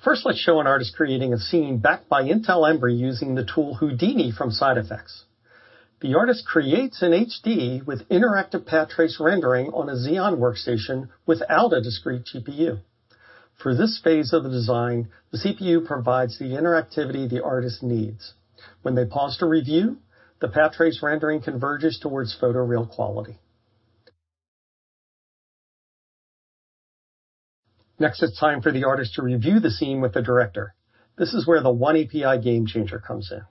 First, let's show an artist creating a scene backed by Intel Embree using the tool Houdini from SideFX. The artist creates in HD with interactive path trace rendering on a Xeon workstation without a discrete GPU. For this phase of the design, the CPU provides the interactivity the artist needs. When they pause to review, the path trace rendering converges towards photoreal quality. It's time for the artist to review the scene with the director. This is where the oneAPI game changer comes in.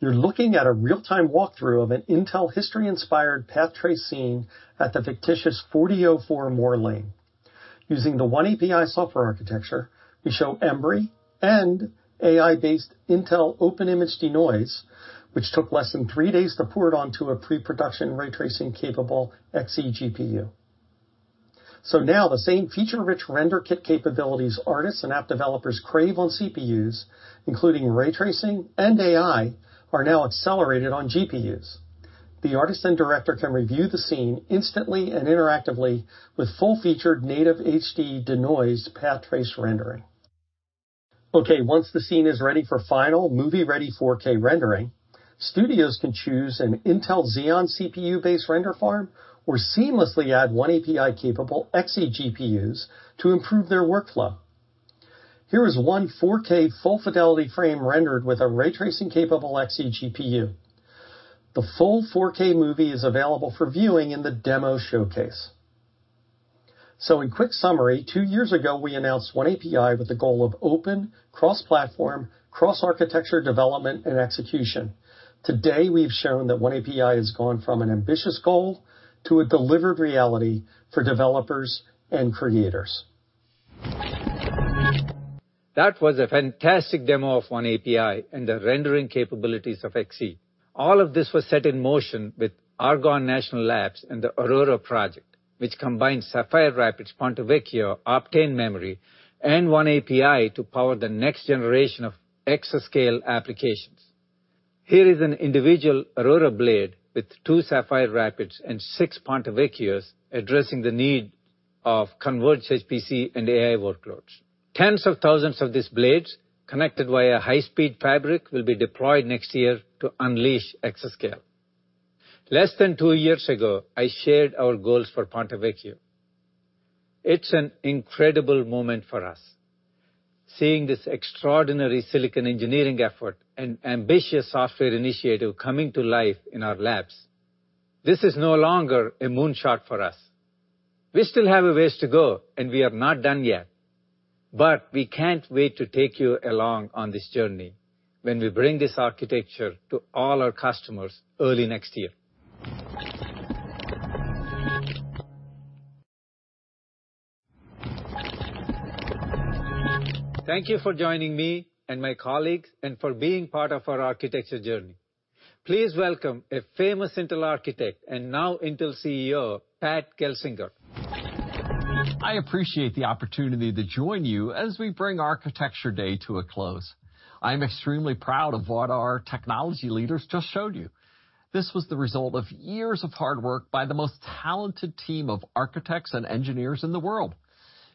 You're looking at a real-time walkthrough of an Intel history-inspired path trace scene at the fictitious 4004 Moore Lane. Using the oneAPI software architecture, we show Embree and AI-based Intel Open Image Denoise, which took less than three days to port onto a pre-production ray tracing capable Xe GPU. Now the same feature-rich render kit capabilities artists and app developers crave on CPUs, including ray tracing and AI, are now accelerated on GPUs. The artist and director can review the scene instantly and interactively with full-featured native HD denoised path trace rendering. Okay, once the scene is ready for final movie-ready 4K rendering, studios can choose an Intel Xeon CPU-based render farm or seamlessly add oneAPI-capable Xe GPUs to improve their workflow. Here is one 4K full fidelity frame rendered with a ray tracing capable Xe GPU. The full 4K movie is available for viewing in the demo showcase. In quick summary, two years ago, we announced oneAPI with the goal of open, cross-platform, cross-architecture development, and execution. Today, we've shown that oneAPI has gone from an ambitious goal to a delivered reality for developers and creators. That was a fantastic demo of oneAPI and the rendering capabilities of Xe. All of this was set in motion with Argonne National Laboratory and the Aurora project, which combines Sapphire Rapids, Ponte Vecchio, Optane Memory, and oneAPI to power the next generation of Exascale applications. Here is an individual Aurora blade with two Sapphire Rapids and six Ponte Vecchios addressing the need of converged HPC and AI workloads. Tens of thousands of these blades connected via high-speed fabric will be deployed next year to unleash Exascale. Less than two years ago, I shared our goals for Ponte Vecchio. It's an incredible moment for us, seeing this extraordinary silicon engineering effort and ambitious software initiative coming to life in our labs. This is no longer a moonshot for us. We still have a ways to go, and we are not done yet, but we can't wait to take you along on this journey when we bring this architecture to all our customers early next year. Thank you for joining me and my colleagues and for being part of our architecture journey. Please welcome a famous Intel architect and now Intel CEO, Pat Gelsinger. I appreciate the opportunity to join you as we bring Architecture Day to a close. I'm extremely proud of what our technology leaders just showed you. This was the result of years of hard work by the most talented team of architects and engineers in the world.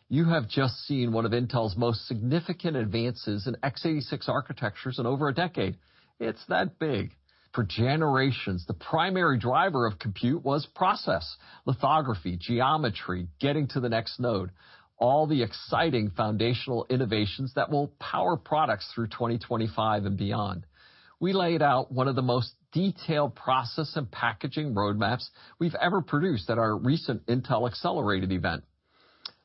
You have just seen one of Intel's most significant advances in x86 architectures in over a decade. It's that big. For generations, the primary driver of compute was process, lithography, geometry, getting to the next node, all the exciting foundational innovations that will power products through 2025 and beyond. We laid out one of the most detailed process and packaging roadmaps we've ever produced at our recent Intel Accelerated event.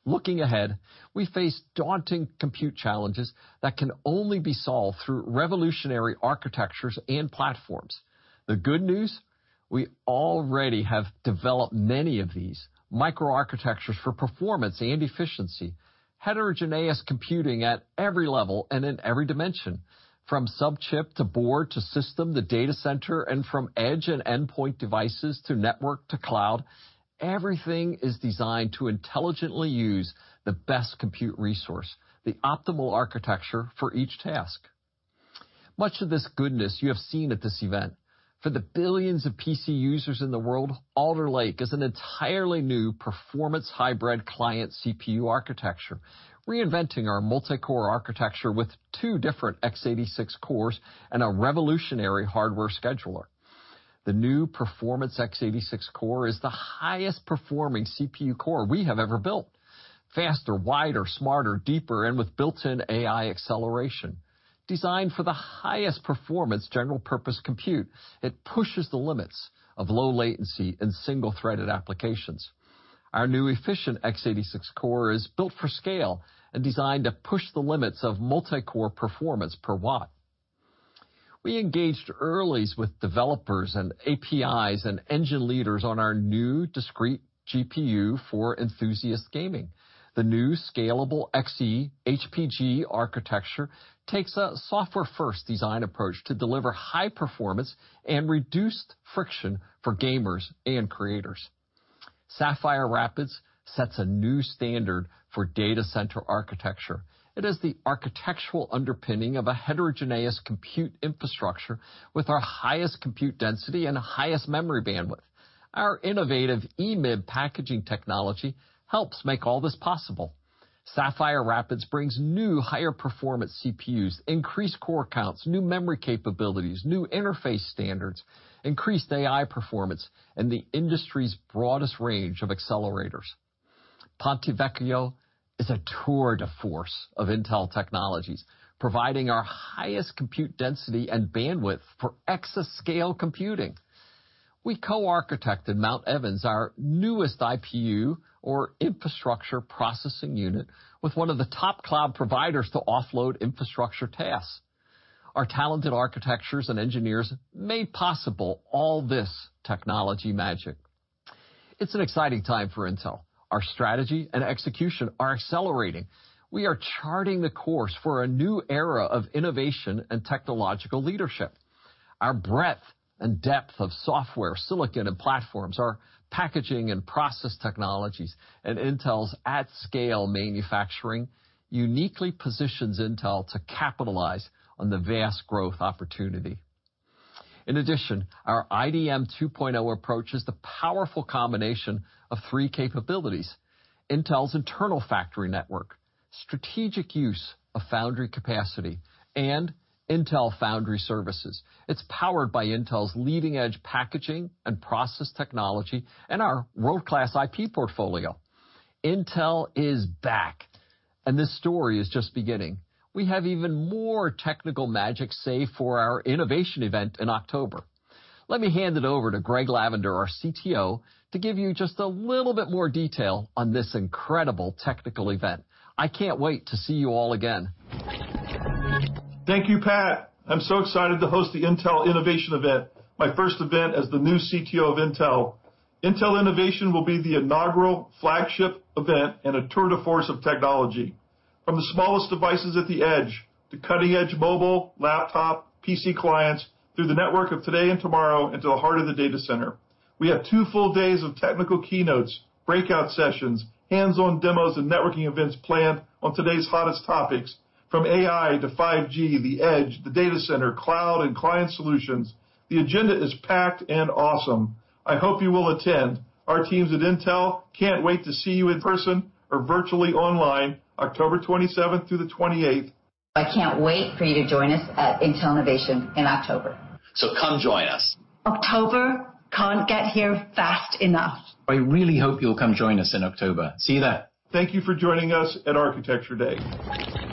Looking ahead, we face daunting compute challenges that can only be solved through revolutionary architectures and platforms. The good news, we already have developed many of these microarchitectures for performance and efficiency, heterogeneous computing at every level and in every dimension. From sub-chip to board to system to data center, and from edge and endpoint devices to network to cloud, everything is designed to intelligently use the best compute resource, the optimal architecture for each task. Much of this goodness you have seen at this event. For the billions of PC users in the world, Alder Lake is an entirely new performance hybrid client CPU architecture, reinventing our multi-core architecture with two different x86 cores and a revolutionary hardware scheduler. The new performance x86 core is the highest performing CPU core we have ever built. Faster, wider, smarter, deeper, and with built-in AI acceleration. Designed for the highest performance general purpose compute, it pushes the limits of low latency and single-threaded applications. Our new efficient x86 core is built for scale and designed to push the limits of multi-core performance per watt. We engaged early with developers and APIs and engine leaders on our new discrete GPU for enthusiast gaming. The new scalable Xe-HPG architecture takes a software-first design approach to deliver high performance and reduced friction for gamers and creators. Sapphire Rapids sets a new standard for data center architecture. It is the architectural underpinning of a heterogeneous compute infrastructure with our highest compute density and highest memory bandwidth. Our innovative EMIB packaging technology helps make all this possible. Sapphire Rapids brings new higher performance CPUs, increased core counts, new memory capabilities, new interface standards, increased AI performance, and the industry's broadest range of accelerators. Ponte Vecchio is a tour de force of Intel technologies, providing our highest compute density and bandwidth for Exascale computing. We co-architected Mount Evans, our newest IPU, or Infrastructure Processing Unit, with one of the top cloud providers to offload infrastructure tasks. Our talented architectures and engineers made possible all this technology magic. It's an exciting time for Intel. Our strategy and execution are accelerating. We are charting the course for a new era of innovation and technological leadership. Our breadth and depth of software, silicon, and platforms, our packaging and process technologies, and Intel's at-scale manufacturing uniquely positions Intel to capitalize on the vast growth opportunity. In addition, our IDM 2.0 approach is the powerful combination of three capabilities: Intel's internal factory network, strategic use of foundry capacity, and Intel Foundry Services. It's powered by Intel's leading-edge packaging and process technology and our world-class IP portfolio. Intel is back, and this story is just beginning. We have even more technical magic saved for our Innovation Event in October. Let me hand it over to Greg Lavender, our CTO, to give you just a little bit more detail on this incredible technical event. I can't wait to see you all again. Thank you, Pat. I'm so excited to host the Intel Innovation Event, my first event as the new CTO of Intel. Intel Innovation will be the inaugural flagship event and a tour de force of technology. From the smallest devices at the edge to cutting-edge mobile, laptop, PC clients through the network of today and tomorrow into the heart of the data center. We have two full days of technical keynotes, breakout sessions, hands-on demos, and networking events planned on today's hottest topics, from AI to 5G, the edge, the data center, cloud, and client solutions. The agenda is packed and awesome. I hope you will attend. Our teams at Intel can't wait to see you in person or virtually online, October 27th through the 28th. I can't wait for you to join us at Intel Innovation in October. Come join us. October can't get here fast enough. I really hope you'll come join us in October. See you there. Thank you for joining us at Architecture Day.